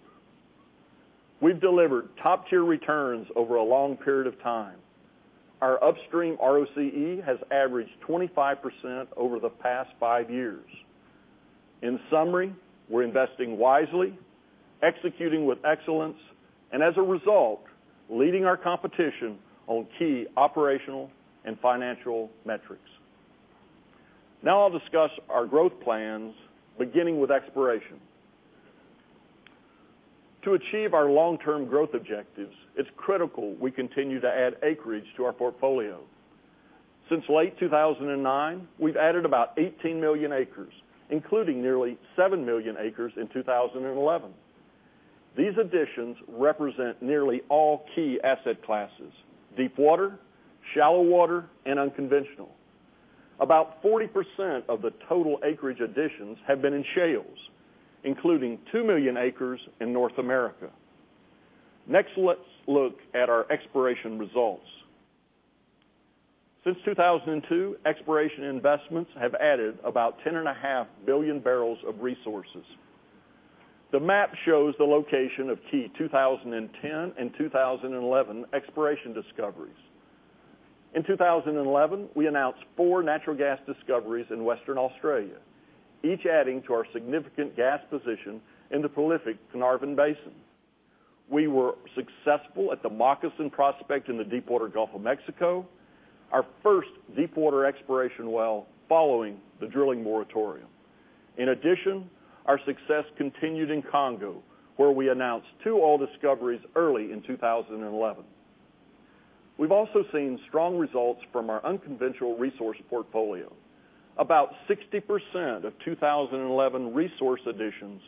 We've delivered top-tier returns over a long period of time. Our upstream ROCE has averaged 25% over the past five years. In summary, we're investing wisely, executing with excellence, and as a result, leading our competition on key operational and financial metrics. Now I'll discuss our growth plans, beginning with exploration. To achieve our long-term growth objectives, it's critical we continue to add acreage to our portfolio. Since late 2009, we've added about 18 million acres, including nearly 7 million acres in 2011. These additions represent nearly all key asset classes: deepwater, shallow water, and unconventional. About 40% of the total acreage additions have been in shales, including 2 million acres in North America. Next, let's look at our exploration results. Since 2002, exploration investments have added about 10.5 billion barrels of resources. The map shows the location of key 2010 and 2011 exploration discoveries. In 2011, we announced four natural gas discoveries in Western Australia, each adding to our significant gas position in the prolific Carnarvon Basin. We were successful at the Moccasin prospect in the deepwater Gulf of Mexico, our first deepwater exploration well following the drilling moratorium. In addition, our success continued in Congo, where we announced two oil discoveries early in 2011. We've also seen strong results from our unconventional resource portfolio. About 60% of 2011 resource additions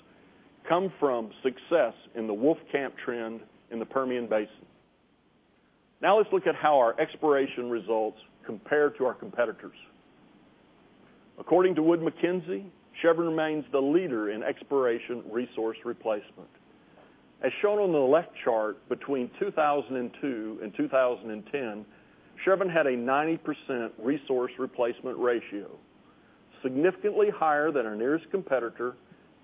come from success in the Wolfcamp trend in the Permian Basin. Now let's look at how our exploration results compare to our competitors. According to Wood Mackenzie, Chevron remains the leader in exploration resource replacement. As shown on the left chart, between 2002 and 2010, Chevron had a 90% resource replacement ratio, significantly higher than our nearest competitor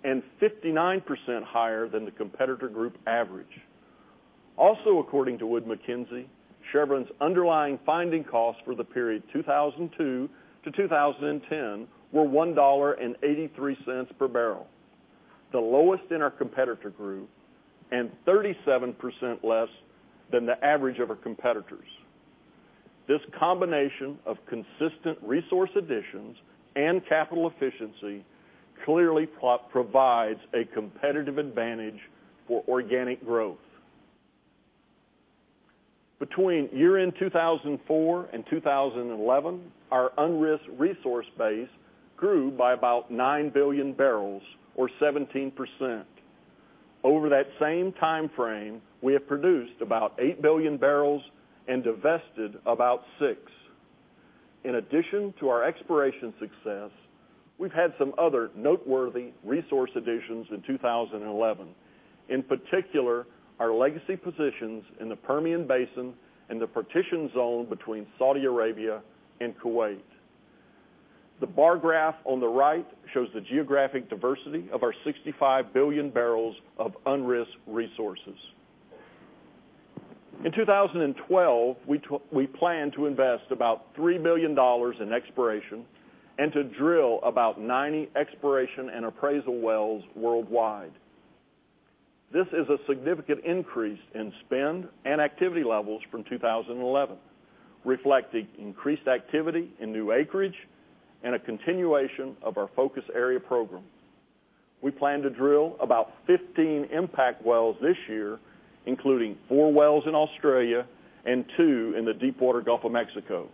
and 59% higher than the competitor group average. Also, according to Wood Mackenzie, Chevron's underlying finding costs for the period 2002 to 2010 were $1.83 per barrel, the lowest in our competitor group and 37% less than the average of our competitors. This combination of consistent resource additions and capital efficiency clearly provides a competitive advantage for organic growth. Between year-end 2004 and 2011, our unrisked resource base grew by about 9 billion barrels, or 17%. Over that same timeframe, we have produced about 8 billion barrels and divested about 6. In addition to our exploration success, we've had some other noteworthy resource additions in 2011, in particular our legacy positions in the Permian Basin and the partition zone between Saudi Arabia and Kuwait. The bar graph on the right shows the geographic diversity of our 65 billion barrels of unrisked resources. In 2012, we planned to invest about $3 billion in exploration and to drill about 90 exploration and appraisal wells worldwide. This is a significant increase in spend and activity levels from 2011, reflecting increased activity in new acreage and a continuation of our focus area program. We plan to drill about 15 impact wells this year, including four wells in Australia and two in the deep water Gulf of Mexico.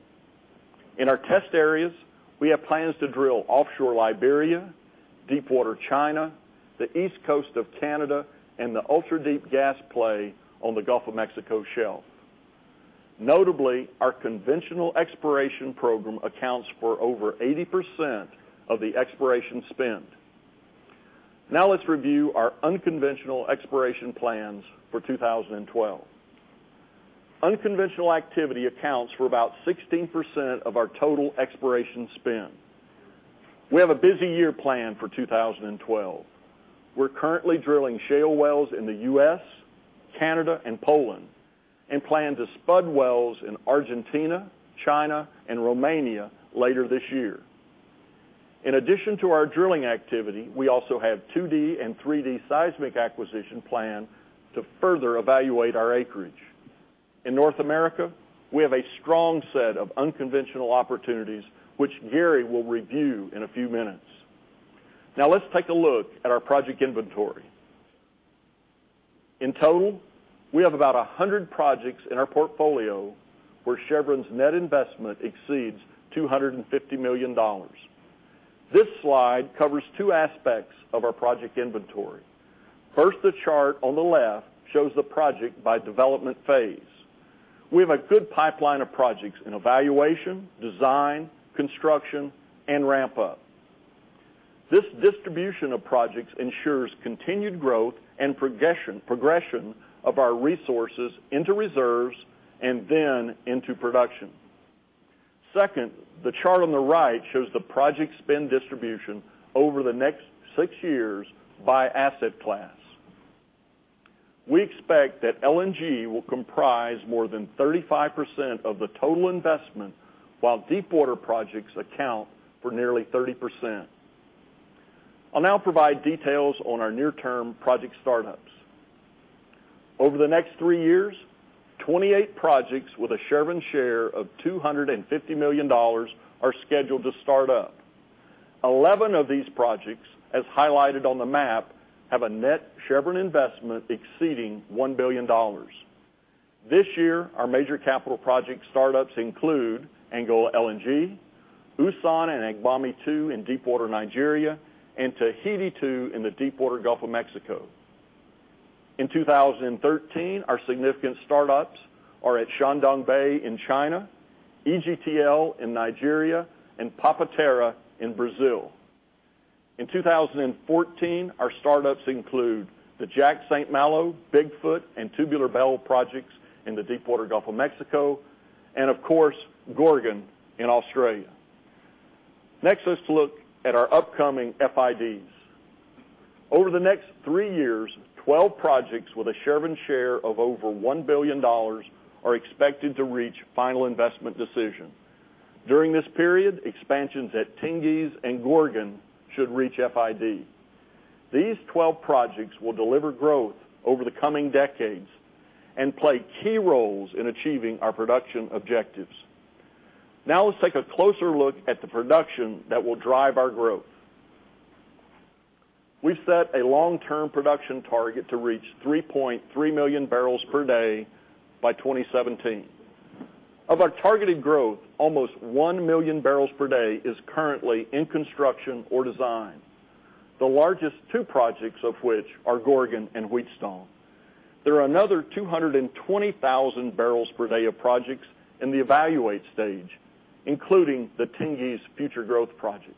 In our test areas, we have plans to drill offshore Liberia, deep water China, the east coast of Canada, and the ultra-deep gas play on the Gulf of Mexico shelf. Notably, our conventional exploration program accounts for over 80% of the exploration spend. Now let's review our unconventional exploration plans for 2012. Unconventional activity accounts for about 16% of our total exploration spend. We have a busy year planned for 2012. We're currently drilling shale wells in the U.S., Canada, and Poland, and plan to spud wells in Argentina, China, and Romania later this year. In addition to our drilling activity, we also have 2D and 3D seismic acquisition planned to further evaluate our acreage. In North America, we have a strong set of unconventional opportunities, which Gary will review in a few minutes. Now let's take a look at our project inventory. In total, we have about 100 projects in our portfolio where Chevron's net investment exceeds $250 million. This slide covers two aspects of our project inventory. First, the chart on the left shows the projects by development phase. We have a good pipeline of projects in evaluation, design, construction, and ramp-up. This distribution of projects ensures continued growth and progression of our resources into reserves and then into production. Second, the chart on the right shows the project spend distribution over the next six years by asset class. We expect that LNG will comprise more than 35% of the total investment, while deep water projects account for nearly 30%. I'll now provide details on our near-term project startups. Over the next three years, 28 projects with a Chevron share of $250 million are scheduled to start up. 11 of these projects, as highlighted on the map, have a net Chevron investment exceeding $1 billion. This year, our major capital project startups include Angola LNG, Usan and Agbami II in deep water Nigeria, and Tahiti II in the deep water Gulf of Mexico. In 2013, our significant startups are at Shandong Bay in China, EGTL in Nigeria, and Papa-Terra in Brazil. In 2014, our startups include the Jack St. Malo, Bigfoot, and Tubular Bells projects in the deep water Gulf of Mexico, and of course, Gorgon in Australia. Next, let's look at our upcoming FIDs. Over the next three years, 12 projects with a Chevron share of over $1 billion are expected to reach final investment decision. During this period, expansions at Tengiz and Gorgon should reach FID. These 12 projects will deliver growth over the coming decades and play key roles in achieving our production objectives. Now let's take a closer look at the production that will drive our growth. We set a long-term production target to reach 3.3 million barrels per day by 2017. Of our targeted growth, almost 1 million barrels per day is currently in construction or design, the largest two projects of which are Gorgon and Wheatstone. There are another 220,000 barrels per day of projects in the evaluate stage, including the Tengiz future growth project.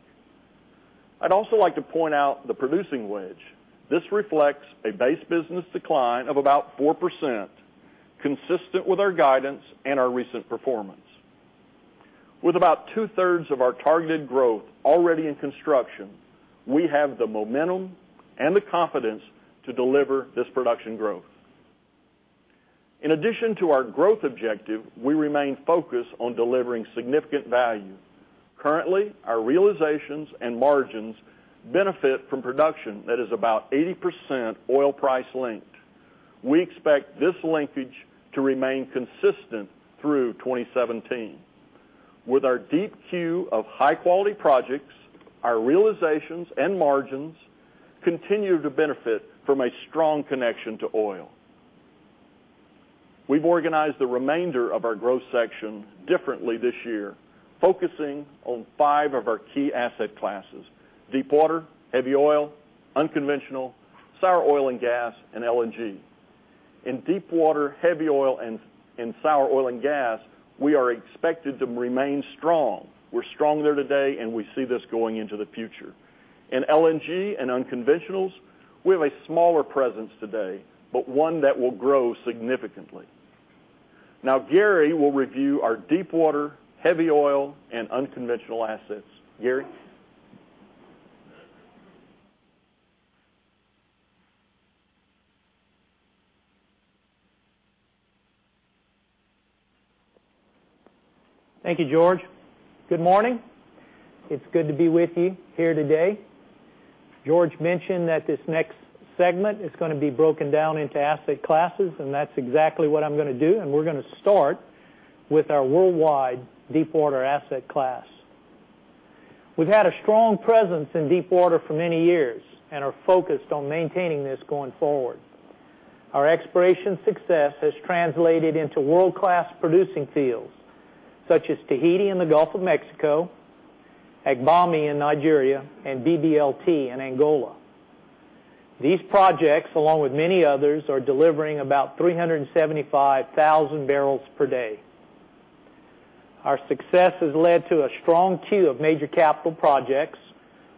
I'd also like to point out the producing wedge. This reflects a base business decline of about 4%, consistent with our guidance and our recent performance. With about two-thirds of our targeted growth already in construction, we have the momentum and the confidence to deliver this production growth. In addition to our growth objective, we remain focused on delivering significant value. Currently, our realizations and margins benefit from production that is about 80% oil price linked. We expect this linkage to remain consistent through 2017. With our deep queue of high-quality projects, our realizations and margins continue to benefit from a strong connection to oil. We've organized the remainder of our growth section differently this year, focusing on five of our key asset classes: deepwater, heavy oil, unconventional, sour oil and gas, and LNG. In deepwater, heavy oil, and sour oil and gas, we are expected to remain strong. We're strong there today, and we see this going into the future. In LNG and unconventionals, we have a smaller presence today, but one that will grow significantly. Now Gary will review our deepwater, heavy oil, and unconventional assets. Gary. Thank you, George. Good morning. It's good to be with you here today. George mentioned that this next segment is going to be broken down into asset classes, and that's exactly what I'm going to do. We're going to start with our worldwide deepwater asset class. We've had a strong presence in deepwater for many years and are focused on maintaining this going forward. Our exploration success has translated into world-class producing fields such as Tahiti in the Gulf of Mexico, Agbami in Nigeria, and BBLT in Angola. These projects, along with many others, are delivering about 375,000 barrels per day. Our success has led to a strong queue of major capital projects,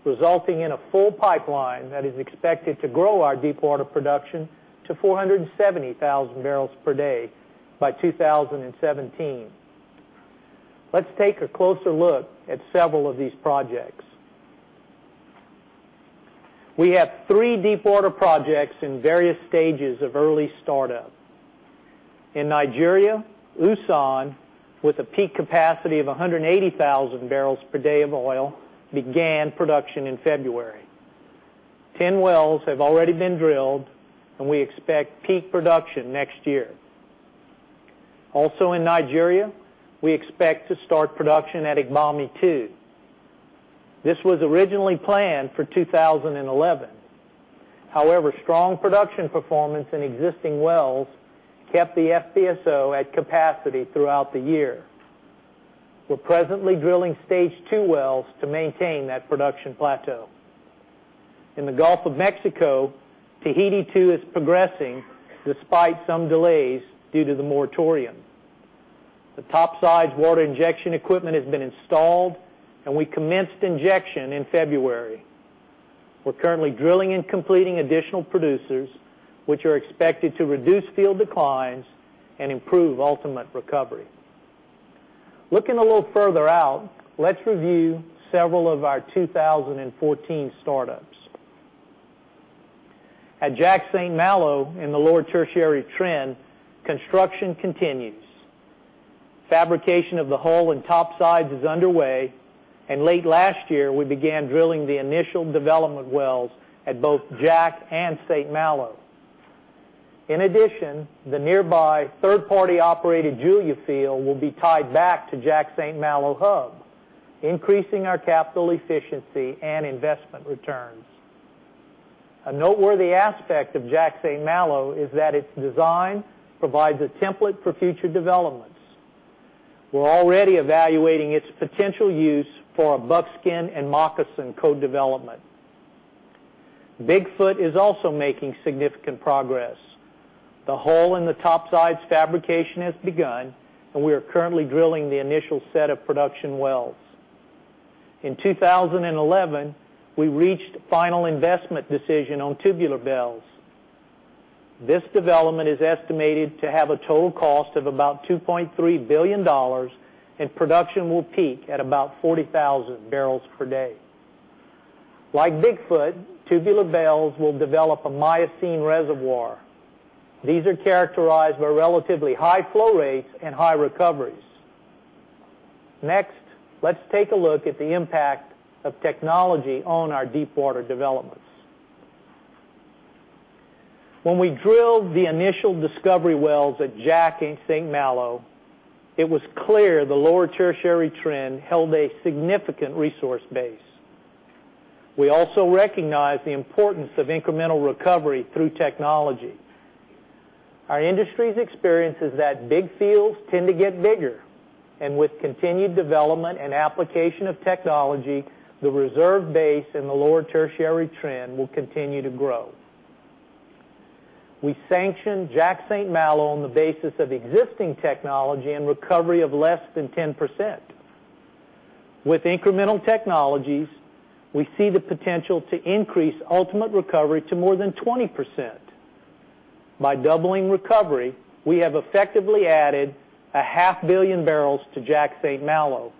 resulting in a full pipeline that is expected to grow our deepwater production to 470,000 barrels per day by 2017. Let's take a closer look at several of these projects. We have three deepwater projects in various stages of early startup. In Nigeria, Usan, with a peak capacity of 180,000 barrels per day of oil, began production in February. Ten wells have already been drilled, and we expect peak production next year. Also in Nigeria, we expect to start production at Agbami II. This was originally planned for 2011. However, strong production performance in existing wells kept the FPSO at capacity throughout the year. We're presently drilling stage two wells to maintain that production plateau. In the Gulf of Mexico, Tahiti II is progressing despite some delays due to the moratorium. The topside water injection equipment has been installed, and we commenced injection in February. We're currently drilling and completing additional producers, which are expected to reduce field declines and improve ultimate recovery. Looking a little further out, let's review several of our 2014 startups. At Jack St. Malo in the lower tertiary trend, construction continues. Fabrication of the hull and topsides is underway, and late last year, we began drilling the initial development wells at both Jack and St. Malo. In addition, the nearby third-party operated Julia Field will be tied back to Jack St. Malo hub, increasing our capital efficiency and investment returns. A noteworthy aspect of Jack St. Malo is that its design provides a template for future developments. We're already evaluating its potential use for a Buckskin and Moccasin co-development. Bigfoot is also making significant progress. The hull and the topsides fabrication has begun, and we are currently drilling the initial set of production wells. In 2011, we reached final investment decision on Tubular Bells. This development is estimated to have a total cost of about $2.3 billion, and production will peak at about 40,000 barrels per day. Like Bigfoot, Tubular Bells will develop a Miocene reservoir. These are characterized by relatively high flow rates and high recoveries. Next, let's take a look at the impact of technology on our deepwater developments. When we drilled the initial discovery wells at Jack and St. Malo, it was clear the lower tertiary trend held a significant resource base. We also recognize the importance of incremental recovery through technology. Our industry's experience is that big fields tend to get bigger, and with continued development and application of technology, the reserve base in the lower tertiary trend will continue to grow. We sanctioned Jack St. Malo on the basis of existing technology and recovery of less than 10%. With incremental technologies, we see the potential to increase ultimate recovery to more than 20%. By doubling recovery, we have effectively added a half billion barrels to Jack St. Malo,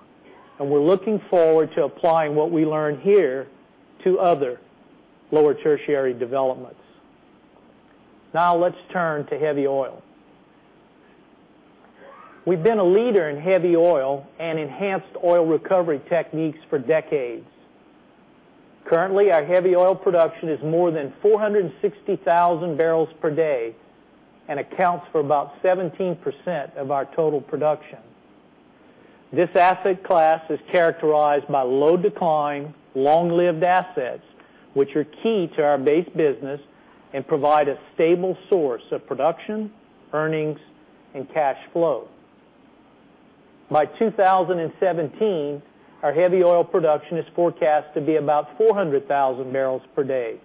and we're looking forward to applying what we learn here to other lower tertiary developments. Now let's turn to heavy oil. We've been a leader in heavy oil and enhanced oil recovery techniques for decades. Currently, our heavy oil production is more than 460,000 barrels per day and accounts for about 17% of our total production. This asset class is characterized by low decline, long-lived assets, which are key to our base business and provide a stable source of production, earnings, and cash flow. By 2017, our heavy oil production is forecast to be about 400,000 barrels per day,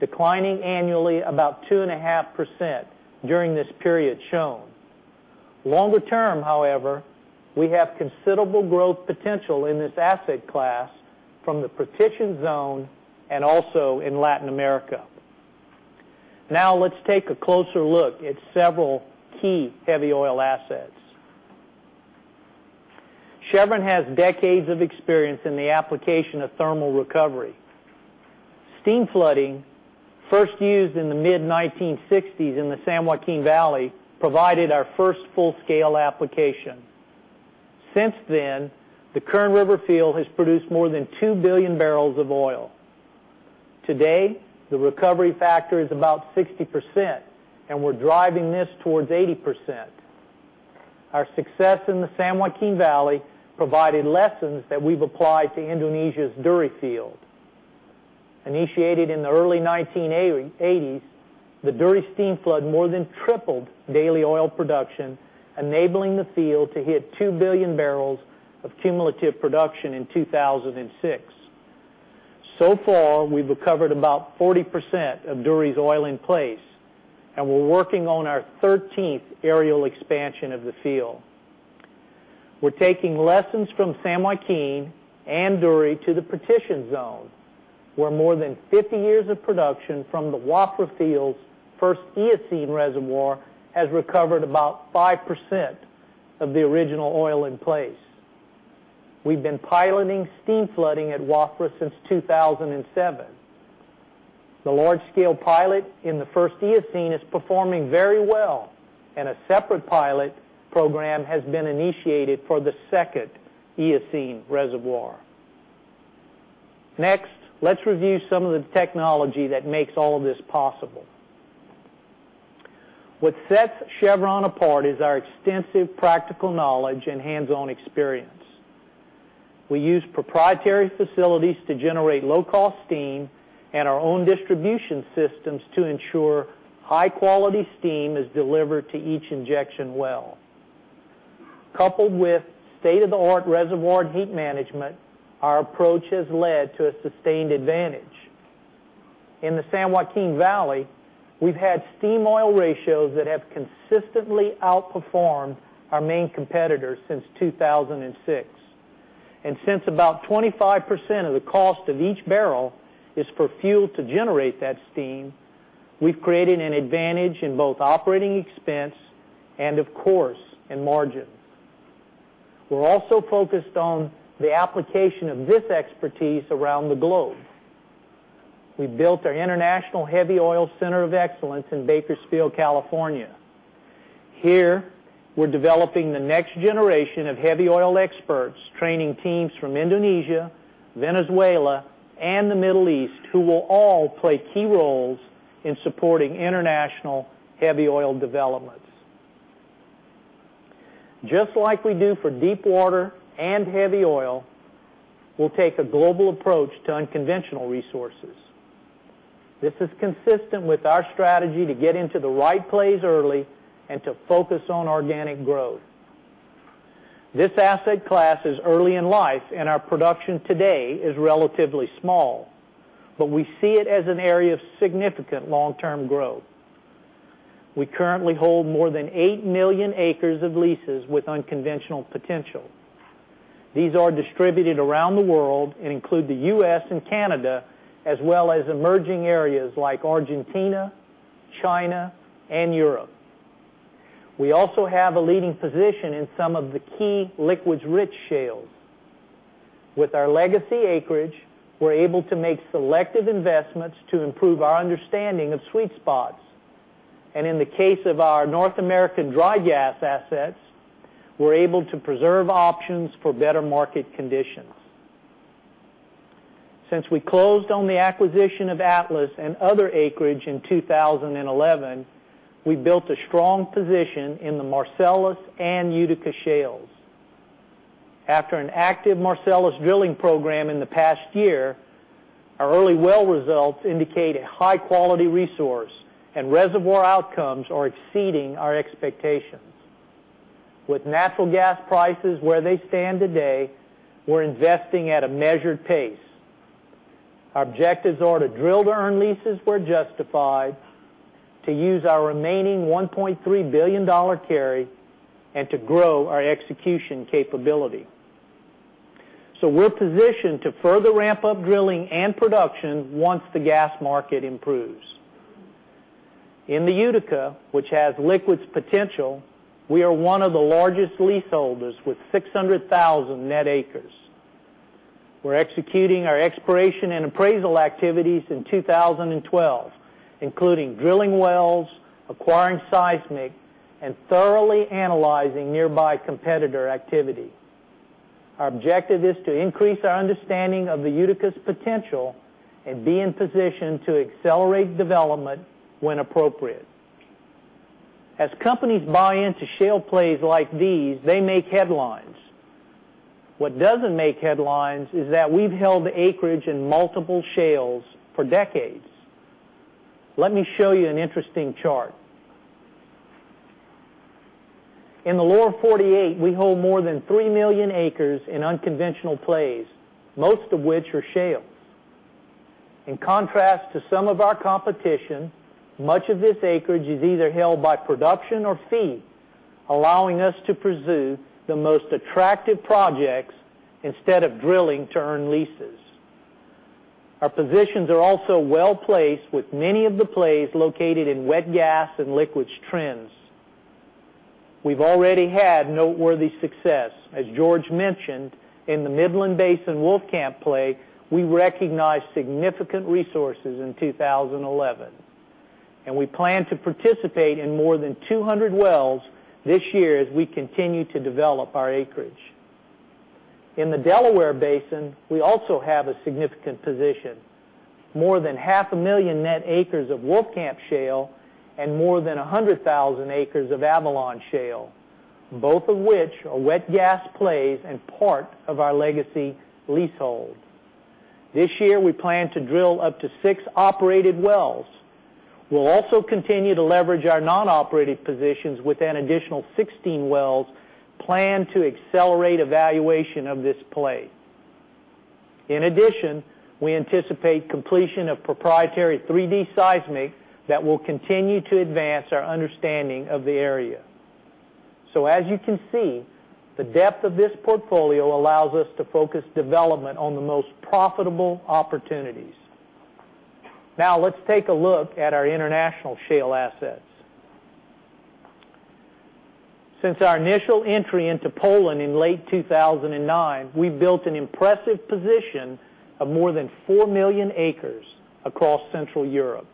declining annually about 2.5% during this period shown. Longer term, however, we have considerable growth potential in this asset class from the partition zone and also in Latin America. Now let's take a closer look at several key heavy oil assets. Chevron has decades of experience in the application of thermal recovery. Steam flooding, first used in the mid-1960s in the San Joaquin Valley, provided our first full-scale application. Since then, the Kern River field has produced more than 2 billion barrels of oil. Today, the recovery factor is about 60%, and we're driving this towards 80%. Our success in the San Joaquin Valley provided lessons that we've applied to Indonesia's Duri field. Initiated in the early 1980s, the Duri steam flood more than tripled daily oil production, enabling the field to hit 2 billion barrels of cumulative production in 2006. So far, we've recovered about 40% of Duri's oil in place, and we're working on our 13th aerial expansion of the field. We're taking lessons from San Joaquin and Duri to the partition zone, where more than 50 years of production from the Wafra Fields' first Eocene reservoir has recovered about 5% of the original oil in place. We've been piloting steam flooding at Wafra since 2007. The large-scale pilot in the first Eocene is performing very well, and a separate pilot program has been initiated for the second Eocene reservoir. Next, let's review some of the technology that makes all of this possible. What sets Chevron apart is our extensive practical knowledge and hands-on experience. We use proprietary facilities to generate low-cost steam and our own distribution systems to ensure high-quality steam is delivered to each injection well. Coupled with state-of-the-art reservoir heat management, our approach has led to a sustained advantage. In the San Joaquin Valley, we've had steam oil ratios that have consistently outperformed our main competitors since 2006. Since about 25% of the cost of each barrel is for fuel to generate that steam, we've created an advantage in both operating expense and, of course, in margin. We're also focused on the application of this expertise around the globe. We built our International Heavy Oil Center of Excellence in Bakersfield, California. Here, we're developing the next generation of heavy oil experts, training teams from Indonesia, Venezuela, and the Middle East, who will all play key roles in supporting international heavy oil developments. Just like we do for deepwater and heavy oil, we'll take a global approach to unconventional resources. This is consistent with our strategy to get into the right plays early and to focus on organic growth. This asset class is early in life, and our production today is relatively small, but we see it as an area of significant long-term growth. We currently hold more than 8 million acres of leases with unconventional potential. These are distributed around the world and include the U.S. and Canada, as well as emerging areas like Argentina, China, and Europe. We also have a leading position in some of the key liquids-rich shales. With our legacy acreage, we're able to make selective investments to improve our understanding of sweet spots. In the case of our North American dry gas assets, we're able to preserve options for better market conditions. Since we closed on the acquisition of Atlas and other acreage in 2011, we built a strong position in the Marcellus and Utica shales. After an active Marcellus drilling program in the past year, our early well results indicate a high-quality resource, and reservoir outcomes are exceeding our expectations. With natural gas prices where they stand today, we're investing at a measured pace. Our objectives are to drill to earn leases where justified, to use our remaining $1.3 billion carry, and to grow our execution capability. We're positioned to further ramp up drilling and production once the gas market improves. In the Utica, which has liquids potential, we are one of the largest leaseholders with 600,000 net acres. We're executing our exploration and appraisal activities in 2012, including drilling wells, acquiring seismic, and thoroughly analyzing nearby competitor activity. Our objective is to increase our understanding of the Utica's potential and be in position to accelerate development when appropriate. As companies buy into shale plays like these, they make headlines. What doesn't make headlines is that we've held the acreage in multiple shales for decades. Let me show you an interesting chart. In the lower 48, we hold more than 3 million acres in unconventional plays, most of which are shales. In contrast to some of our competition, much of this acreage is either held by production or fee, allowing us to pursue the most attractive projects instead of drilling to earn leases. Our positions are also well placed with many of the plays located in wet gas and liquids trends. We've already had noteworthy success. As George mentioned, in the Midland Basin Wolfcamp play, we recognized significant resources in 2011, and we plan to participate in more than 200 wells this year as we continue to develop our acreage. In the Delaware Basin, we also have a significant position: more than half a million net acres of Wolfcamp shale and more than 100,000 acres of Avalon shale, both of which are wet gas plays and part of our legacy leasehold. This year, we plan to drill up to six operated wells. We'll also continue to leverage our non-operated positions with an additional 16 wells planned to accelerate evaluation of this play. In addition, we anticipate completion of proprietary 3D seismic that will continue to advance our understanding of the area. As you can see, the depth of this portfolio allows us to focus development on the most profitable opportunities. Now let's take a look at our international shale assets. Since our initial entry into Poland in late 2009, we've built an impressive position of more than 4 million acres across Central Europe.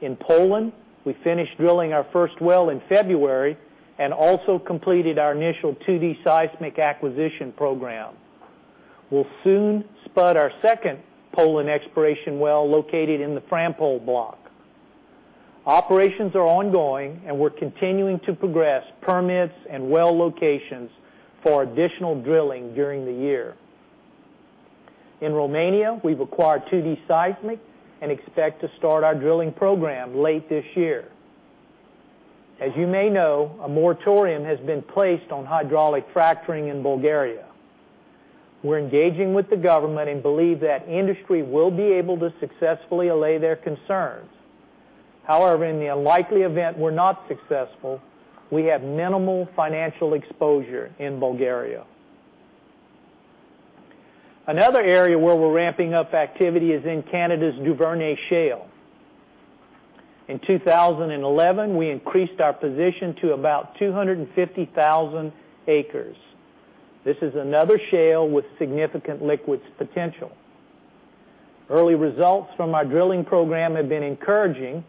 In Poland, we finished drilling our first well in February and also completed our initial 2D seismic acquisition program. We'll soon spud our second Poland exploration well located in the Frampol block. Operations are ongoing, and we're continuing to progress permits and well locations for additional drilling during the year. In Romania, we've acquired 2D seismic and expect to start our drilling program late this year. As you may know, a moratorium has been placed on hydraulic fracturing in Bulgaria. We're engaging with the government and believe that industry will be able to successfully allay their concerns. However, in the unlikely event we're not successful, we have minimal financial exposure in Bulgaria. Another area where we're ramping up activity is in Canada's Duvernay shale. In 2011, we increased our position to about 250,000 acres. This is another shale with significant liquids potential. Early results from our drilling program have been encouraging,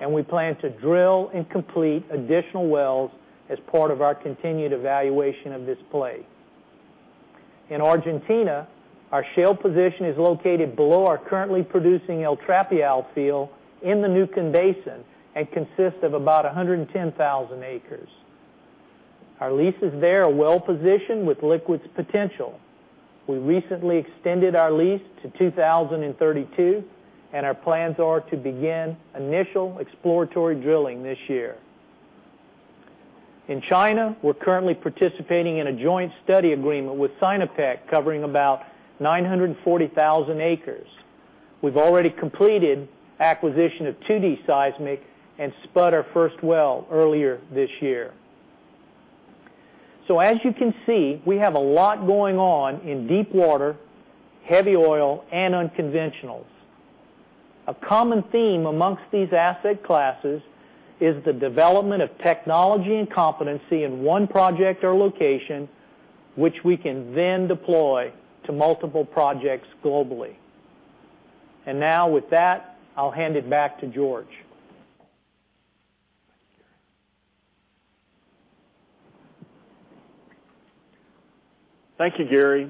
and we plan to drill and complete additional wells as part of our continued evaluation of this play. In Argentina, our shale position is located below our currently producing El Trapial field in the Neuquén Basin and consists of about 110,000 acres. Our leases there are well positioned with liquids potential. We recently extended our lease to 2032, and our plans are to begin initial exploratory drilling this year. In China, we're currently participating in a joint study agreement with Sinopec covering about 940,000 acres. We've already completed acquisition of 2D seismic and spud our first well earlier this year. As you can see, we have a lot going on in deepwater, heavy oil, and unconventionals. A common theme amongst these asset classes is the development of technology and competency in one project or location, which we can then deploy to multiple projects globally. Now with that, I'll hand it back to George. Thank you, Gary.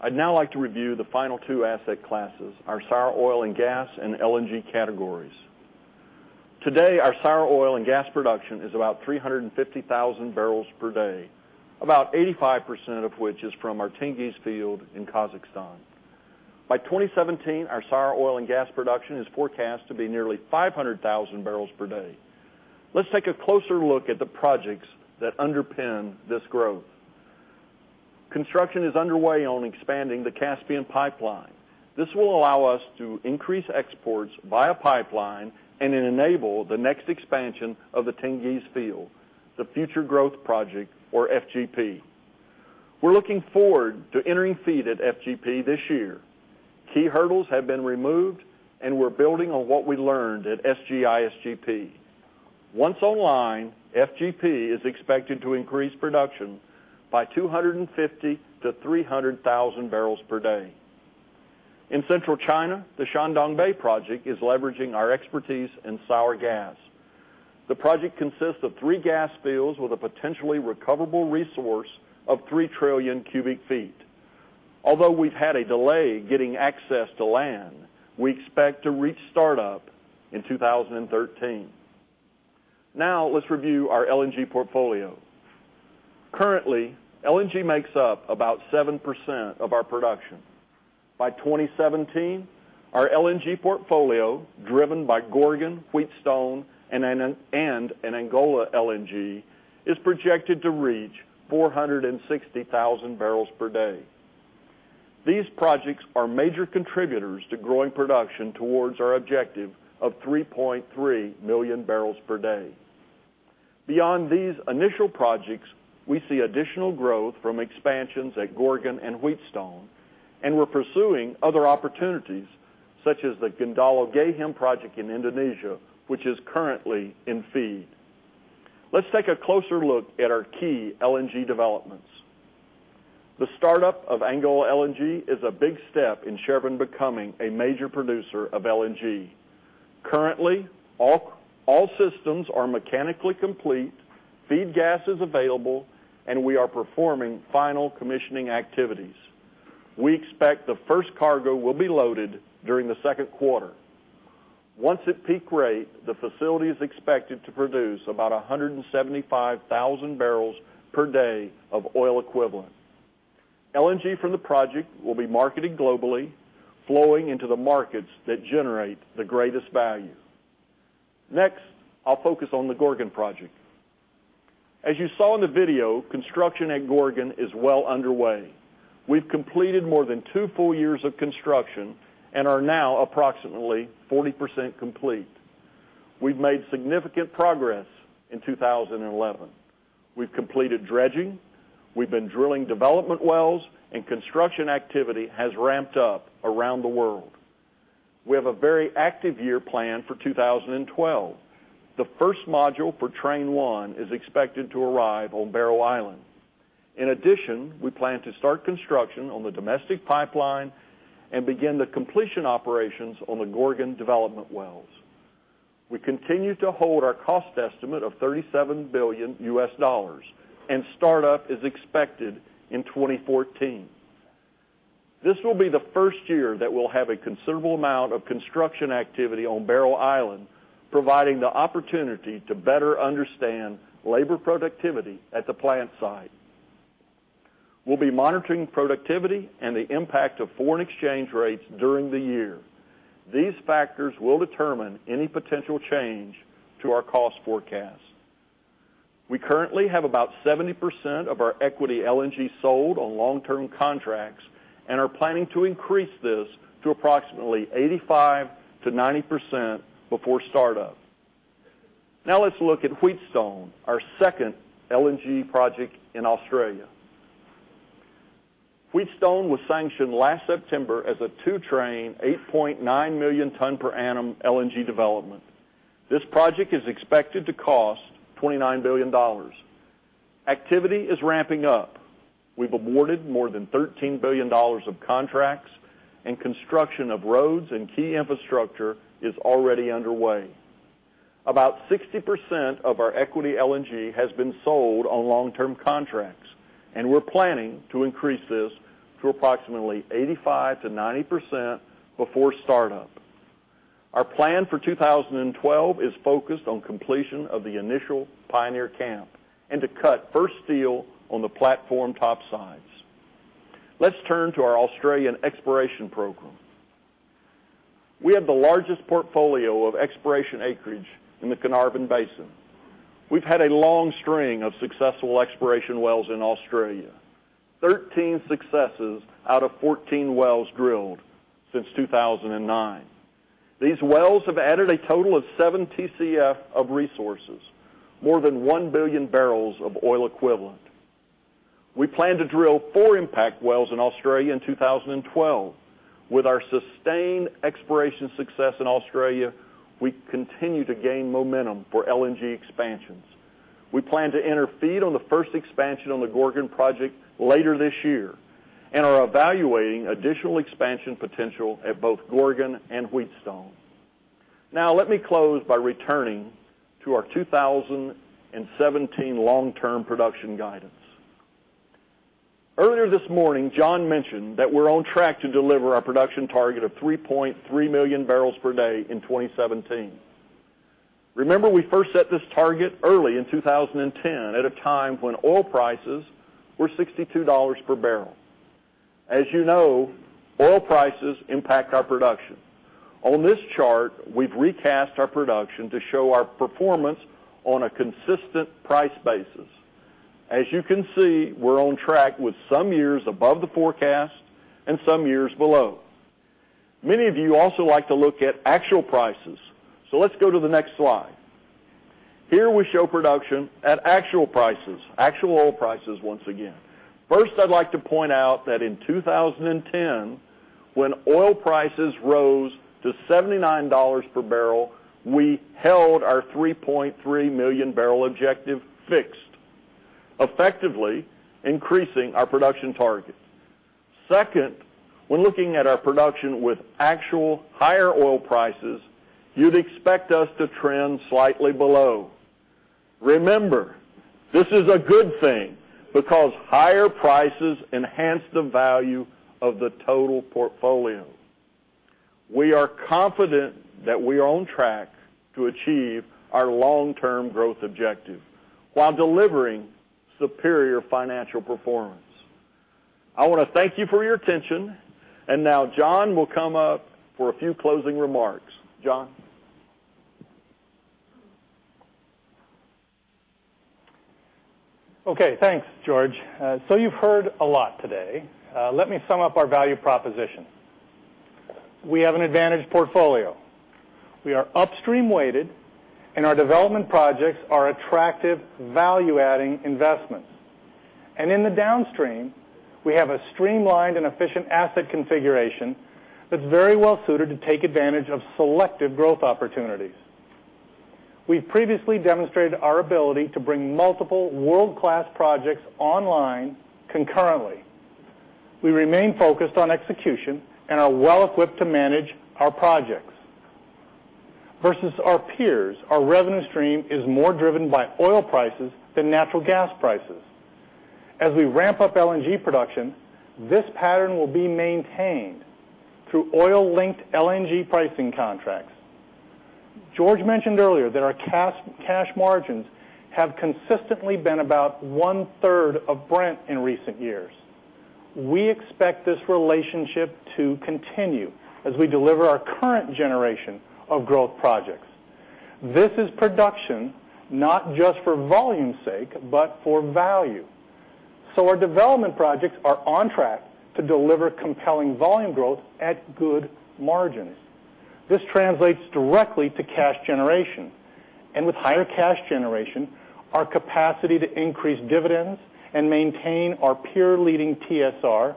I'd now like to review the final two asset classes: our sour oil and gas and LNG categories. Today, our sour oil and gas production is about 350,000 barrels per day, about 85% of which is from our Tengiz field in Kazakhstan. By 2017, our sour oil and gas production is forecast to be nearly 500,000 barrels per day. Let's take a closer look at the projects that underpin this growth. Construction is underway on expanding the Caspian pipeline. This will allow us to increase exports via pipeline and enable the next expansion of the Tengiz field, the Future Growth Project, or FGP. We're looking forward to entering FEED at FGP this year. Key hurdles have been removed, and we're building on what we learned at SGI/SGP. Once online, FGP is expected to increase production by 250,000-300,000 barrels per day. In Central China, the Shandong Bay project is leveraging our expertise in sour gas. The project consists of three gas fields with a potentially recoverable resource of 3 trillion cubic feet. Although we've had a delay getting access to land, we expect to reach startup in 2013. Now let's review our LNG portfolio. Currently, LNG makes up about 7% of our production. By 2017, our LNG portfolio, driven by Gorgon, Wheatstone, and Angola LNG, is projected to reach 460,000 barrels per day. These projects are major contributors to growing production towards our objective of 3.3 million barrels per day. Beyond these initial projects, we see additional growth from expansions at Gorgon and Wheatstone, and we're pursuing other opportunities such as the Gendalo-Gehem project in Indonesia, which is currently in FEED. Let's take a closer look at our key LNG developments. The startup of Angola LNG is a big step in Chevron becoming a major producer of LNG. Currently, all systems are mechanically complete, feed gas is available, and we are performing final commissioning activities. We expect the first cargo will be loaded during the second quarter. Once at peak rate, the facility is expected to produce about 175,000 barrels per day of oil equivalent. LNG from the project will be marketed globally, flowing into the markets that generate the greatest value. Next, I'll focus on the Gorgon project. As you saw in the video, construction at Gorgon is well underway. We've completed more than two full years of construction and are now approximately 40% complete. We've made significant progress in 2011. We've completed dredging, we've been drilling development wells, and construction activity has ramped up around the world. We have a very active year planned for 2012. The first module for Train 1 is expected to arrive on Barrow Island. In addition, we plan to start construction on the domestic pipeline and begin the completion operations on the Gorgon development wells. We continue to hold our cost estimate of $37 billion, and startup is expected in 2014. This will be the first year that we'll have a considerable amount of construction activity on Barrow Island, providing the opportunity to better understand labor productivity at the plant site. We'll be monitoring productivity and the impact of foreign exchange rates during the year. These factors will determine any potential change to our cost forecast. We currently have about 70% of our equity LNG sold on long-term contracts and are planning to increase this to approximately 85%-90% before startup. Now let's look at Wheatstone, our second LNG project in Australia. Wheatstone was sanctioned last September as a two-train, 8.9 million ton per annum LNG development. This project is expected to cost $29 billion. Activity is ramping up. We've awarded more than $30 billion of contracts and construction of roads and key infrastructure is already underway. About 60% of our equity LNG has been sold on long-term contracts, and we're planning to increase this to approximately 85%-90% before startup. Our plan for 2012 is focused on completion of the initial pioneer camp and to cut first steel on the platform topsides. Let's turn to our Australian exploration program. We have the largest portfolio of exploration acreage in the Carnarvon Basin. We've had a long string of successful exploration wells in Australia, 13 successes out of 14 wells drilled since 2009. These wells have added a total of 7 TCF of resources, more than 1 billion barrels of oil equivalent. We plan to drill four impact wells in Australia in 2012. With our sustained exploration success in Australia, we continue to gain momentum for LNG expansions. We plan to intercede on the first expansion on the Gorgon project later this year and are evaluating additional expansion potential at both Gorgon and Wheatstone. Now, let me close by returning to our 2017 long-term production guidance. Earlier this morning, John mentioned that we're on track to deliver our production target of 3.3 million barrels per day in 2017. Remember, we first set this target early in 2010 at a time when oil prices were $62 per barrel. As you know, oil prices impact our production. On this chart, we've recast our production to show our performance on a consistent price basis. As you can see, we're on track with some years above the forecast and some years below. Many of you also like to look at actual prices, so let's go to the next slide. Here we show production at actual prices, actual oil prices once again. First, I'd like to point out that in 2010, when oil prices rose to $79 per barrel, we held our 3.3 million barrel objective fixed, effectively increasing our production target. Second, when looking at our production with actual higher oil prices, you'd expect us to trend slightly below. Remember, this is a good thing because higher prices enhance the value of the total portfolio. We are confident that we are on track to achieve our long-term growth objective while delivering superior financial performance. I want to thank you for your attention, and now John will come up for a few closing remarks. John? Okay, thanks, George. You've heard a lot today. Let me sum up our value proposition. We have an advantaged portfolio. We are upstream weighted, and our development projects are attractive value-adding investments. In the downstream, we have a streamlined and efficient asset configuration that's very well suited to take advantage of selective growth opportunities. We've previously demonstrated our ability to bring multiple world-class projects online concurrently. We remain focused on execution and are well equipped to manage our projects. Versus our peers, our revenue stream is more driven by oil prices than natural gas prices. As we ramp up LNG production, this pattern will be maintained through oil-linked LNG pricing contracts. George mentioned earlier that our cash margins have consistently been about one-third of Brent in recent years. We expect this relationship to continue as we deliver our current generation of growth projects. This is production not just for volume's sake but for value. Our development projects are on track to deliver compelling volume growth at good margins. This translates directly to cash generation, and with higher cash generation, our capacity to increase dividends and maintain our peer-leading TSR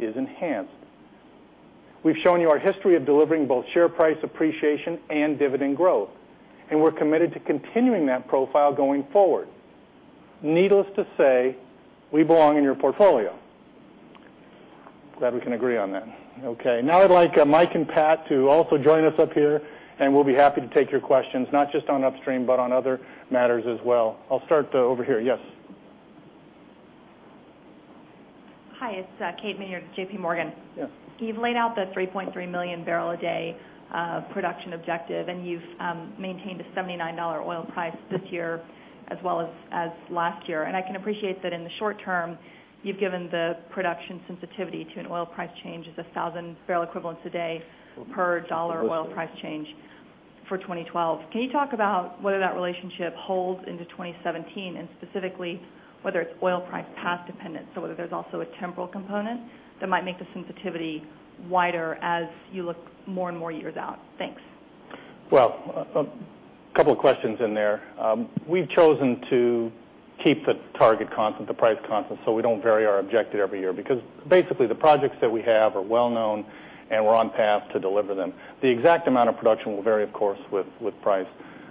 is enhanced. We've shown you our history of delivering both share price appreciation and dividend growth, and we're committed to continuing that profile going forward. Needless to say, we belong in your portfolio. Glad we can agree on that. Now I'd like Mike and Pat to also join us up here, and we'll be happy to take your questions, not just on upstream but on other matters as well. I'll start over here. Yes. Hi, it's Kate Maynard of JPMorgan. Yes. You've laid out the 3.3 million barrel a day production objective, and you've maintained a $79 oil price this year as well as last year. I can appreciate that in the short term, you've given the production sensitivity to an oil price change of 1,000 barrel equivalents a day per dollar oil price change for 2012. Can you talk about whether that relationship holds into 2017 and specifically whether it's oil price past dependent, so whether there's also a temporal component that might make the sensitivity wider as you look more and more years out? Thanks. A couple of questions in there. We've chosen to keep the target constant, the price constant, so we don't vary our objective every year because basically the projects that we have are well known, and we're on path to deliver them. The exact amount of production will vary, of course, with price.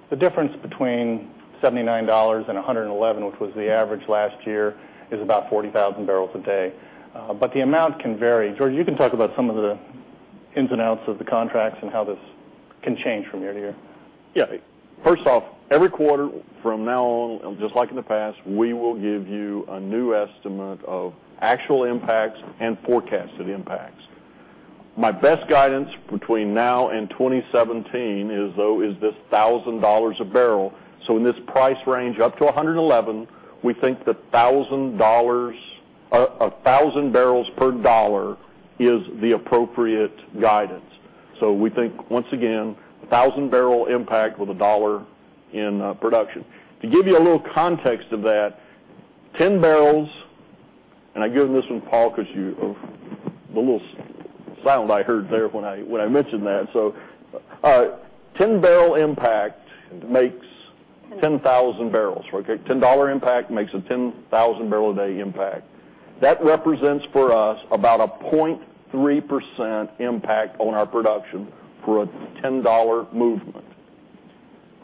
The difference between $79 and $111, which was the average last year, is about 40,000 barrels a day. The amount can vary. George, you can talk about some of the ins and outs of the contracts and how this can change from year to year. Yeah, first off, every quarter from now on, just like in the past, we will give you a new estimate of actual impacts and forecasted impacts. My best guidance between now and 2017 is, though, is this 1,000 a barrel. In this price range up to $111, we think that 1,000 barrels per dollar is the appropriate guidance. We think once again, a 1,000 barrel impact with a dollar in production. To give you a little context of that, 10 barrels, and I give this one, Paul, because you of the little sound I heard there when I mentioned that. 10 barrel impact makes 10,000 barrels. $10 impact makes a 10,000 barrel a day impact. That represents for us about a 0.3% impact on our production for a $10 movement.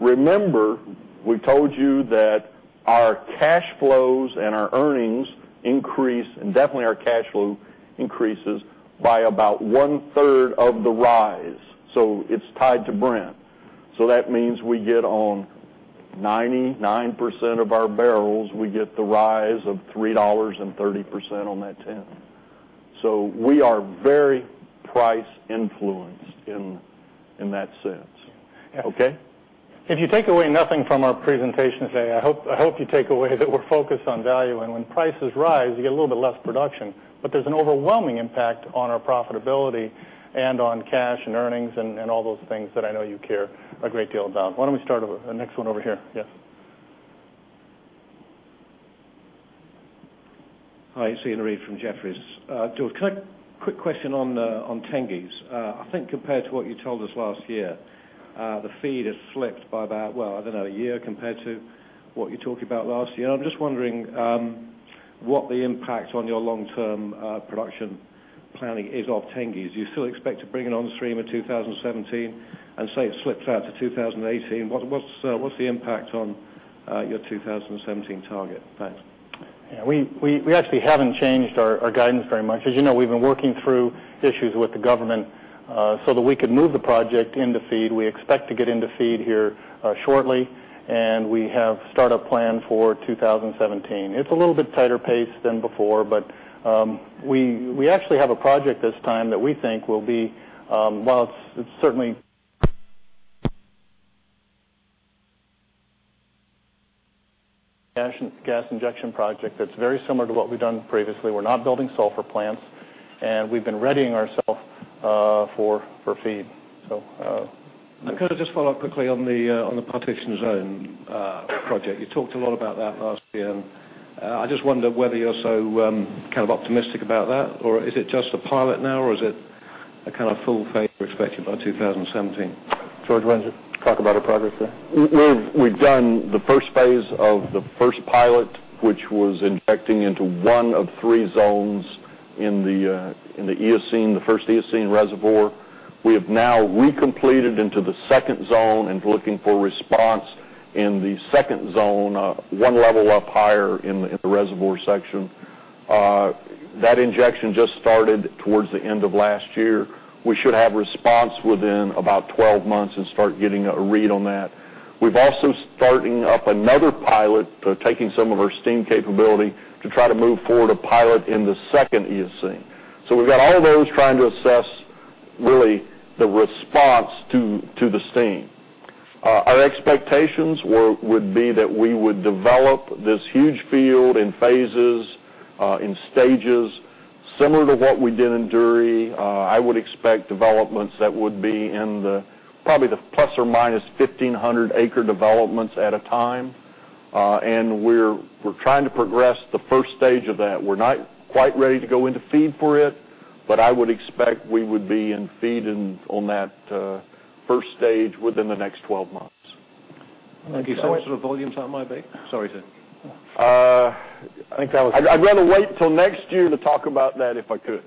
Remember, we've told you that our cash flows and our earnings increase, and definitely our cash flow increases by about one-third of the rise. It's tied to Brent. That means we get on 99% of our barrels, we get the rise of $3.30 on that 10. We are very price influenced in that sense. Yeah. Okay. If you take away nothing from our presentation today, I hope you take away that we're focused on value, and when prices rise, you get a little bit less production, but there's an overwhelming impact on our profitability and on cash and earnings and all those things that I know you care a great deal about. Why don't we start with the next one over here? Yes. Hi, it's Iain Reid from Jefferies. George, quick question on the on Tengiz. I think compared to what you told us last year, the FEED has slipped by about, I don't know, a year compared to what you talked about last year. I'm just wondering what the impact on your long-term production planning is of Tengiz. Do you still expect to bring it on stream in 2017, and if it slips out to 2018, what's the impact on your 2017 target? Thanks. Yeah, we actually haven't changed our guidance very much. As you know, we've been working through issues with the government so that we could move the project into FEED. We expect to get into FEED here shortly, and we have startup planned for 2017. It's a little bit tighter pace than before, but we actually have a project this time that we think will be, it's certainly a gas injection project that's very similar to what we've done previously. We're not building sulfur plants, and we've been readying ourselves for FEED. Can I just follow up quickly on the partition zone project? You talked a lot about that last year, and I just wonder whether you're still kind of optimistic about that, or is it just a pilot now, or is it a kind of full phase expected by 2017? George, why don't you talk about our progress there? We've done the first phase of the first pilot, which was injecting into one of three zones in the Eocene, the first Eocene reservoir. We have now recompleted into the second zone and are looking for response in the second zone, one level up higher in the reservoir section. That injection just started towards the end of last year. We should have response within about 12 months and start getting a read on that. We've also started up another pilot, taking some of our steam capability to try to move forward a pilot in the second Eocene. We've got all those trying to assess really the response to the steam. Our expectations would be that we would develop this huge field in phases, in stages, similar to what we did in Duri. I would expect developments that would be in the probably the plus or minus 1,500 acre developments at a time. We're trying to progress the first stage of that. We're not quite ready to go into FEED for it, but I would expect we would be in FEED on that first stage within the next 12 months. Thank you so much. What sort of volumes that might be? Sorry to. I think that was. I'd rather wait till next year to talk about that if I could.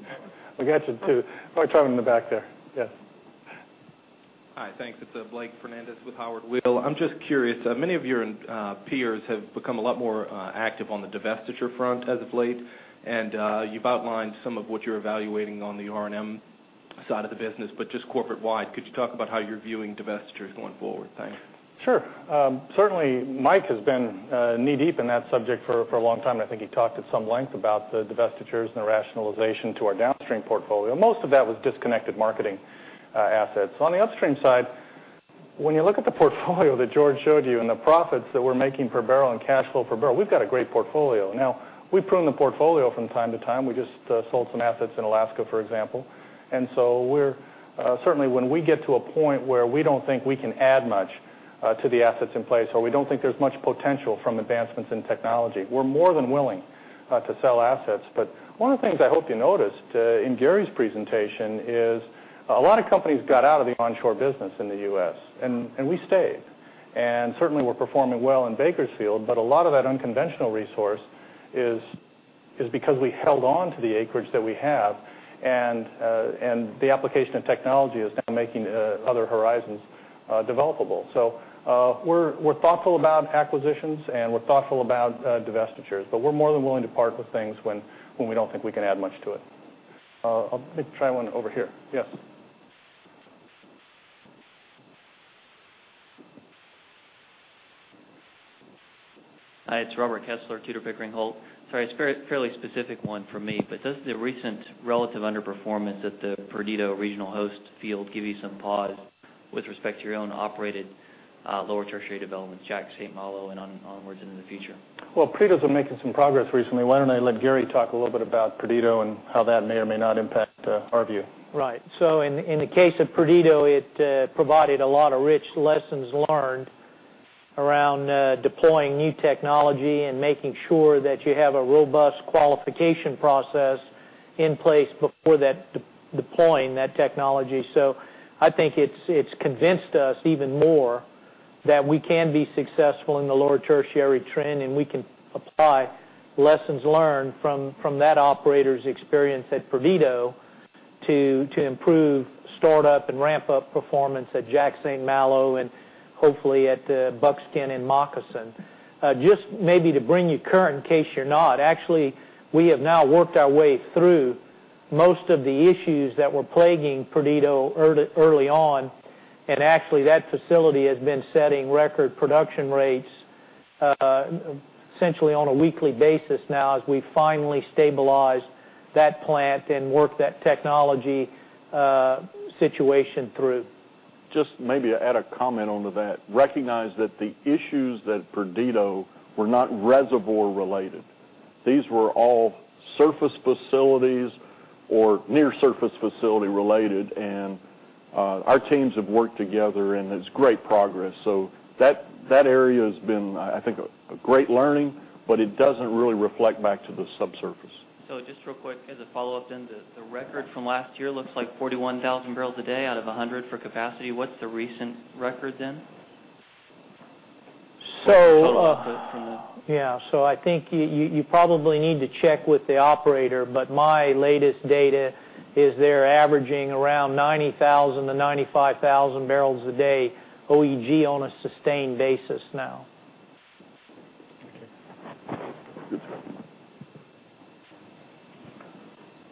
I got you too. We're talking in the back there. Yes. Hi, thanks. It's Blake Fernandez with Howard Weil. I'm just curious, many of your peers have become a lot more active on the divestiture front as of late, and you've outlined some of what you're evaluating on the R&M side of the business, but just corporate-wide, could you talk about how you're viewing divestitures going forward? Thanks. Sure. Certainly, Mike has been knee-deep in that subject for a long time. I think he talked at some length about the divestitures and the rationalization to our downstream portfolio. Most of that was disconnected marketing assets. On the upstream side, when you look at the portfolio that George showed you and the profits that we're making per barrel and cash flow per barrel, we've got a great portfolio. We prune the portfolio from time to time. We just sold some assets in Alaska, for example. We're certainly, when we get to a point where we don't think we can add much to the assets in place or we don't think there's much potential from advancements in technology, more than willing to sell assets. One of the things I hope you noticed in Gary's presentation is a lot of companies got out of the onshore business in the U.S., and we stayed. Certainly, we're performing well in Bakersfield, but a lot of that unconventional resource is because we held on to the acreage that we have, and the application of technology is now making other horizons developable. We're thoughtful about acquisitions, and we're thoughtful about divestitures, but we're more than willing to part with things when we don't think we can add much to it. Let me try one over here. Yes. Hi, it's Robert Kessler, Tudor Pickering Holt. Sorry, it's a fairly specific one for me, but does the recent relative underperformance at the Perdido regional host field give you some pause with respect to your own operated Lower Tertiary developments, Jack St. Malo, and onwards into the future? Perdido's been making some progress recently. Why don't I let Gary talk a little bit about Perdido and how that may or may not impact our view? Right. In the case of Perdido, it provided a lot of rich lessons learned around deploying new technology and making sure that you have a robust qualification process in place before deploying that technology. I think it's convinced us even more that we can be successful in the lower tertiary trend, and we can apply lessons learned from that operator's experience at Perdido to improve startup and ramp-up performance at Jack St. Malo and hopefully at Buckskin and Moccasin. Just to bring you current in case you're not, we have now worked our way through most of the issues that were plaguing Perdido early on, and that facility has been setting record production rates essentially on a weekly basis now as we finally stabilized that plant and worked that technology situation through. Just maybe to add a comment onto that, recognize that the issues at Perdido were not reservoir related. These were all surface facilities or near surface facility related, and our teams have worked together, and there's great progress. That area has been, I think, a great learning, but it doesn't really reflect back to the subsurface. Just real quick, as a follow-up then, the record from last year looks like 41,000 barrels a day out of 100 for capacity. What's the recent record then? I think you probably need to check with the operator, but my latest data is they're averaging around 90,000 to 95,000 barrels a day, OEG, on a sustained basis now.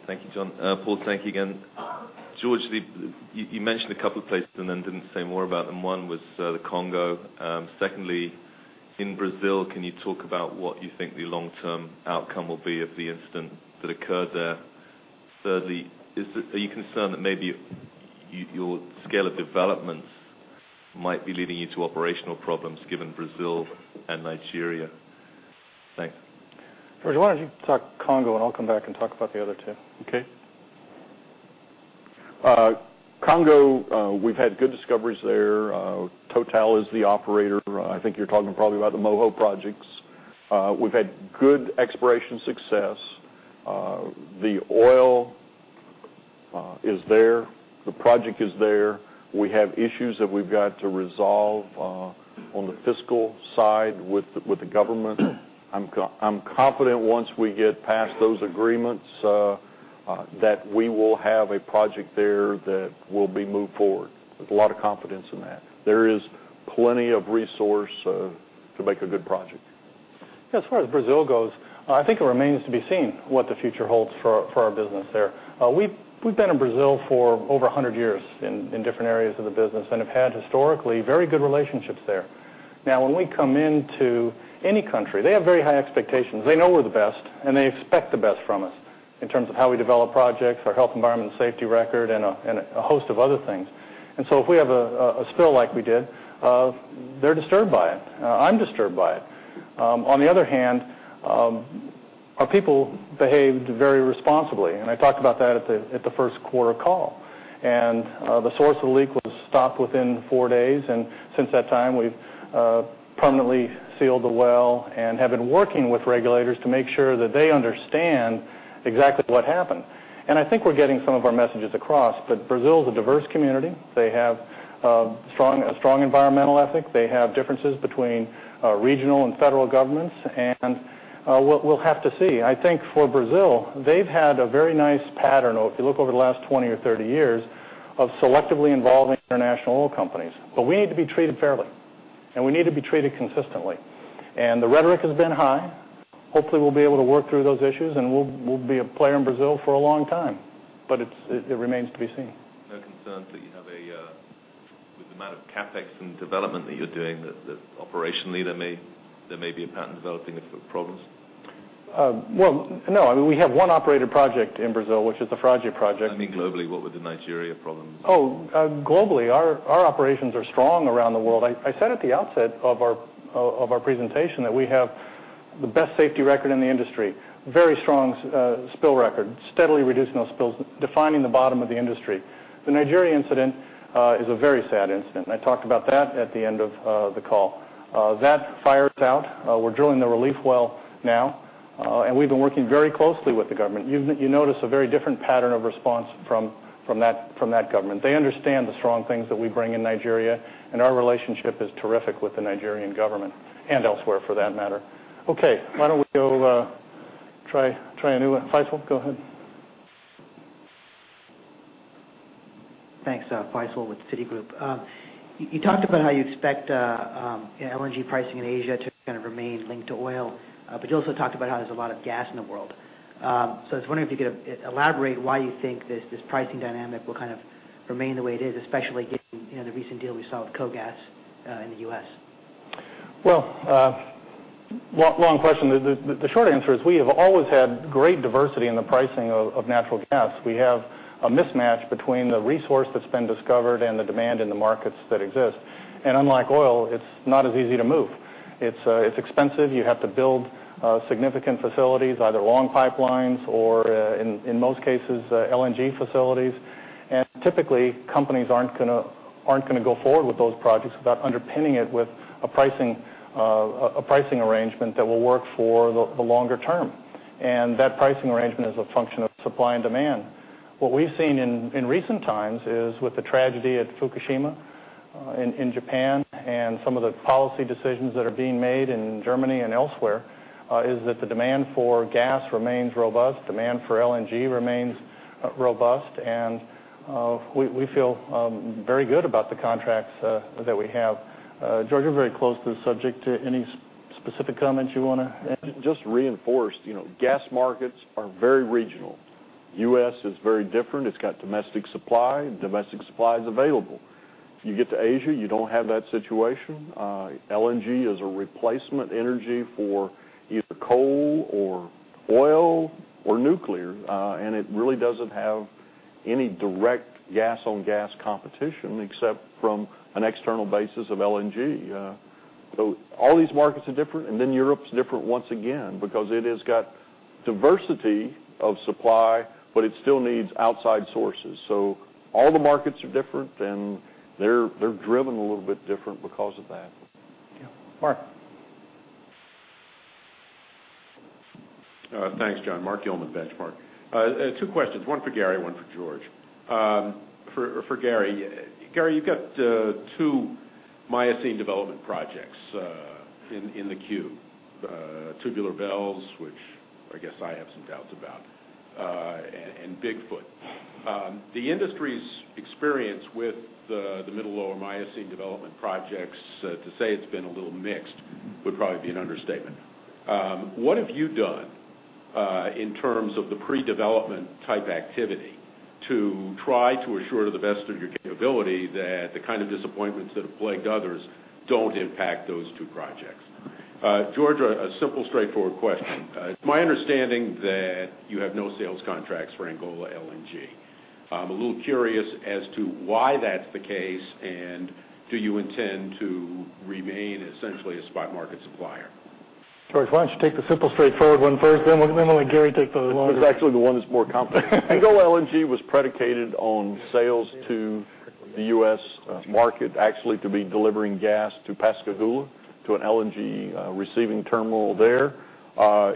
Thank you, John. Pau Sankey again. George, you mentioned a couple of places and then didn't say more about them. One was the Congo. Secondly, in Brazil, can you talk about what you think the long-term outcome will be of the incident that occurred there? Thirdly, are you concerned that maybe your scale of developments might be leading you to operational problems given Brazil and Nigeria? George, why don't you talk Congo, and I'll come back and talk about the other two, okay? Congo, we've had good discoveries there. Total is the operator. I think you're talking probably about the Moho projects. We've had good exploration success. The oil is there. The project is there. We have issues that we've got to resolve on the fiscal side with the government. I'm confident once we get past those agreements that we will have a project there that will be moved forward. A lot of confidence in that. There is plenty of resource to make a good project. As far as Brazil goes, I think it remains to be seen what the future holds for our business there. We've been in Brazil for over 100 years in different areas of the business and have had historically very good relationships there. Now, when we come into any country, they have very high expectations. They know we're the best, and they expect the best from us in terms of how we develop projects, our health, environment, safety record, and a host of other things. If we have a spill like we did, they're disturbed by it. I'm disturbed by it. On the other hand, our people behaved very responsibly, and I talked about that at the first quarter call. The source of the leak was stopped within four days, and since that time, we've permanently sealed the well and have been working with regulators to make sure that they understand exactly what happened. I think we're getting some of our messages across, but Brazil is a diverse community. They have a strong environmental ethic. They have differences between regional and federal governments, and we'll have to see. I think for Brazil, they've had a very nice pattern, if you look over the last 20 or 30 years, of selectively involving international oil companies, but we need to be treated fairly, and we need to be treated consistently. The rhetoric has been high. Hopefully, we'll be able to work through those issues, and we'll be a player in Brazil for a long time, but it remains to be seen. No concerns that you have, with the amount of CapEx and development that you're doing, that operationally, there may be a pattern developing of problems? I mean, we have one operator project in Brazil, which is the frigates project. I mean, globally, what with the Nigeria problems? Oh, globally, our operations are strong around the world. I said at the outset of our presentation that we have the best safety record in the industry, very strong spill record, steadily reducing those spills, defining the bottom of the industry. The Nigeria incident is a very sad incident, and I talked about that at the end of the call. That's fired out. We're drilling the relief well now, and we've been working very closely with the government. You notice a very different pattern of response from that government. They understand the strong things that we bring in Nigeria, and our relationship is terrific with the Nigerian government and elsewhere for that matter. Okay, why don't we go try a new one? Faisel, go ahead. Thanks, Faisel with Citigroup. You talked about how you expect LNG pricing in Asia to kind of remain linked to oil, but you also talked about how there's a lot of gas in the world. I was wondering if you could elaborate why you think this pricing dynamic will kind of remain the way it is, especially given the recent deal we saw with KOGAS in the U.S. Long question, the short answer is we have always had great diversity in the pricing of natural gas. We have a mismatch between the resource that's been discovered and the demand in the markets that exist. Unlike oil, it's not as easy to move. It's expensive. You have to build significant facilities, either long pipelines or in most cases, LNG facilities. Typically, companies aren't going to go forward with those projects without underpinning it with a pricing arrangement that will work for the longer term. That pricing arrangement is a function of supply and demand. What we've seen in recent times is with the tragedy at Fukushima in Japan and some of the policy decisions that are being made in Germany and elsewhere is that the demand for gas remains robust, demand for LNG remains robust, and we feel very good about the contracts that we have. George, you're very close to the subject. Any specific comments you want to add? Just reinforced, you know, gas markets are very regional. The U.S. is very different. It's got domestic supply, and domestic supply is available. If you get to Asia, you don't have that situation. LNG is a replacement energy for either coal or oil or nuclear, and it really doesn't have any direct gas-on-gas competition except from an external basis of LNG. All these markets are different, and then Europe's different once again because it has got diversity of supply, but it still needs outside sources. All the markets are different, and they're driven a little bit different because of that. Yeah. Mark. Thanks, John. Mark Gilman, Benchmark. Two questions, one for Gary, one for George. For Gary, you've got two Miocene development projects in the queue, Tubular Bells, which I guess I have some doubts about, and Bigfoot. The industry's experience with the middle and lower Miocene development projects, to say it's been a little mixed, would probably be an understatement. What have you done in terms of the pre-development type activity to try to assure to the best of your capability that the kind of disappointments that have plagued others don't impact those two projects? George, a simple, straightforward question. It's my understanding that you have no sales contracts for Angola LNG. I'm a little curious as to why that's the case, and do you intend to remain essentially a spot market supplier? George, why don't you take the simple, straightforward one first, then let Gary take the long. Because it's actually the one that's more complicated. Angola LNG was predicated on sales to the U.S. market, actually to be delivering gas to Pascagoula to an LNG receiving terminal there.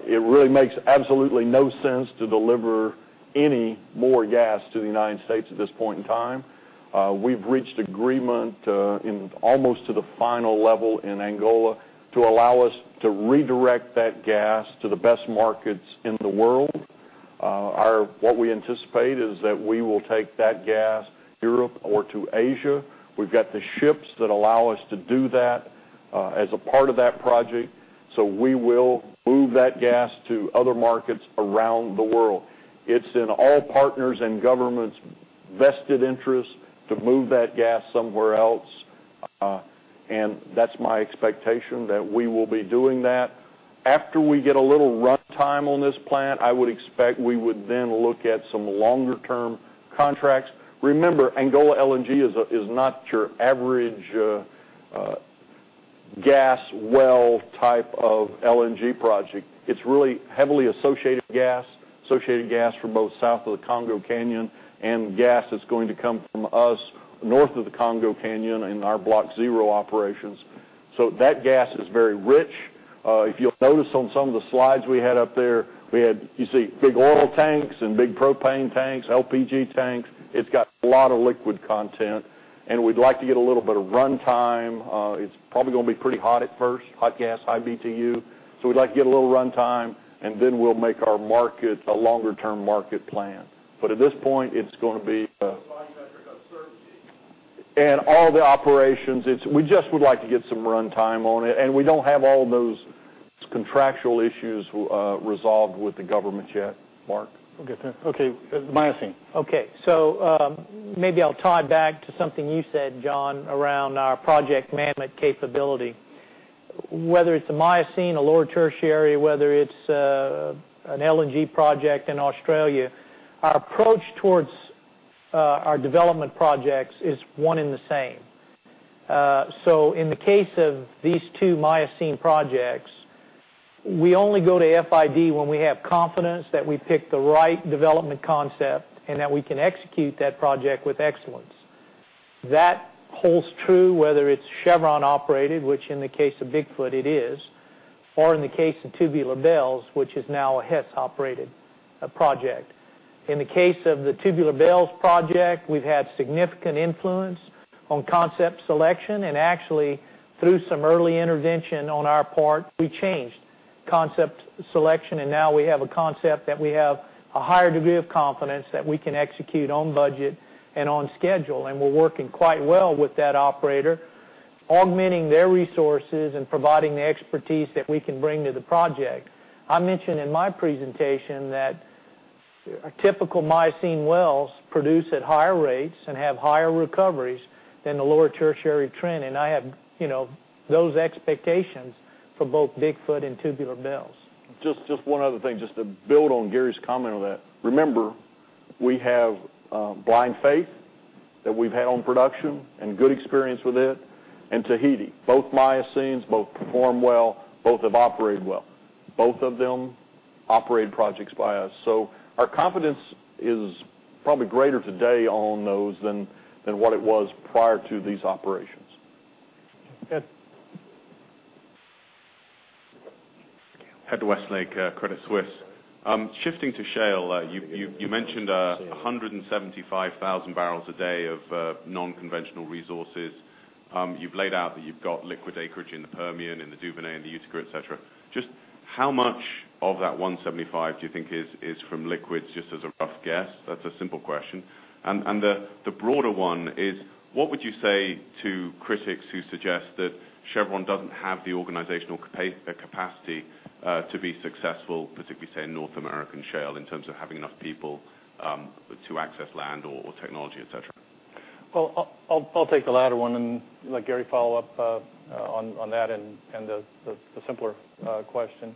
It really makes absolutely no sense to deliver any more gas to the United States at this point in time. We've reached agreement in almost to the final level in Angola to allow us to redirect that gas to the best markets in the world. What we anticipate is that we will take that gas to Europe or to Asia. We've got the ships that allow us to do that as a part of that project. We will move that gas to other markets around the world. It's in all partners' and governments' vested interests to move that gas somewhere else. That's my expectation that we will be doing that. After we get a little runtime on this plant, I would expect we would then look at some longer-term contracts. Remember, Angola LNG is not your average gas well type of LNG project. It's really heavily associated gas, associated gas from both south of the Congo Canyon and gas that's going to come from us north of the Congo Canyon in our Block Zero operations. That gas is very rich. If you'll notice on some of the slides we had up there, you see big oil tanks and big propane tanks, LPG tanks. It's got a lot of liquid content. We'd like to get a little bit of runtime. It's probably going to be pretty hot at first, hot gas, high BTU. We'd like to get a little runtime, and then we'll make our market a longer-term market plan. At this point, it's going to be and all the operations, we just would like to get some runtime on it. We don't have all those contractual issues resolved with the government yet. Mark. Okay, thanks. Okay, it's Miocene. Okay, maybe I'll tie back to something you said, John, around our project mammoth capability. Whether it's a Miocene, a lower tertiary, whether it's an LNG project in Australia, our approach towards our development projects is one and the same. In the case of these two Miocene projects, we only go to FID when we have confidence that we pick the right development concept and that we can execute that project with excellence. That holds true whether it's Chevron operated, which in the case of Bigfoot it is, or in the case of Tubular Bells, which is now a Hess operated project. In the case of the Tubular Bells project, we've had significant influence on concept selection, and actually through some early intervention on our part, we changed concept selection, and now we have a concept that we have a higher degree of confidence that we can execute on budget and on schedule. We're working quite well with that operator, augmenting their resources and providing the expertise that we can bring to the project. I mentioned in my presentation that our typical Miocene wells produce at higher rates and have higher recoveries than the lower tertiary trend. I have those expectations for both Bigfoot and Tubular Bells. Just one other thing, to build on Gary Luquette's comment on that. Remember, we have blind faith that we've had on production and good experience with it. At Tahiti, both Miocenes, both perform well, both have operated well. Both of them operated projects by us. Our confidence is probably greater today on those than what it was prior to these operations. Yup. Ed Westlake, Credit Suisse. Shifting to shale, you mentioned 175,000 barrels a day of non-conventional resources. You've laid out that you've got liquid acreage in the Permian, in the Duvernay, in the Utica, etc. Just how much of that 175 do you think is from liquids, just as a rough guess? That's a simple question. The broader one is, what would you say to critics who suggest that Chevron doesn't have the organizational capacity to be successful, particularly say in North American shale, in terms of having enough people to access land or technology, etc.? I'll take the latter one and let Gary follow up on that and the simpler question.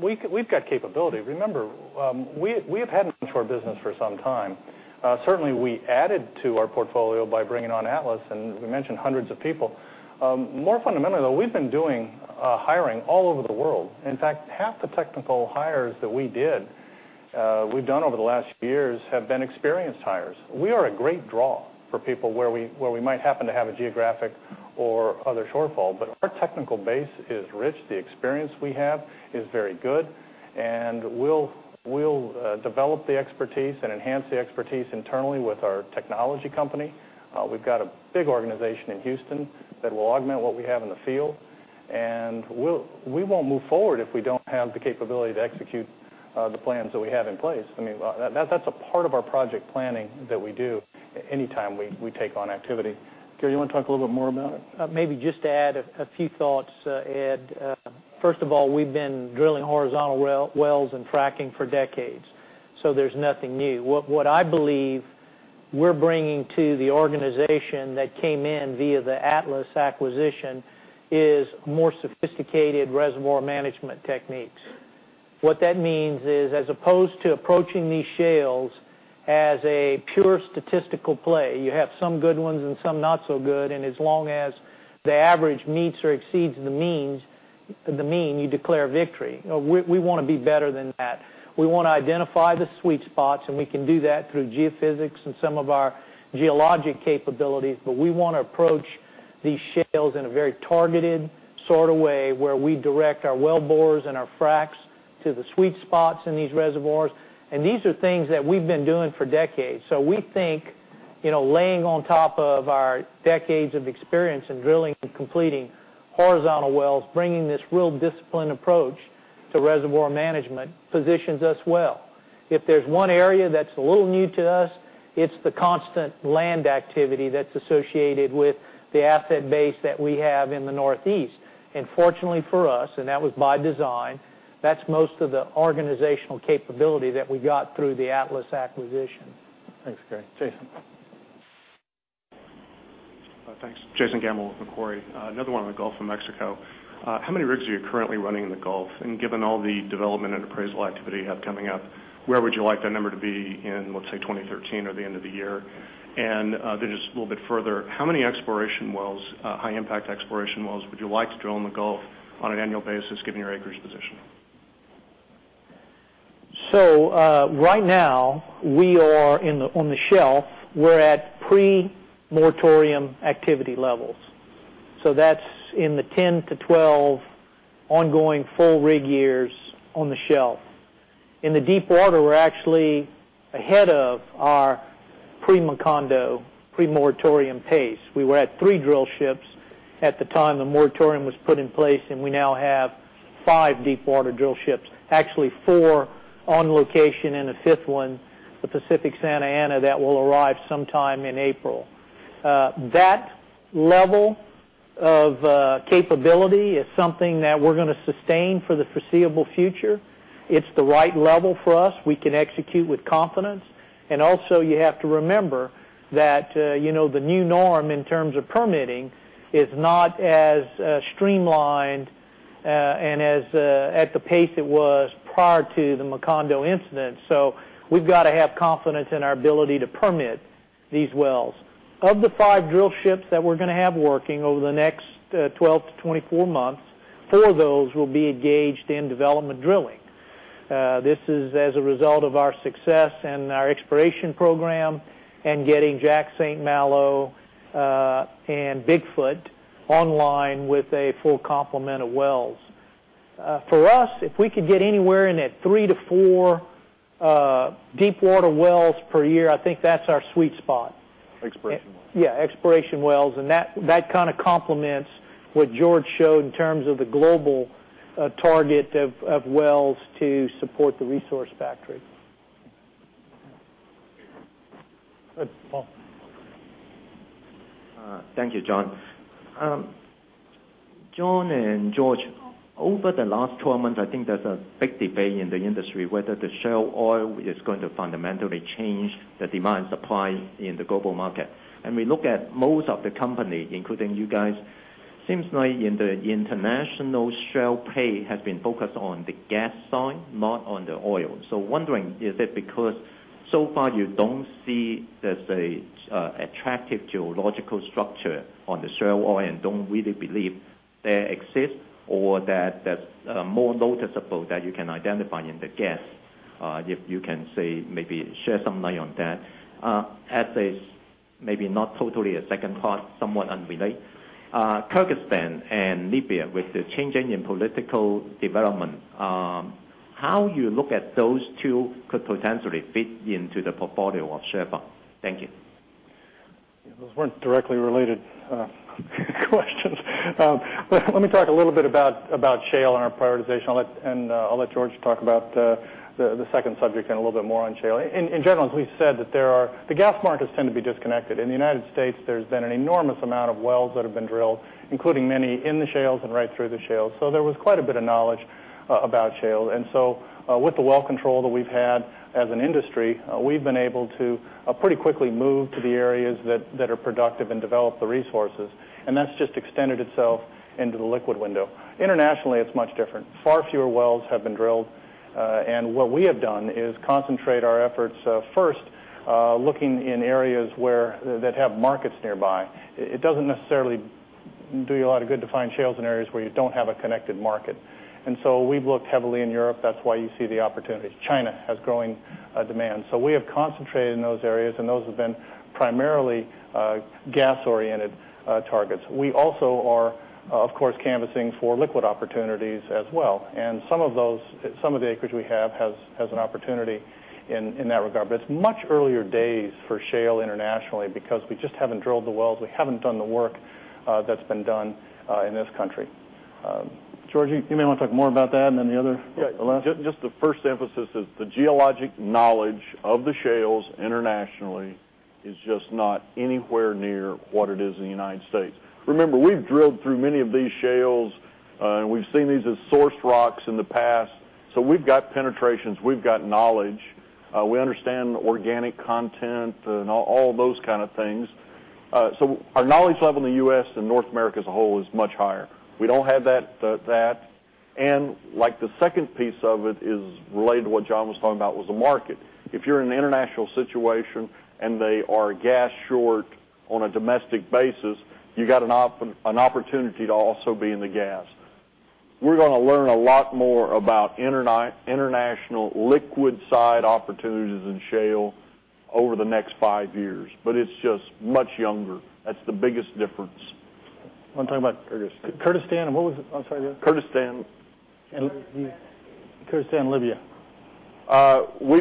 We've got capability. Remember, we have had a short business for some time. Certainly, we added to our portfolio by bringing on Atlas, and we mentioned hundreds of people. More fundamentally, though, we've been doing hiring all over the world. In fact, half the technical hires that we did, we've done over the last few years, have been experienced hires. We are a great draw for people where we might happen to have a geographic or other shortfall, but our technical base is rich. The experience we have is very good, and we'll develop the expertise and enhance the expertise internally with our technology company. We've got a big organization in Houston that will augment what we have in the field, and we won't move forward if we don't have the capability to execute the plans that we have in place. I mean, that's a part of our project planning that we do anytime we take on activity. Gary, you want to talk a little bit more about it? Maybe just add a few thoughts, Ed. First of all, we've been drilling horizontal wells and fracking for decades, so there's nothing new. What I believe we're bringing to the organization that came in via the Atlas acquisition is more sophisticated reservoir management techniques. What that means is, as opposed to approaching these shales as a pure statistical play, you have some good ones and some not so good, and as long as the average meets or exceeds the mean, you declare victory. We want to be better than that. We want to identify the sweet spots, and we can do that through geophysics and some of our geologic capabilities, but we want to approach these shales in a very targeted sort of way where we direct our well bores and our fracks to the sweet spots in these reservoirs, and these are things that we've been doing for decades. We think, you know, laying on top of our decades of experience in drilling and completing horizontal wells, bringing this real disciplined approach to reservoir management positions us well. If there's one area that's a little new to us, it's the constant land activity that's associated with the asset base that we have in the Northeast. Fortunately for us, and that was by design, that's most of the organizational capability that we got through the Atlas acquisition. Thanks, Gary. Jason. Thanks. Jason Gammel, Macquarie. Another one in the Gulf of Mexico. How many rigs are you currently running in the Gulf? Given all the development and appraisal activity you have coming up, where would you like that number to be in, let's say, 2013 or the end of the year? Just a little bit further, how many exploration wells, high-impact exploration wells, would you like to drill in the Gulf on an annual basis, given your acreage position? Right now, we are on the shelf, we're at pre-moratorium activity levels. That's in the 10 to 12 ongoing full rig years on the shelf. In the deepwater, we're actually ahead of our pre-Macondo, pre-moratorium pace. We were at three drill ships at the time the moratorium was put in place, and we now have five deepwater drill ships, actually four on location and a fifth one, the Pacific Santa Ana, that will arrive sometime in April. That level of capability is something that we're going to sustain for the foreseeable future. It's the right level for us. We can execute with confidence. You have to remember that the new norm in terms of permitting is not as streamlined and at the pace it was prior to the Macondo incident. We've got to have confidence in our ability to permit these wells. Of the five drill ships that we're going to have working over the next 12 to 24 months, four of those will be engaged in development drilling. This is as a result of our success in our exploration program and getting Jack St. Malo and Bigfoot online with a full complement of wells. For us, if we could get anywhere in at three to four deepwater wells per year, I think that's our sweet spot. Yeah, exploration wells, and that kind of complements what George showed in terms of the global target of wells to support the resource factory. Paul. Thank you, John. John and George, over the last 12 months, I think there's a big debate in the industry whether the shale oil is going to fundamentally change the demand supply in the global market. We look at most of the companies, including you guys, seems like in the international shale play has been focused on the gas side, not on the oil. Is it because so far you don't see there's an attractive geological structure on the shale oil and don't really believe that exists or that that's more noticeable that you can identify in the gas? If you can maybe share some light on that. As a maybe not totally a second part, somewhat unrelated, Kyrgyzstan and Libya with the changing in political development, how you look at those two could potentially fit into the portfolio of Chevron. Thank you. Those weren't directly related questions. Let me talk a little bit about shale and our prioritization, and I'll let George talk about the second subject and a little bit more on shale. In general, as we said, the gas markets tend to be disconnected. In the United States, there's been an enormous amount of wells that have been drilled, including many in the shales and right through the shales. There was quite a bit of knowledge about shale. With the well control that we've had as an industry, we've been able to pretty quickly move to the areas that are productive and develop the resources. That's just extended itself into the liquid window. Internationally, it's much different. Far fewer wells have been drilled. What we have done is concentrate our efforts first looking in areas that have markets nearby. It doesn't necessarily do you a lot of good to find shales in areas where you don't have a connected market. We've looked heavily in Europe. That's why you see the opportunities. China has growing demand. We have concentrated in those areas, and those have been primarily gas-oriented targets. We also are, of course, canvassing for liquid opportunities as well. Some of the acreage we have has an opportunity in that regard. It's much earlier days for shale internationally because we just haven't drilled the wells. We haven't done the work that's been done in this country. George, you may want to talk more about that and then the other last. The first emphasis is the geologic knowledge of the shales internationally is just not anywhere near what it is in the United States. Remember, we've drilled through many of these shales, and we've seen these as source rocks in the past. We've got penetrations. We've got knowledge. We understand organic content and all those kind of things. Our knowledge level in the U.S. and North America as a whole is much higher. We don't have that. The second piece of it is related to what John was talking about, which was the market. If you're in an international situation and they are gas short on a domestic basis, you've got an opportunity to also be in the gas. We're going to learn a lot more about international liquid side opportunities in shale over the next five years, but it's just much younger. That's the biggest difference. Want to talk about Kyrgyzstan and what was, I'm sorry, the other? Kyrgyzstan and Libya.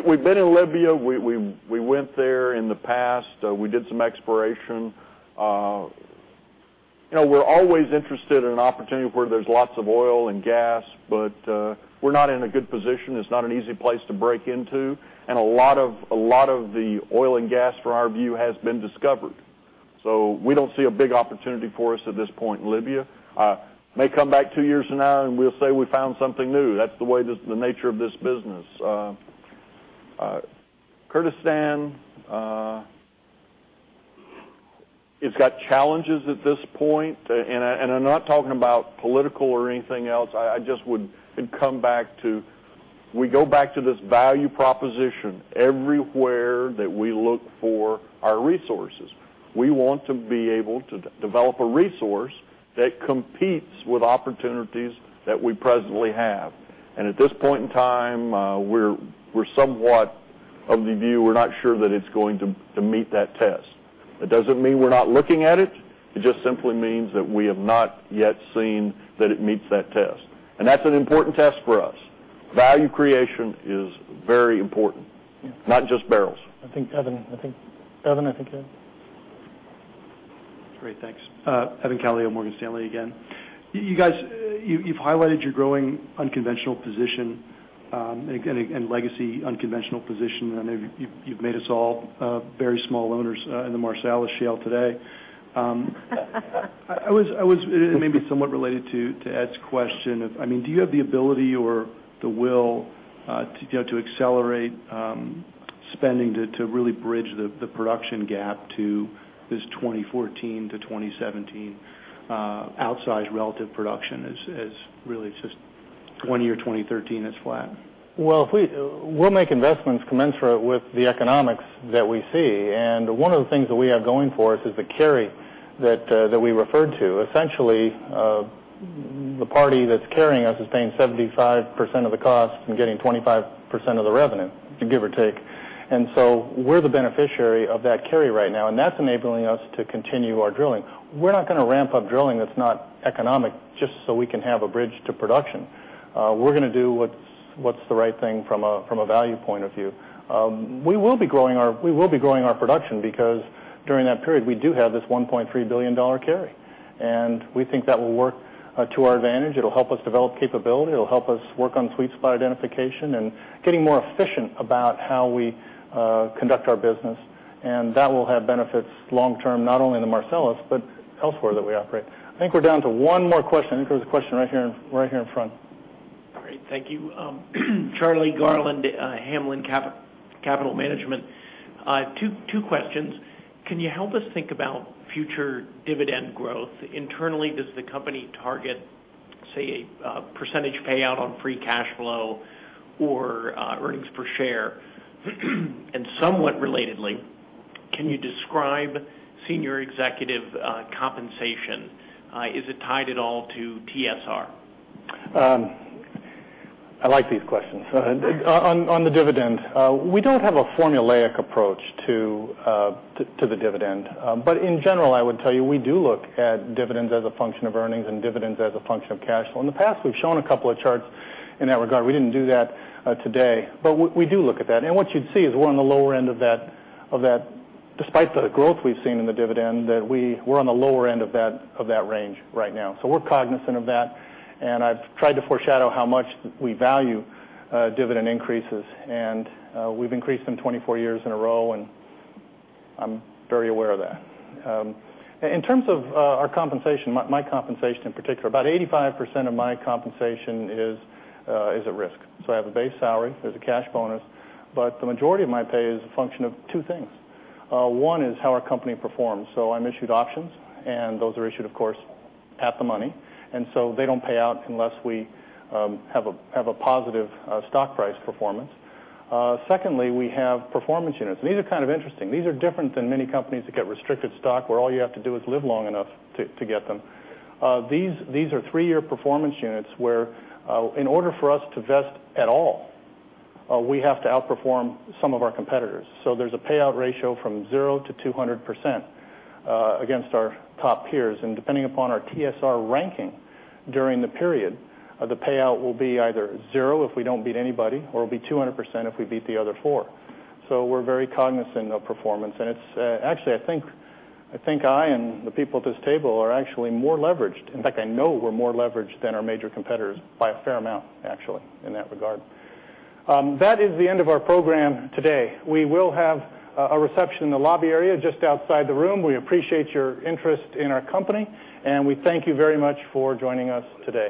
We've been in Libya. We went there in the past. We did some exploration. You know, we're always interested in an opportunity where there's lots of oil and gas, but we're not in a good position. It's not an easy place to break into. A lot of the oil and gas from our view has been discovered. We don't see a big opportunity for us at this point in Libya. May come back two years from now and we'll say we found something new. That's the way the nature of this business. Kyrgyzstan, it's got challenges at this point. I'm not talking about political or anything else. I just would come back to we go back to this value proposition everywhere that we look for our resources. We want to be able to develop a resource that competes with opportunities that we presently have. At this point in time, we're somewhat of the view we're not sure that it's going to meet that test. That doesn't mean we're not looking at it. It just simply means that we have not yet seen that it meets that test. That's an important test for us. Value creation is very important, not just barrels. I think.. Evan, I think you have? It's great. Thanks. Evan Calio of Morgan Stanley again. You guys, you've highlighted your growing unconventional position and legacy unconventional position. I know you've made us all very small owners in the Marcellus shale today. I was maybe somewhat related to Ed's question. I mean, do you have the ability or the will to accelerate spending to really bridge the production gap to this 2014 to 2017 outsized relative production as really it's just one year 2013 is flat? We will make investments commensurate with the economics that we see. One of the things that we are going for is the carry that we referred to. Essentially, the party that's carrying us is paying 75% of the cost and getting 25% of the revenue, give or take. We are the beneficiary of that carry right now, and that's enabling us to continue our drilling. We are not going to ramp up drilling that's not economic just so we can have a bridge to production. We are going to do what's the right thing from a value point of view. We will be growing our production because during that period, we do have this $1.3 billion carry. We think that will work to our advantage. It will help us develop capability. It will help us work on sweet spot identification and getting more efficient about how we conduct our business. That will have benefits long term, not only in the Marcellus, but elsewhere that we operate. I think we're down to one more question. I think there was a question right here in front. Great. Thank you. Charlie Garland, Hamlin Capital Management. Two questions. Can you help us think about future dividend growth? Internally, does the company target, say, a percentage payout on free cash flow or earnings per share? Somewhat relatedly, can you describe senior executive compensation? Is it tied at all to TSR? I like these questions. On the dividend, we don't have a formulaic approach to the dividend. In general, I would tell you we do look at dividends as a function of earnings and dividends as a function of cash flow. In the past, we've shown a couple of charts in that regard. We didn't do that today, but we do look at that. What you'd see is we're on the lower end of that, despite the growth we've seen in the dividend, that we're on the lower end of that range right now. We're cognizant of that. I've tried to foreshadow how much we value dividend increases. We've increased them 24 years in a row, and I'm very aware of that. In terms of our compensation, my compensation in particular, about 85% of my compensation is at risk. I have a base salary. There's a cash bonus, but the majority of my pay is a function of two things. One is how our company performs. I'm issued options, and those are issued, of course, at the money. They don't pay out unless we have a positive stock price performance. Secondly, we have performance units. These are kind of interesting. These are different than many companies that get restricted stock where all you have to do is live long enough to get them. These are three-year performance units where, in order for us to vest at all, we have to outperform some of our competitors. There's a payout ratio from 0%-200% against our top peers. Depending upon our TSR ranking during the period, the payout will be either 0% if we don't beat anybody or it'll be 200% if we beat the other four. We're very cognizant of performance. I think I and the people at this table are actually more leveraged. In fact, I know we're more leveraged than our major competitors by a fair amount, actually, in that regard. That is the end of our program today. We will have a reception in the lobby area just outside the room. We appreciate your interest in our company, and we thank you very much for joining us today.